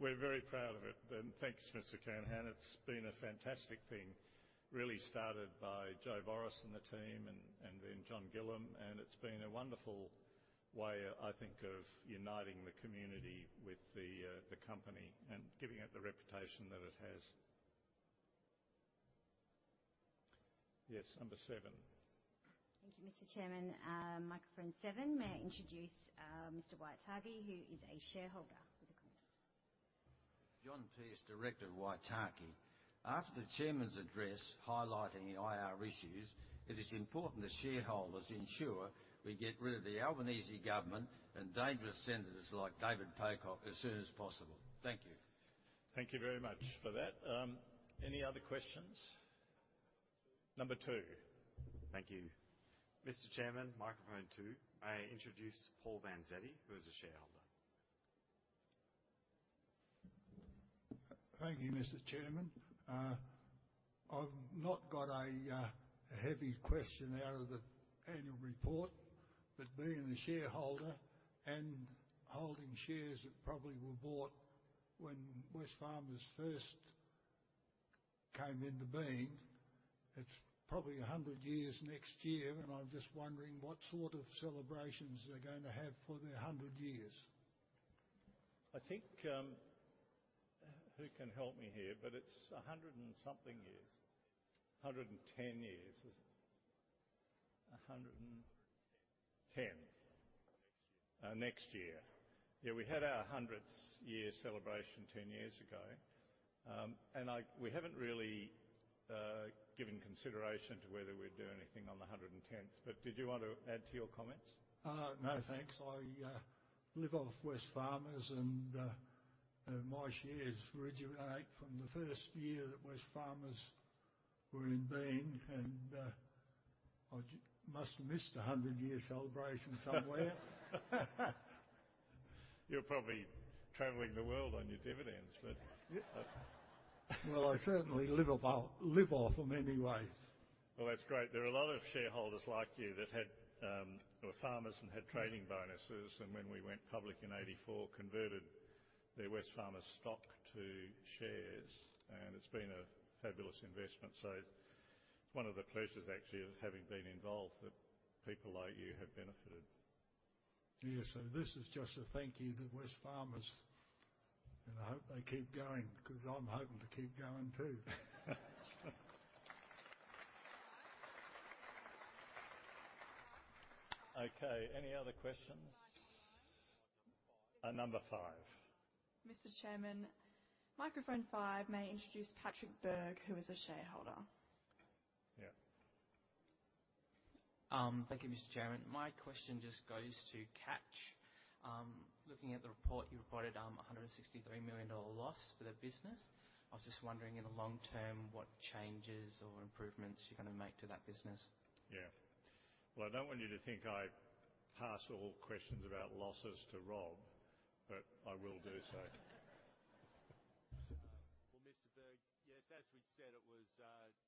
We're very proud of it, and thanks, Mr. Kernaghan. It's been a fantastic thing, really started by Joe Boros and the team and, and then John Gillam, and it's been a wonderful way, I think, of uniting the community with the company and giving it the reputation that it has. Yes, number seven. Thank you, Mr. Chairman. Microphone seven, may I introduce Mr. Waitaki, who is a shareholder with a comment. John Pierce, director of Waitaki. After the chairman's address highlighting the IR issues, it is important that shareholders ensure we get rid of the Albanese government and dangerous senators like David Pocock, as soon as possible. Thank you. Thank you very much for that. Any other questions? Number two. Thank you. Mr. Chairman, microphone two, I introduce Paul Vanzetti, who is a shareholder. Thank you, Mr. Chairman. I've not got a heavy question out of the annual report, but being a shareholder and holding shares that probably were bought when Wesfarmers first came into being, it's probably 100 years next year, and I'm just wondering what sort of celebrations they're going to have for their 100 years. I think, who can help me here? But it's 100-something years. 110 years, is it? 100 and- Ten. Ten. Next year. Next year. Yeah, we had our 100th year celebration 10 years ago. We haven't really given consideration to whether we'd do anything on the 110th, but did you want to add to your comments? No, thanks. I live off Wesfarmers, and my shares originate from the first year that Wesfarmers were in being, and I must have missed a 100-year celebration somewhere. You were probably traveling the world on your dividends, but- Well, I certainly live off of, live off them anyway. Well, that's great. There are a lot of shareholders like you that were farmers and had trading bonuses, and when we went public in 1984, converted their Wesfarmers stock to shares, and it's been a fabulous investment. So it's one of the pleasures, actually, of having been involved, that people like you have benefited. Yeah. So this is just a thank you to Wesfarmers, and I hope they keep going because I'm hoping to keep going, too. Okay, any other questions? Microphone five. Number 5. Mr. Chairman, microphone five. May I introduce Patrick Berg, who is a shareholder. Yeah. Thank you, Mr. Chairman. My question just goes to Catch. Looking at the report, you reported $163 million loss for the business. I was just wondering, in the long term, what changes or improvements you're gonna make to that business? Yeah. Well, I don't want you to think I pass all questions about losses to Rob, but I will do so.... said it was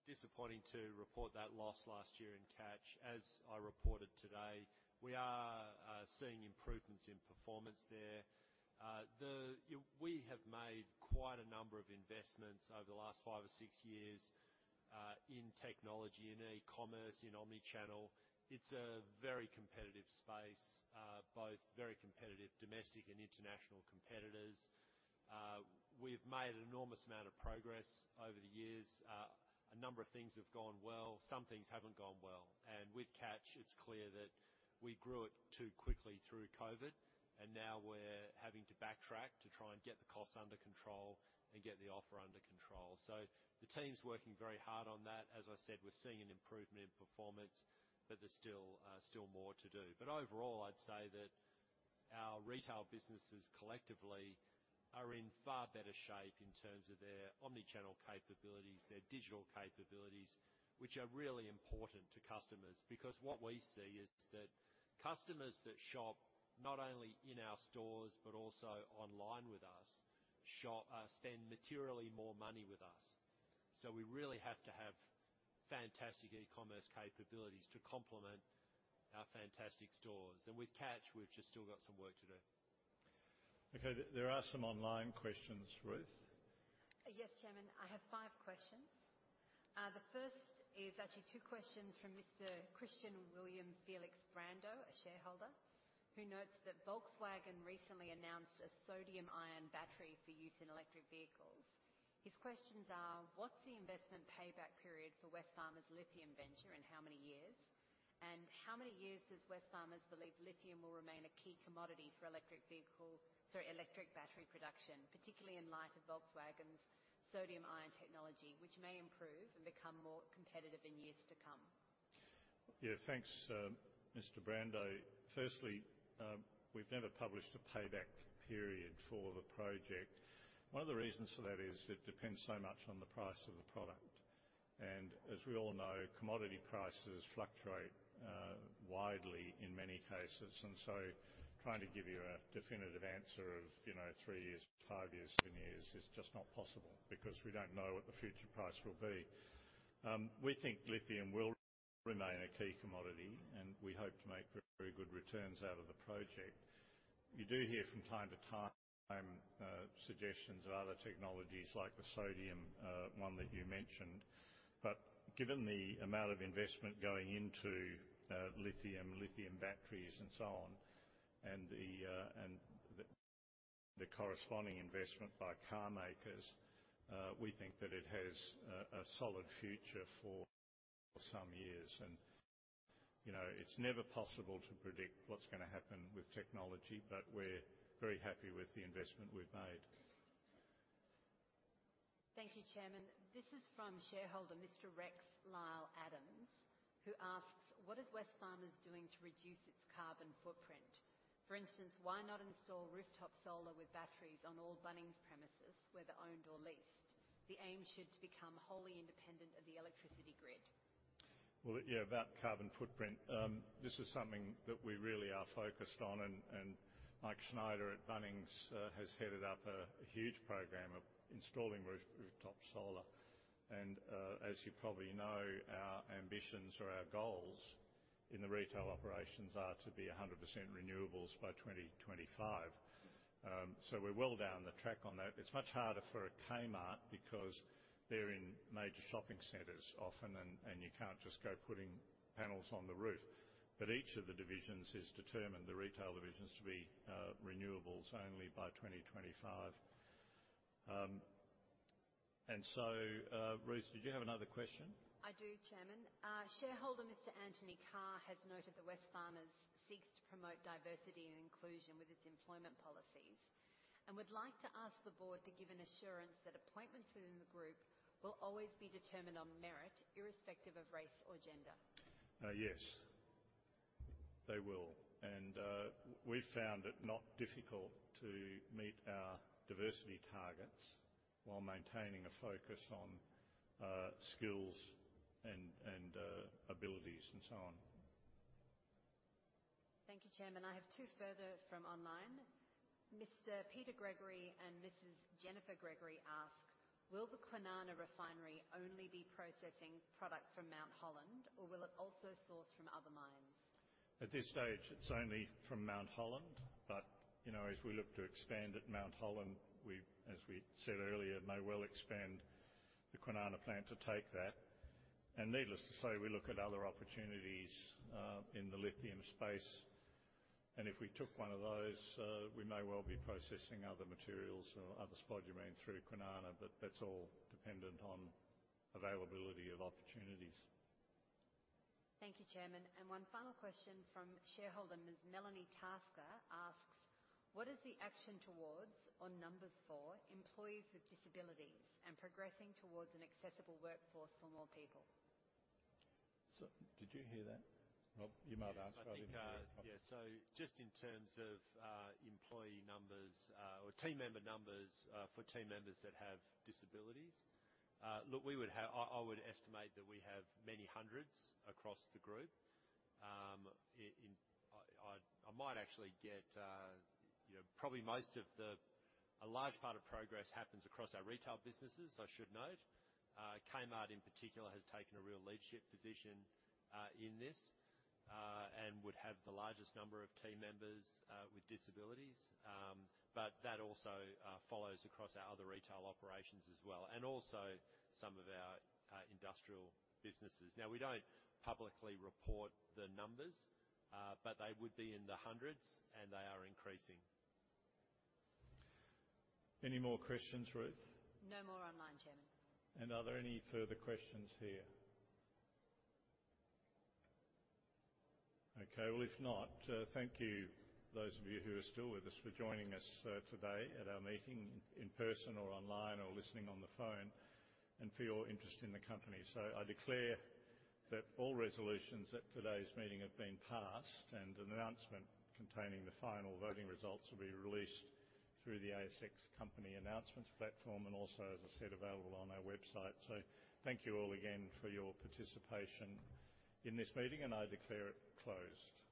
disappointing to report that loss last year in Catch. As I reported today, we are seeing improvements in performance there. We have made quite a number of investments over the last five or six years in technology, in e-commerce, in omni-channel. It's a very competitive space, both very competitive domestic and international competitors. We've made an enormous amount of progress over the years. A number of things have gone well, some things haven't gone well. And with Catch, it's clear that we grew it too quickly through COVID, and now we're having to backtrack to try and get the costs under control and get the offer under control. So the team's working very hard on that. As I said, we're seeing an improvement in performance, but there's still more to do. But overall, I'd say that our retail businesses collectively are in far better shape in terms of their omni-channel capabilities, their digital capabilities, which are really important to customers. Because what we see is that customers that shop not only in our stores but also online with us spend materially more money with us. So we really have to have fantastic e-commerce capabilities to complement our fantastic stores. And with Catch, we've just still got some work to do. Okay. There are some online questions, Ruth. Yes, Chairman, I have five questions. The first is actually two questions from Mr. Christian William Felix Brando, a shareholder, who notes that Volkswagen recently announced a sodium ion battery for use in electric vehicles. His questions are: What's the investment payback period for Wesfarmers lithium venture, and how many years? And how many years does Wesfarmers believe lithium will remain a key commodity for electric vehicle... sorry, electric battery production, particularly in light of Volkswagen's sodium ion technology, which may improve and become more competitive in years to come? Yeah, thanks, Mr Brando. Firstly, we've never published a payback period for the project. One of the reasons for that is it depends so much on the price of the product, and as we all know, commodity prices fluctuate widely in many cases. And so trying to give you a definitive answer of, you know, 3 years, 5 years, 10 years, is just not possible because we don't know what the future price will be. We think lithium will remain a key commodity, and we hope to make very good returns out of the project. You do hear from time to time suggestions of other technologies like the sodium one that you mentioned. But given the amount of investment going into lithium batteries, and so on, and the corresponding investment by car makers, we think that it has a solid future for some years. And, you know, it's never possible to predict what's gonna happen with technology, but we're very happy with the investment we've made. Thank you, Chairman. This is from shareholder Mr Rex Lyle Adams, who asks: What is Wesfarmers doing to reduce its carbon footprint? For instance, why not install rooftop solar with batteries on all Bunnings premises, whether owned or leased? The aim should become wholly independent of the electricity grid. Well, yeah, that carbon footprint, this is something that we really are focused on, and Mike Schneider at Bunnings has headed up a huge program of installing roof, rooftop solar. And, as you probably know, our ambitions or our goals in the retail operations are to be 100% renewables by 2025. So we're well down the track on that. It's much harder for a Kmart because they're in major shopping centres often, and you can't just go putting panels on the roof. But each of the divisions is determined, the retail divisions, to be renewables only by 2025. And so, Ruth, did you have another question? I do, Chairman. Shareholder Mr Anthony Carr has noted that Wesfarmers seeks to promote diversity and inclusion with its employment policies and would like to ask the board to give an assurance that appointments within the group will always be determined on merit, irrespective of race or gender. Yes, they will. And, we've found it not difficult to meet our diversity targets while maintaining a focus on skills and abilities and so on. Thank you, Chairman. I have two further from online. Mr Peter Gregory and Mrs Jennifer Gregory ask: Will the Kwinana refinery only be processing product from Mount Holland, or will it also source from other mines? At this stage, it's only from Mount Holland, but, you know, as we look to expand at Mount Holland, we, as we said earlier, may well expand the Kwinana plant to take that. And needless to say, we look at other opportunities in the lithium space, and if we took one of those, we may well be processing other materials or other spodumene through Kwinana, but that's all dependent on availability of opportunities. Thank you, Chairman. One final question from shareholder Ms. Melanie Tasker asks: What is the action towards, or numbers for, employees with disabilities and progressing towards an accessible workforce for more people? So did you hear that, Rob? You might ask- Yes, I think, yeah. So just in terms of employee numbers or team member numbers for team members that have disabilities, look, we would have... I would estimate that we have many hundreds across the group. In, I might actually get, you know, probably most of the. A large part of progress happens across our retail businesses, I should note. Kmart, in particular, has taken a real leadership position in this and would have the largest number of team members with disabilities. But that also follows across our other retail operations as well, and also some of our industrial businesses. Now, we don't publicly report the numbers, but they would be in the hundreds, and they are increasing. Any more questions, Ruth? No more online, Chairman. Are there any further questions here? Okay, well, if not, thank you those of you who are still with us for joining us today at our meeting, in person or online or listening on the phone, and for your interest in the company. So I declare that all resolutions at today's meeting have been passed, and an announcement containing the final voting results will be released through the ASX company announcements platform and also, as I said, available on our website. So thank you all again for your participation in this meeting, and I declare it closed.